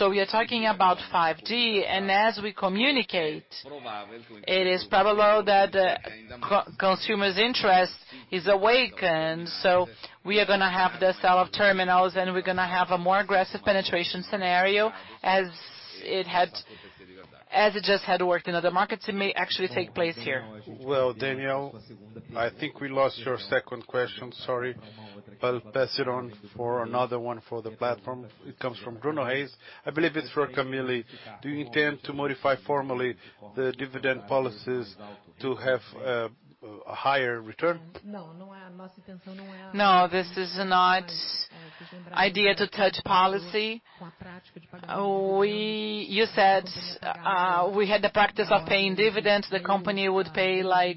We are talking about 5G, and as we communicate, it is probable that consumer's interest is awakened. We are gonna have the sale of terminals, and we're gonna have a more aggressive penetration scenario as it just had worked in other markets, it may actually take place here. Well, Daniel, I think we lost your second question. Sorry. I'll pass it on for another one for the platform. It comes from Bruno Paes. I believe it's for Camille. Do you intend to modify formally the dividend policies to have a higher return? No, this is not the idea to touch policy. You said we had the practice of paying dividends. The company would pay, like,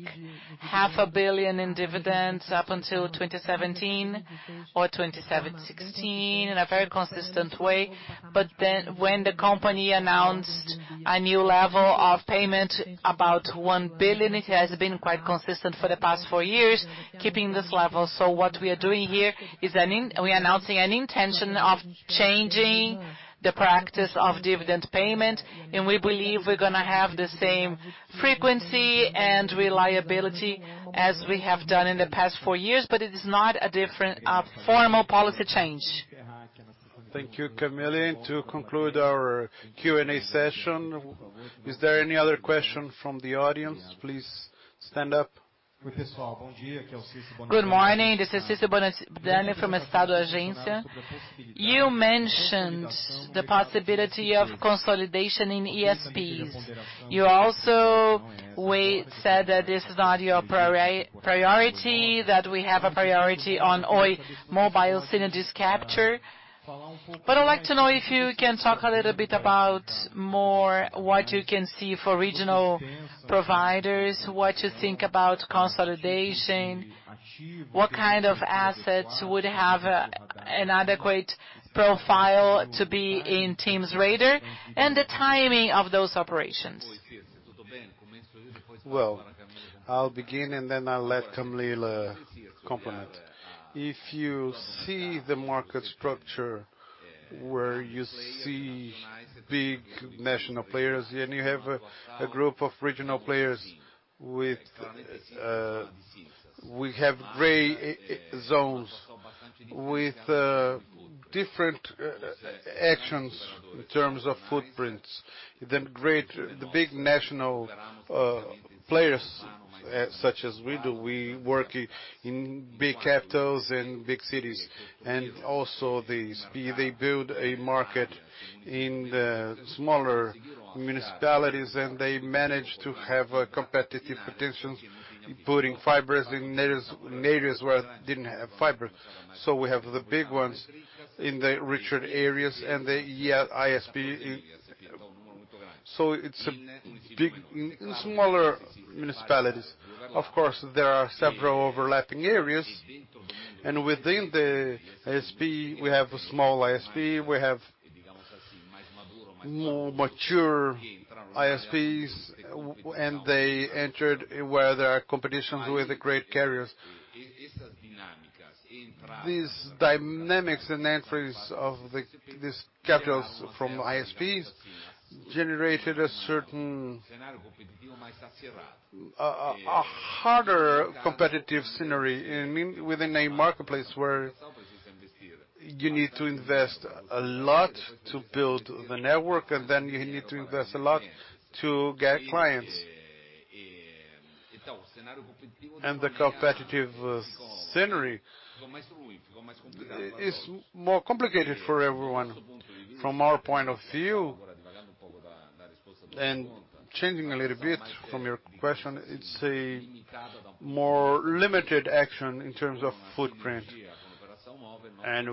half a billion BRL in dividends up until 2017 or 2016 in a very consistent way. When the company announced a new level of payment, about 1 billion, it has been quite consistent for the past four years, keeping this level. What we are doing here is we are announcing an intention of changing the practice of dividend payment, and we believe we're gonna have the same frequency and reliability as we have done in the past four years. It is not a definite formal policy change. Thank you, Camille. To conclude our Q&A session, is there any other question from the audience? Please stand up. Good morning. This is Caesar Bueno from Agência Estado Agencia. You mentioned the possibility of consolidation in ESP. We said that this is not your priority, that we have a priority on Oi mobile synergies capture. I'd like to know if you can talk a little bit about more what you can see for regional providers, what you think about consolidation, what kind of assets would have an adequate profile to be in TIM's radar, and the timing of those operations? Well, I'll begin, and then I'll let Camille complement. If you see the market structure where you see big national players and you have a group of regional players with. We have gray zones with different actions in terms of footprints. The big national players, such as we do, we work in big capitals and big cities. Also the ISP, they build a market in the smaller municipalities, and they manage to have competitive potentials, putting fibers in areas where it didn't have fiber. We have the big ones in the richer areas and the ISP. It's a big and smaller municipalities. Of course, there are several overlapping areas. Within the ISP, we have a small ISP, we have more mature ISPs, and they entered where there are competitions with the great carriers. These dynamics and entries of these capitals from ISPs generated a certain, a harder competitive scenario within a marketplace where you need to invest a lot to build the network, and then you need to invest a lot to get clients. The competitive scenario is more complicated for everyone. From our point of view, and changing a little bit from your question, it's a more limited action in terms of footprint.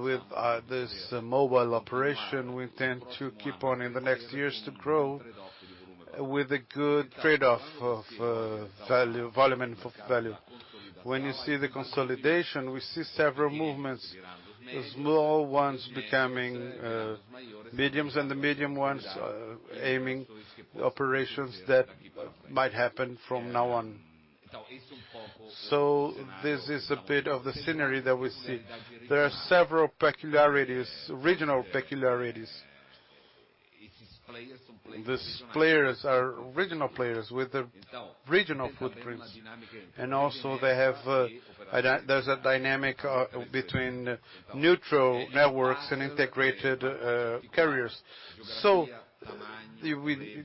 With this mobile operation, we tend to keep on in the next years to grow with a good trade-off of volume and value. When you see the consolidation, we see several movements, the small ones becoming mediums and the medium ones aiming operations that might happen from now on. This is a bit of the scenario that we see. There are several peculiarities, regional peculiarities. These players are regional players with regional footprints. Also they have a dynamic between neutral networks and integrated carriers.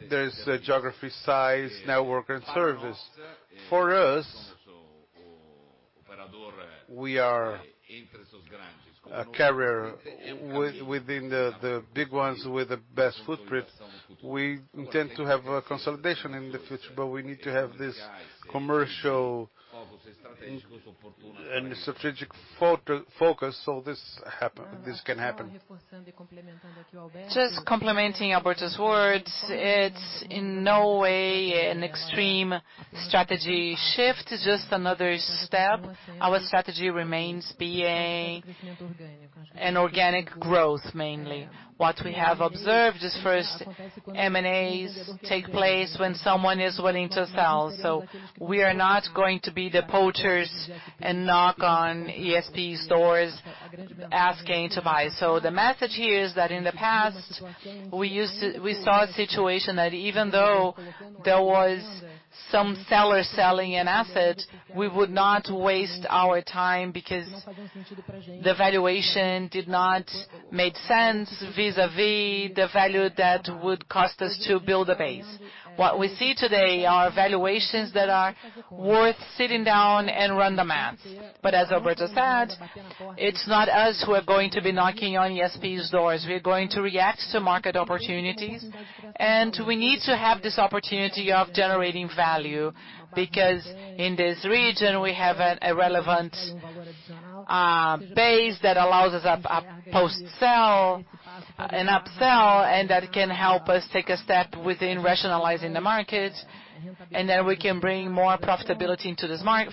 There's a geographic size network and service. For us, we are a carrier within the big ones with the best footprint. We intend to have a consolidation in the future, but we need to have this commercial and strategic focus, so this can happen. Just complementing Alberto's words, it's in no way an extreme strategy shift, it's just another step. Our strategy remains being an organic growth, mainly. What we have observed is first M&As take place when someone is willing to sell. We are not going to be the poachers and knock on ISP's doors asking to buy. The message here is that in the past, we saw a situation that even though there was some sellers selling an asset, we would not waste our time because the valuation did not make sense vis-à-vis the value that would cost us to build a base. What we see today are valuations that are worth sitting down and run the math. As Alberto said, it's not us who are going to be knocking on ISP's doors. We're going to react to market opportunities, and we need to have this opportunity of generating value because in this region, we have a relevant base that allows us a post sell, an upsell, and that can help us take a step within rationalizing the market, and then we can bring more profitability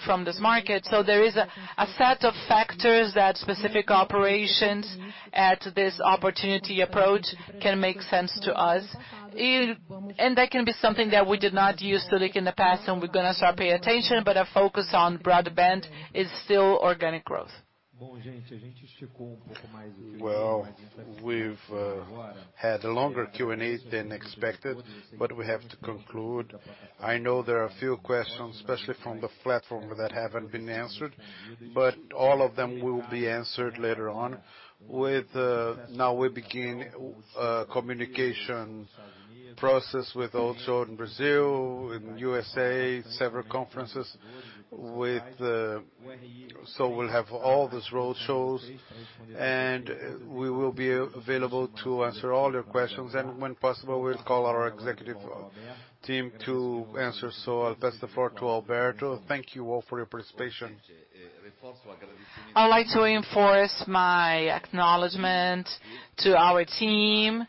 from this market. There is a set of factors that specific operations at this opportunity approach can make sense to us. That can be something that we did not use to look in the past, and we're gonna start paying attention. Our focus on broadband is still organic growth. Well, we've had a longer Q&A than expected, but we have to conclude. I know there are a few questions, especially from the platform that haven't been answered, but all of them will be answered later on. Now we begin communication process also in Brazil, in USA, several conferences. We'll have all these road shows, and we will be available to answer all your questions. When possible, we'll call our executive team to answer. I'll pass the floor to Alberto. Thank you all for your participation. I'd like to reinforce my acknowledgement to our team.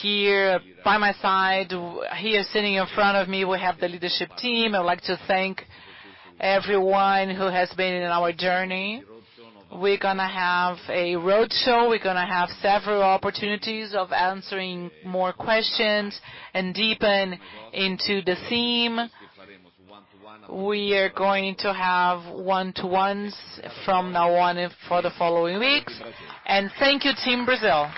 Here by my side, here sitting in front of me, we have the leadership team. I'd like to thank everyone who has been in our journey. We're gonna have a road show. We're gonna have several opportunities of answering more questions and deepen into the theme. We are going to have one-to-ones from now on and for the following weeks. Thank you Team Brazil.